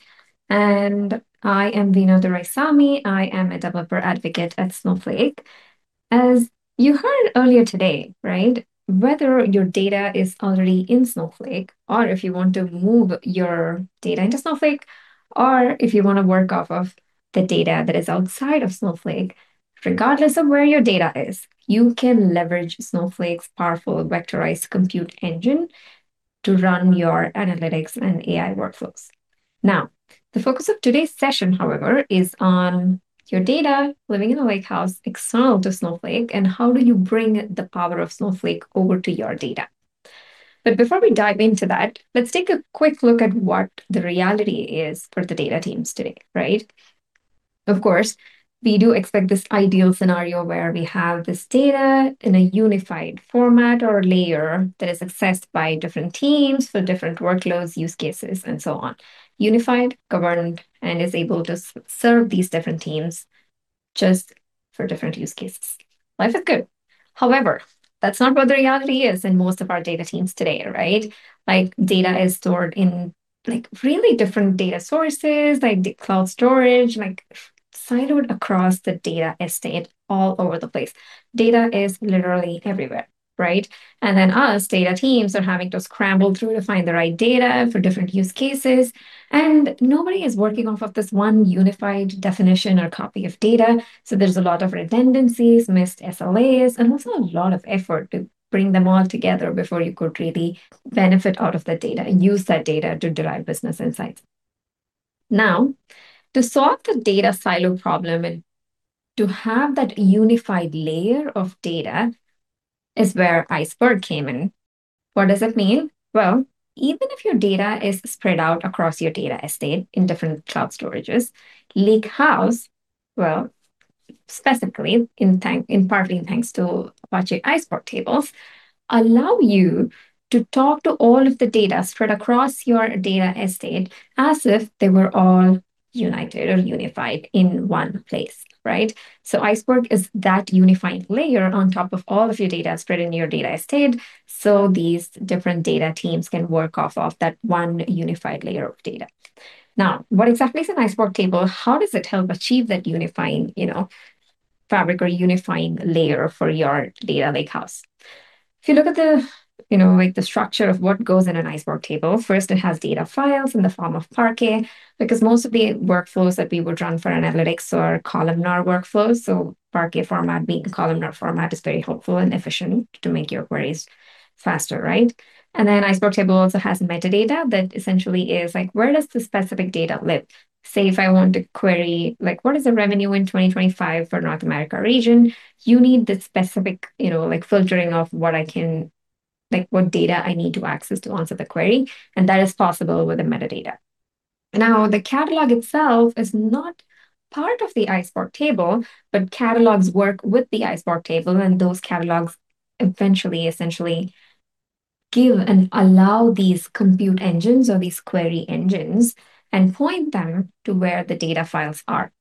Speaker 18: am Vino Duraisamy. I am a Developer Advocate at Snowflake. As you heard earlier today, whether your data is already in Snowflake, or if you want to move your data into Snowflake, or if you want to work off of the data that is outside of Snowflake, regardless of where your data is, you can leverage Snowflake's powerful vectorized compute engine to run your analytics and AI workflows. Now, the focus of today's session, however, is on your data living in a lakehouse external to Snowflake, and how do you bring the power of Snowflake over to your data? Before we dive into that, let's take a quick look at what the reality is for the data teams today. Right? Of course, we do expect this ideal scenario where we have this data in a unified format or layer that is accessed by different teams for different workloads, use cases, and so on. Unified, governed, and is able to serve these different teams just for different use cases. Life is good. However, that's not what the reality is in most of our data teams today, right? Data is stored in really different data sources, like cloud storage, siloed across the data estate all over the place. Data is literally everywhere, right? Us, data teams, are having to scramble through to find the right data for different use cases. Nobody is working off of this one unified definition or copy of data, so there's a lot of redundancies, missed SLAs, and also a lot of effort to bring them all together before you could really benefit out of the data and use that data to derive business insights. Now, to solve the data silo problem and to have that unified layer of data is where Iceberg came in. What does it mean? Well, even if your data is spread out across your data estate in different cloud storages, lakehouse, well, specifically partly thanks to Apache Iceberg tables, allow you to talk to all of the data spread across your data estate as if they were all united or unified in one place, right? Iceberg is that unifying layer on top of all of your data spread in your data estate, so these different data teams can work off of that one unified layer of data. Now, what exactly is an Iceberg table? How does it help achieve that unifying fabric or unifying layer for your data lakehouse? If you look at the structure of what goes in an Iceberg table, first it has data files in the form of Parquet, because most of the workflows that we would run for analytics are columnar workflows, so Parquet format being a columnar format is very helpful and efficient to make your queries faster, right? Then Iceberg table also has metadata that essentially is like, where does the specific data live? Say if I want to query like, what is the revenue in 2025 for North America region? You need this specific filtering of what data I need to access to answer the query, and that is possible with the metadata. Now, the catalog itself is not part of the Iceberg table, but catalogs work with the Iceberg table, and those catalogs eventually essentially give and allow these compute engines or these query engines and point them to where the data files are.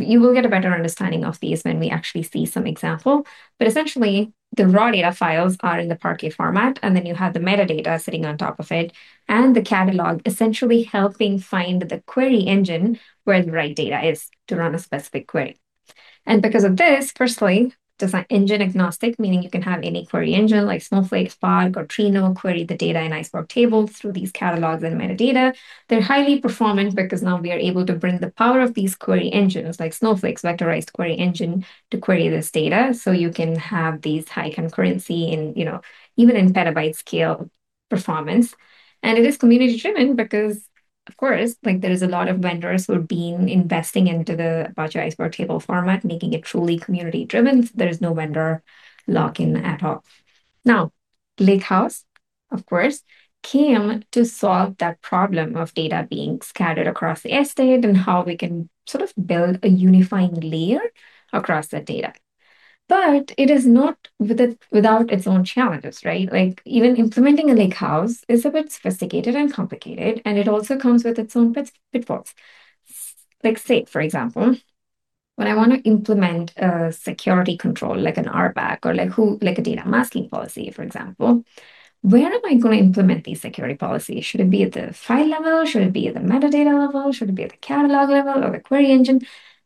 Speaker 18: You will get a better understanding of these when we actually see some example. Essentially, the raw data files are in the Parquet format, and then you have the metadata sitting on top of it, and the catalog essentially helping find the query engine where the right data is to run a specific query. Because of this, firstly, it is engine-agnostic, meaning you can have any query engine, like Snowflake, Spark, or Trino, query the data in Iceberg tables through these catalogs and metadata. They're highly performant because now we are able to bring the power of these query engines, like Snowflake's vectorized query engine, to query this data. You can have these high concurrency even in petabyte scale performance. It is community-driven because, of course, there is a lot of vendors who have been investing into the Apache Iceberg table format, making it truly community-driven, so there is no vendor lock-in at all. Now, lakehouse, of course, came to solve that problem of data being scattered across the estate and how we can sort of build a unifying layer across that data. It is not without its own challenges, right? Even implementing a lakehouse is a bit sophisticated and complicated, and it also comes with its own pitfalls. Like say, for example, when I want to implement a security control, like an RBAC or a data masking policy, for example, where am I going to implement these security policy? Should it be at the file level? Should it be at the metadata level? Should it be at the catalog level or the query engine?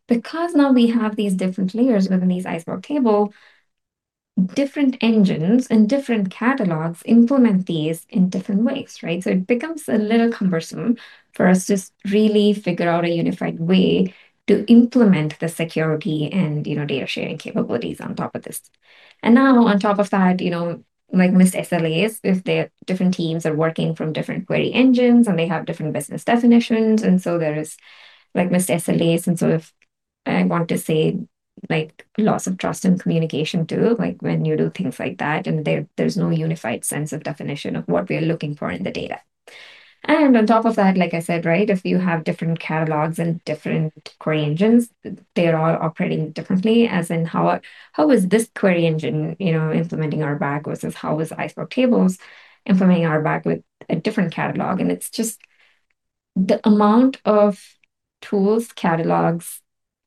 Speaker 18: Because now we have these different layers within this Iceberg table, different engines and different catalogs implement these in different ways, right? So it becomes a little cumbersome for us to really figure out a unified way to implement the security and data sharing capabilities on top of this. Now, on top of that, missed SLAs, if their different teams are working from different query engines, and they have different business definitions, and so there is missed SLAs and sort of, I want to say loss of trust and communication too when you do things like that, and there's no unified sense of definition of what we are looking for in the data. On top of that, like I said, if you have different catalogs and different query engines, they're all operating differently, as in how is this query engine implementing RBAC versus how is Iceberg tables implementing RBAC with a different catalog? It's just the amount of tools, catalogs,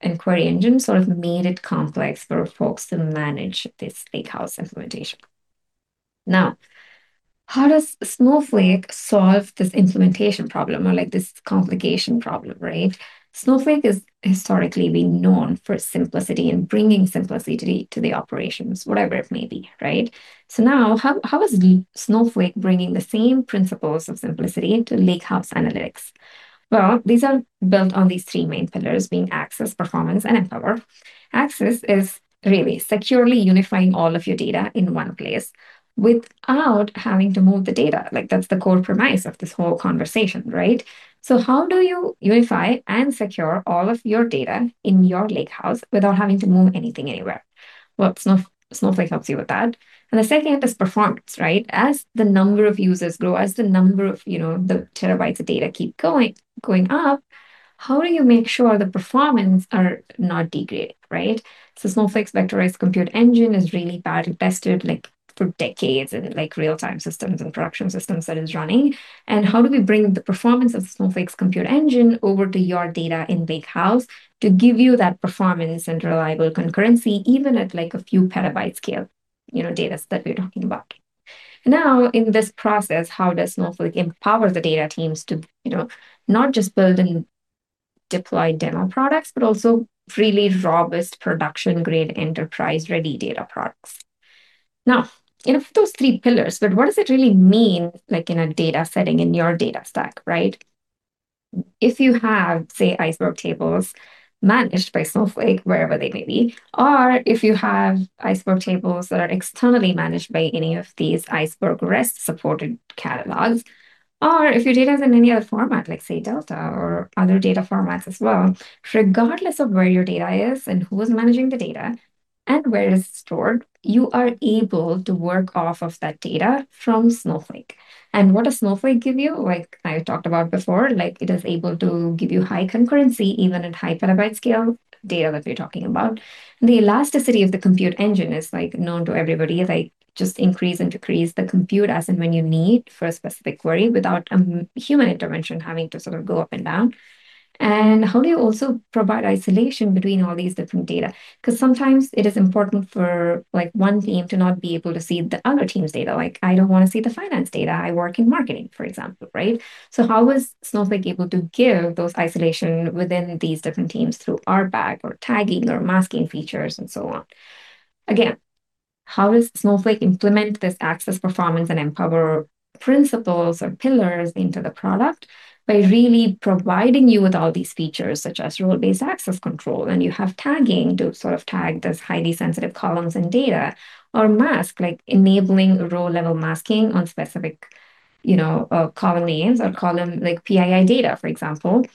Speaker 18: and query engines sort of made it complex for folks to manage this lakehouse implementation. Now, how does Snowflake solve this implementation problem or this complication problem, right? Snowflake is historically being known for its simplicity and bringing simplicity to the operations, whatever it may be, right? Now, how is Snowflake bringing the same principles of simplicity into lakehouse analytics? Well, these are built on these three main pillars, being access, performance, and empower. Access is really securely unifying all of your data in one place without having to move the data. That's the core premise of this whole conversation, right? How do you unify and secure all of your data in your lakehouse without having to move anything anywhere? Well, Snowflake helps you with that. The second thing is performance, right? As the number of users grow, as the number of the terabytes of data keep going up, how do you make sure the performance are not degrading, right? Snowflake's vectorized compute engine is really battle-tested for decades in real-time systems and production systems that it's running. How do we bring the performance of Snowflake's compute engine over to your data in lakehouse to give you that performance and reliable concurrency, even at a few petabyte scale datas that we're talking about? Now, in this process, how does Snowflake empower the data teams to not just build and deploy demo products, but also really robust production-grade enterprise-ready data products? Now, you have those three pillars, but what does it really mean in a data setting in your data stack, right? If you have, say, Iceberg tables managed by Snowflake, wherever they may be, or if you have Iceberg tables that are externally managed by any of these Iceberg REST supported catalogs, or if your data is in any other format, like say Delta or other data formats as well, regardless of where your data is and who is managing the data and where it's stored, you are able to work off of that data from Snowflake. What does Snowflake give you? Like I talked about before, it is able to give you high concurrency, even at high petabyte scale data that we're talking about. The elasticity of the compute engine is known to everybody, like just increase and decrease the compute as and when you need for a specific query without human intervention having to sort of go up and down. How do you also provide isolation between all these different data? Because sometimes it is important for one team to not be able to see the other team's data. Like, I don't want to see the finance data, I work in marketing, for example, right? How is Snowflake able to give those isolation within these different teams through RBAC or tagging or masking features and so on? Again, how does Snowflake implement this access performance and empower principles or pillars into the product? By really providing you with all these features, such as role-based access control, and you have tagging to sort of tag those highly sensitive columns and data, or mask, like enabling row-level masking on specific column names or column like PII data, for example.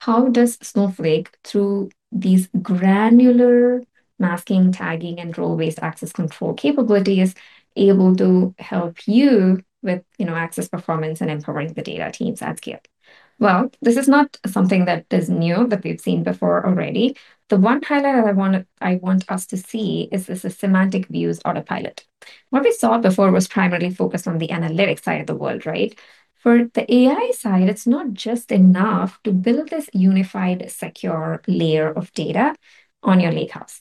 Speaker 18: How does Snowflake, through these granular masking, tagging, and role-based access control capabilities, able to help you with access performance and empowering the data teams at scale? Well, this is not something that is new, that we've seen before already. The one pillar that I want us to see is the Semantic Views Autopilot. What we saw before was primarily focused on the analytics side of the world, right? For the AI side, it's not just enough to build this unified, secure layer of data on your lakehouse.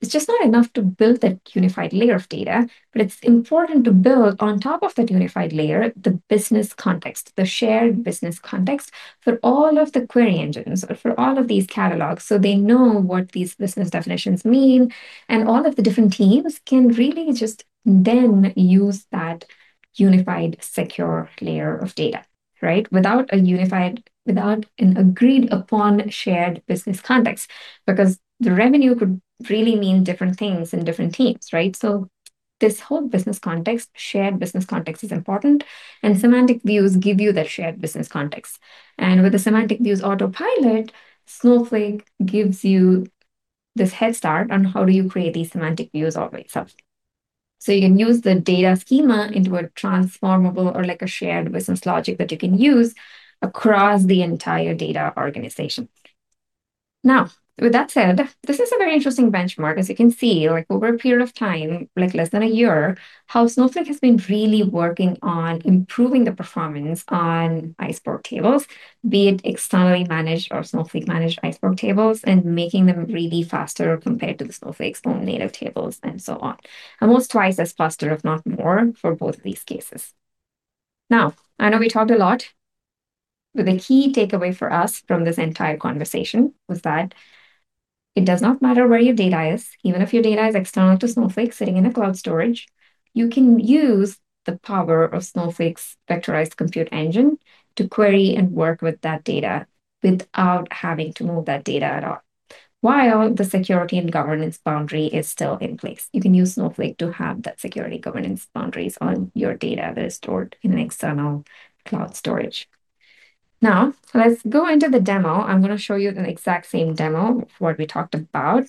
Speaker 18: It's just not enough to build that unified layer of data, but it's important to build, on top of that unified layer, the business context, the shared business context for all of the query engines, for all of these catalogs, so they know what these business definitions mean. All of the different teams can really just then use that unified, secure layer of data, right, without an agreed-upon shared business context. Because the revenue could really mean different things in different teams, right? This whole business context, shared business context, is important, and semantic views give you that shared business context. With the Semantic View Autopilot, Snowflake gives you this head start on how do you create these semantic views all by itself. You can use the data schema into a transformable or a shared business logic that you can use across the entire data organization. Now, with that said, this is a very interesting benchmark. As you can see, over a period of time, less than a year, how Snowflake has been really working on improving the performance on Iceberg tables, be it externally managed or Snowflake-managed Iceberg tables, and making them really faster compared to the Snowflake's own native tables and so on. Almost twice as faster, if not more, for both these cases. Now, I know we talked a lot, but the key takeaway for us from this entire conversation was that it does not matter where your data is. Even if your data is external to Snowflake, sitting in a cloud storage, you can use the power of Snowflake's vectorized compute engine to query and work with that data without having to move that data at all, while the security and governance boundary is still in place. You can use Snowflake to have that security governance boundaries on your data that is stored in an external cloud storage. Now, let's go into the demo. I'm going to show you an exact same demo of what we talked about.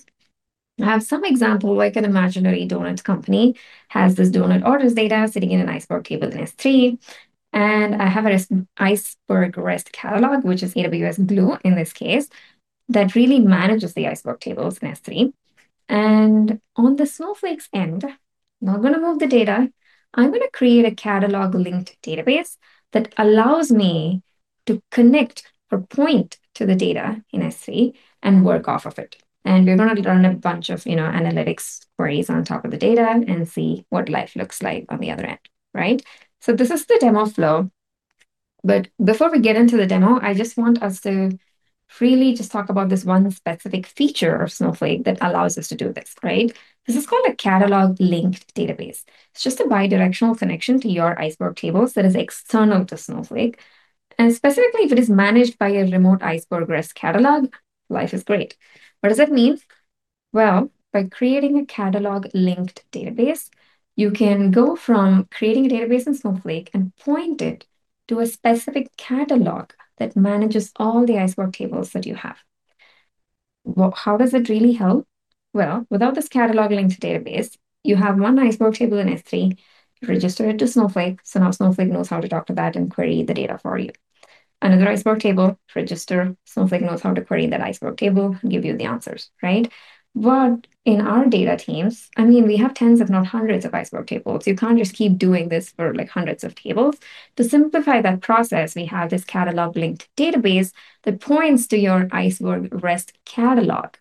Speaker 18: I have some example, like an imaginary donut company has this donut orders data sitting in an Iceberg table in S3, and I have an Iceberg REST catalog, which is AWS Glue in this case, that really manages the Iceberg tables in S3. On the Snowflake's end, not going to move the data. I'm going to create a catalog-linked database that allows me to connect or point to the data in S3 and work off of it. We're going to run a bunch of analytics queries on top of the data and see what life looks like on the other end. Right? This is the demo flow. Before we get into the demo, I just want us to freely just talk about this one specific feature of Snowflake that allows us to do this, right? This is called a catalog-linked database. It's just a bidirectional connection to your Iceberg tables that is external to Snowflake, and specifically, if it is managed by a remote Iceberg REST catalog, life is great. What does that mean? Well, by creating a catalog-linked database, you can go from creating a database in Snowflake and point it to a specific catalog that manages all the Iceberg tables that you have. Well, how does it really help? Well, without this catalog-linked database, you have one Iceberg table in S3. You register it to Snowflake, so now Snowflake knows how to talk to that and query the data for you. Another Iceberg table, register. Snowflake knows how to query that Iceberg table and give you the answers, right? In our data teams, I mean, we have tens if not hundreds of Iceberg tables. You can't just keep doing this for hundreds of tables. To simplify that process, we have this catalog-linked database that points to your Iceberg REST catalog.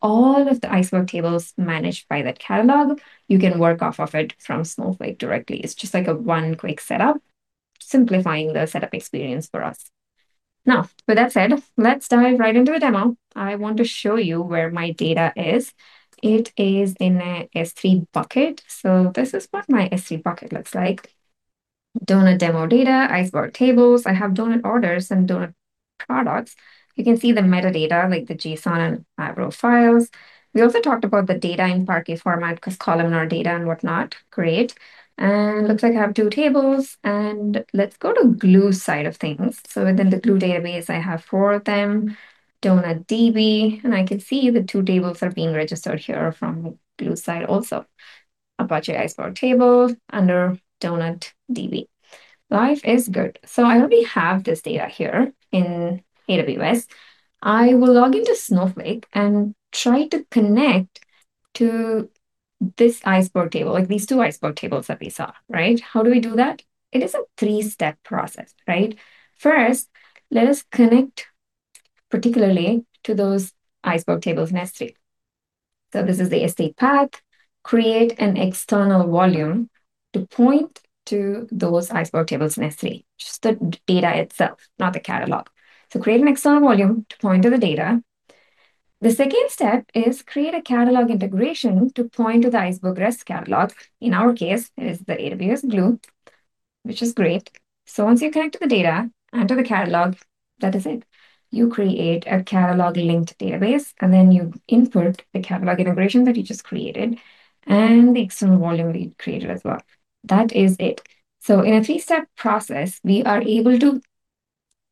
Speaker 18: All of the Iceberg tables managed by that catalog, you can work off of it from Snowflake directly. It's just like a one quick setup, simplifying the setup experience for us. Now, with that said, let's dive right into a demo. I want to show you where my data is. It is in a S3 bucket. This is what my S3 bucket looks like. Donut demo data, Iceberg tables. I have donut orders and donut products. You can see the metadata, like the JSON and Avro files. We also talked about the data in Parquet format because columnar data and whatnot. Great. Looks like I have two tables, and let's go to Glue side of things. Within the Glue database, I have four of them. Donut DB, and I can see the two tables are being registered here from the Glue side also. Apache Iceberg table under Donut DB. Life is good. I already have this data here in AWS. I will log into Snowflake and try to connect to this Iceberg table, like these two Iceberg tables that we saw. Right? How do we do that? It is a three-step process. Right? First, let us connect particularly to those Iceberg tables in S3. This is the S3 path. Create an external volume to point to those Iceberg tables in S3. Just the data itself, not the catalog. Create an external volume to point to the data. The second step is create a catalog integration to point to the Iceberg REST catalog. In our case, it is the AWS Glue, which is great. Once you connect to the data, enter the catalog. That is it. You create a catalog-linked database, and then you input the catalog integration that you just created and the external volume we created as well. That is it. In a three-step process, we are able to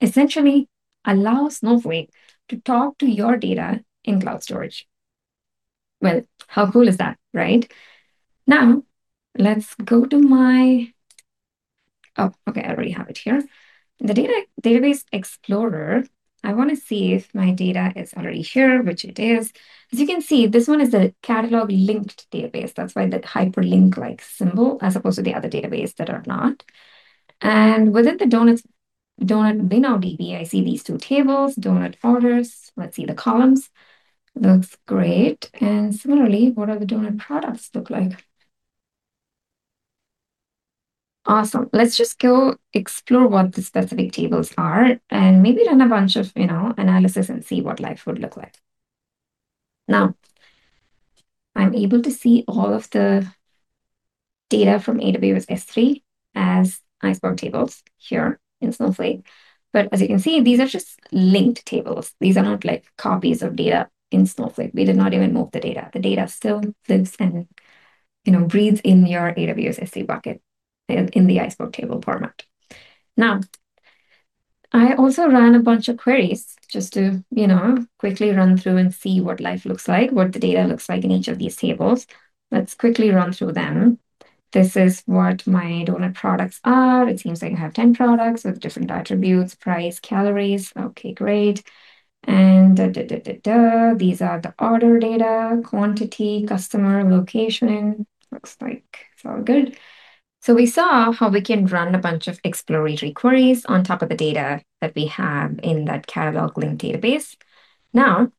Speaker 18: essentially allow Snowflake to talk to your data in cloud storage. Well, how cool is that? Right? Now, let's go to my. Oh, okay, I already have it here. In the Database Explorer, I want to see if my data is already here, which it is. As you can see, this one is a catalog-linked database. That's why the hyperlink-like symbol, as opposed to the other database that are not. Within the DonutBindDB, I see these two tables, Donut Orders. Let's see the columns. Looks great. Similarly, what are the Donut Products look like? Awesome. Let's just go explore what the specific tables are and maybe run a bunch of analysis and see what life would look like. Now, I'm able to see all of the data from AWS S3 as Iceberg tables here in Snowflake. As you can see, these are just linked tables. These are not copies of data in Snowflake. We did not even move the data. The data still lives and breathes in your AWS S3 bucket in the Iceberg table format. Now, I also ran a bunch of queries just to quickly run through and see what life looks like, what the data looks like in each of these tables. Let's quickly run through them. This is what my donut products are. It seems like I have 10 products with different attributes, price, calories. Okay, great. Da, da. These are the order data, quantity, customer, location. Looks like it's all good. We saw how we can run a bunch of exploratory queries on top of the data that we have in that catalog-linked database. Now,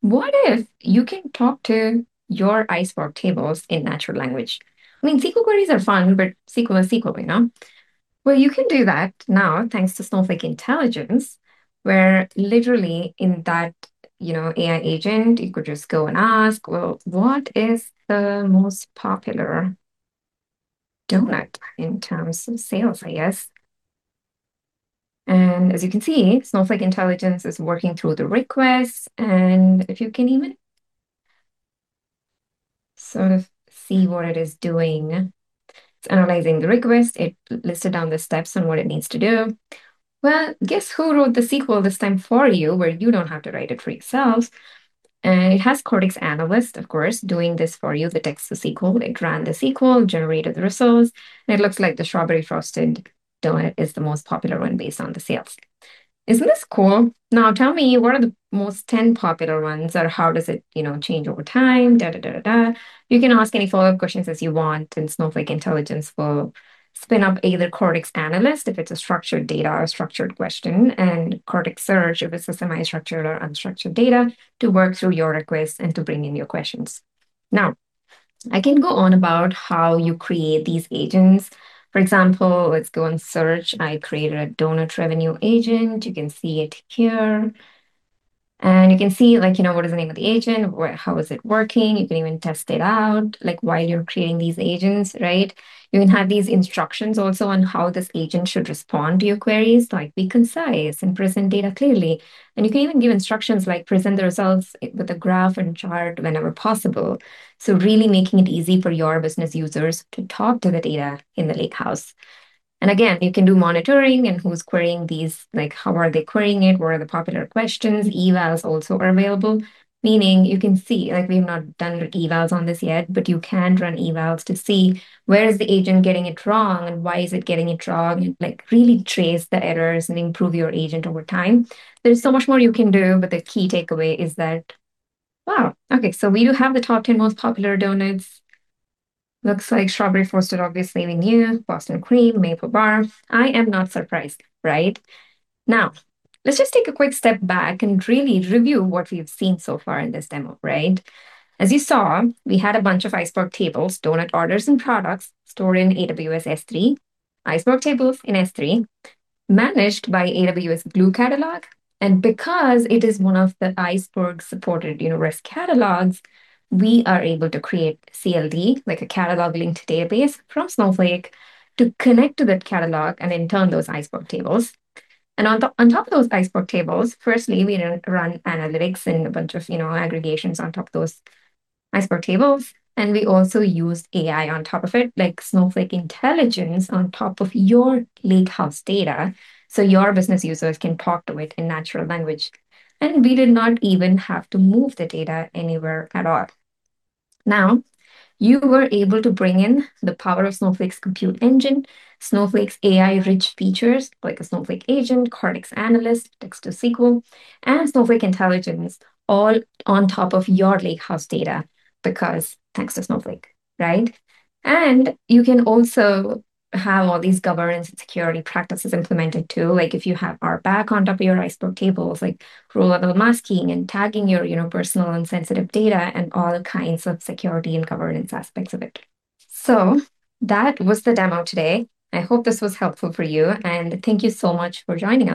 Speaker 18: what if you can talk to your Iceberg tables in natural language? I mean, SQL queries are fun, but SQL is SQL, you know? Well, you can do that now, thanks to Snowflake Intelligence, where literally in that AI agent, you could just go and ask, well, what is the most popular donut in terms of sales, I guess. As you can see, Snowflake Intelligence is working through the requests, and if you can even sort of see what it is doing. It's analyzing the request. It listed down the steps on what it needs to do. Well, guess who wrote the SQL this time for you, where you don't have to write it for yourselves? It has Cortex Analyst, of course, doing this for you, the text-to-SQL. It ran the SQL, generated the results, and it looks like the strawberry frosted donut is the most popular one based on the sales. Isn't this cool? Now tell me, what are the top 10 popular ones, or how does it change over time? You can ask any follow-up questions as you want, and Snowflake Intelligence will spin up either Cortex Analyst, if it's a structured data or structured question, and Cortex Search, if it's a semi-structured or unstructured data to work through your request and to bring in your questions. Now, I can go on about how you create these agents. For example, let's go and search. I created a donut revenue agent. You can see it here. You can see what is the name of the agent? How is it working? You can even test it out while you're creating these agents. Right? You can have these instructions also on how this agent should respond to your queries, like be concise and present data clearly. You can even give instructions like present the results with a graph and chart whenever possible. Really making it easy for your business users to talk to the data in the lakehouse. Again, you can do monitoring and who's querying these, how are they querying it? What are the popular questions? Evals also are available, meaning you can see. We've not done evals on this yet, but you can run evals to see where is the agent getting it wrong, and why is it getting it wrong. Really trace the errors and improve your agent over time. There's so much more you can do, but the key takeaway is that. Wow. Okay, we do have the top 10 most popular donuts. Looks like strawberry frosted, obviously we knew. Boston cream, maple bar. I am not surprised. Right? Now, let's just take a quick step back and really review what we've seen so far in this demo. Right? As you saw, we had a bunch of Iceberg tables, donut orders and products stored in AWS S3, Iceberg tables in S3, managed by AWS Glue Catalog. Because it is one of the Iceberg-supported REST catalogs, we are able to create CLD, like a catalog linked database, from Snowflake to connect to that catalog, and in turn, those Iceberg tables. On top of those Iceberg tables, firstly, we run analytics and a bunch of aggregations on top of those Iceberg tables. We also used AI on top of it, like Snowflake Intelligence on top of your lakehouse data, so your business users can talk to it in natural language. We did not even have to move the data anywhere at all. Now, you were able to bring in the power of Snowflake's compute engine, Snowflake's AI-rich features, like a Snowflake agent, Cortex Analyst, text-to-SQL, and Snowflake Intelligence all on top of your lakehouse data, because thanks to Snowflake. Right? You can also have all these governance and security practices implemented, too. If you have RBAC on top of your Iceberg tables, like row-level masking and tagging your personal and sensitive data and all kinds of security and governance aspects of it. That was the demo today. I hope this was helpful for you, and thank you so much for joining.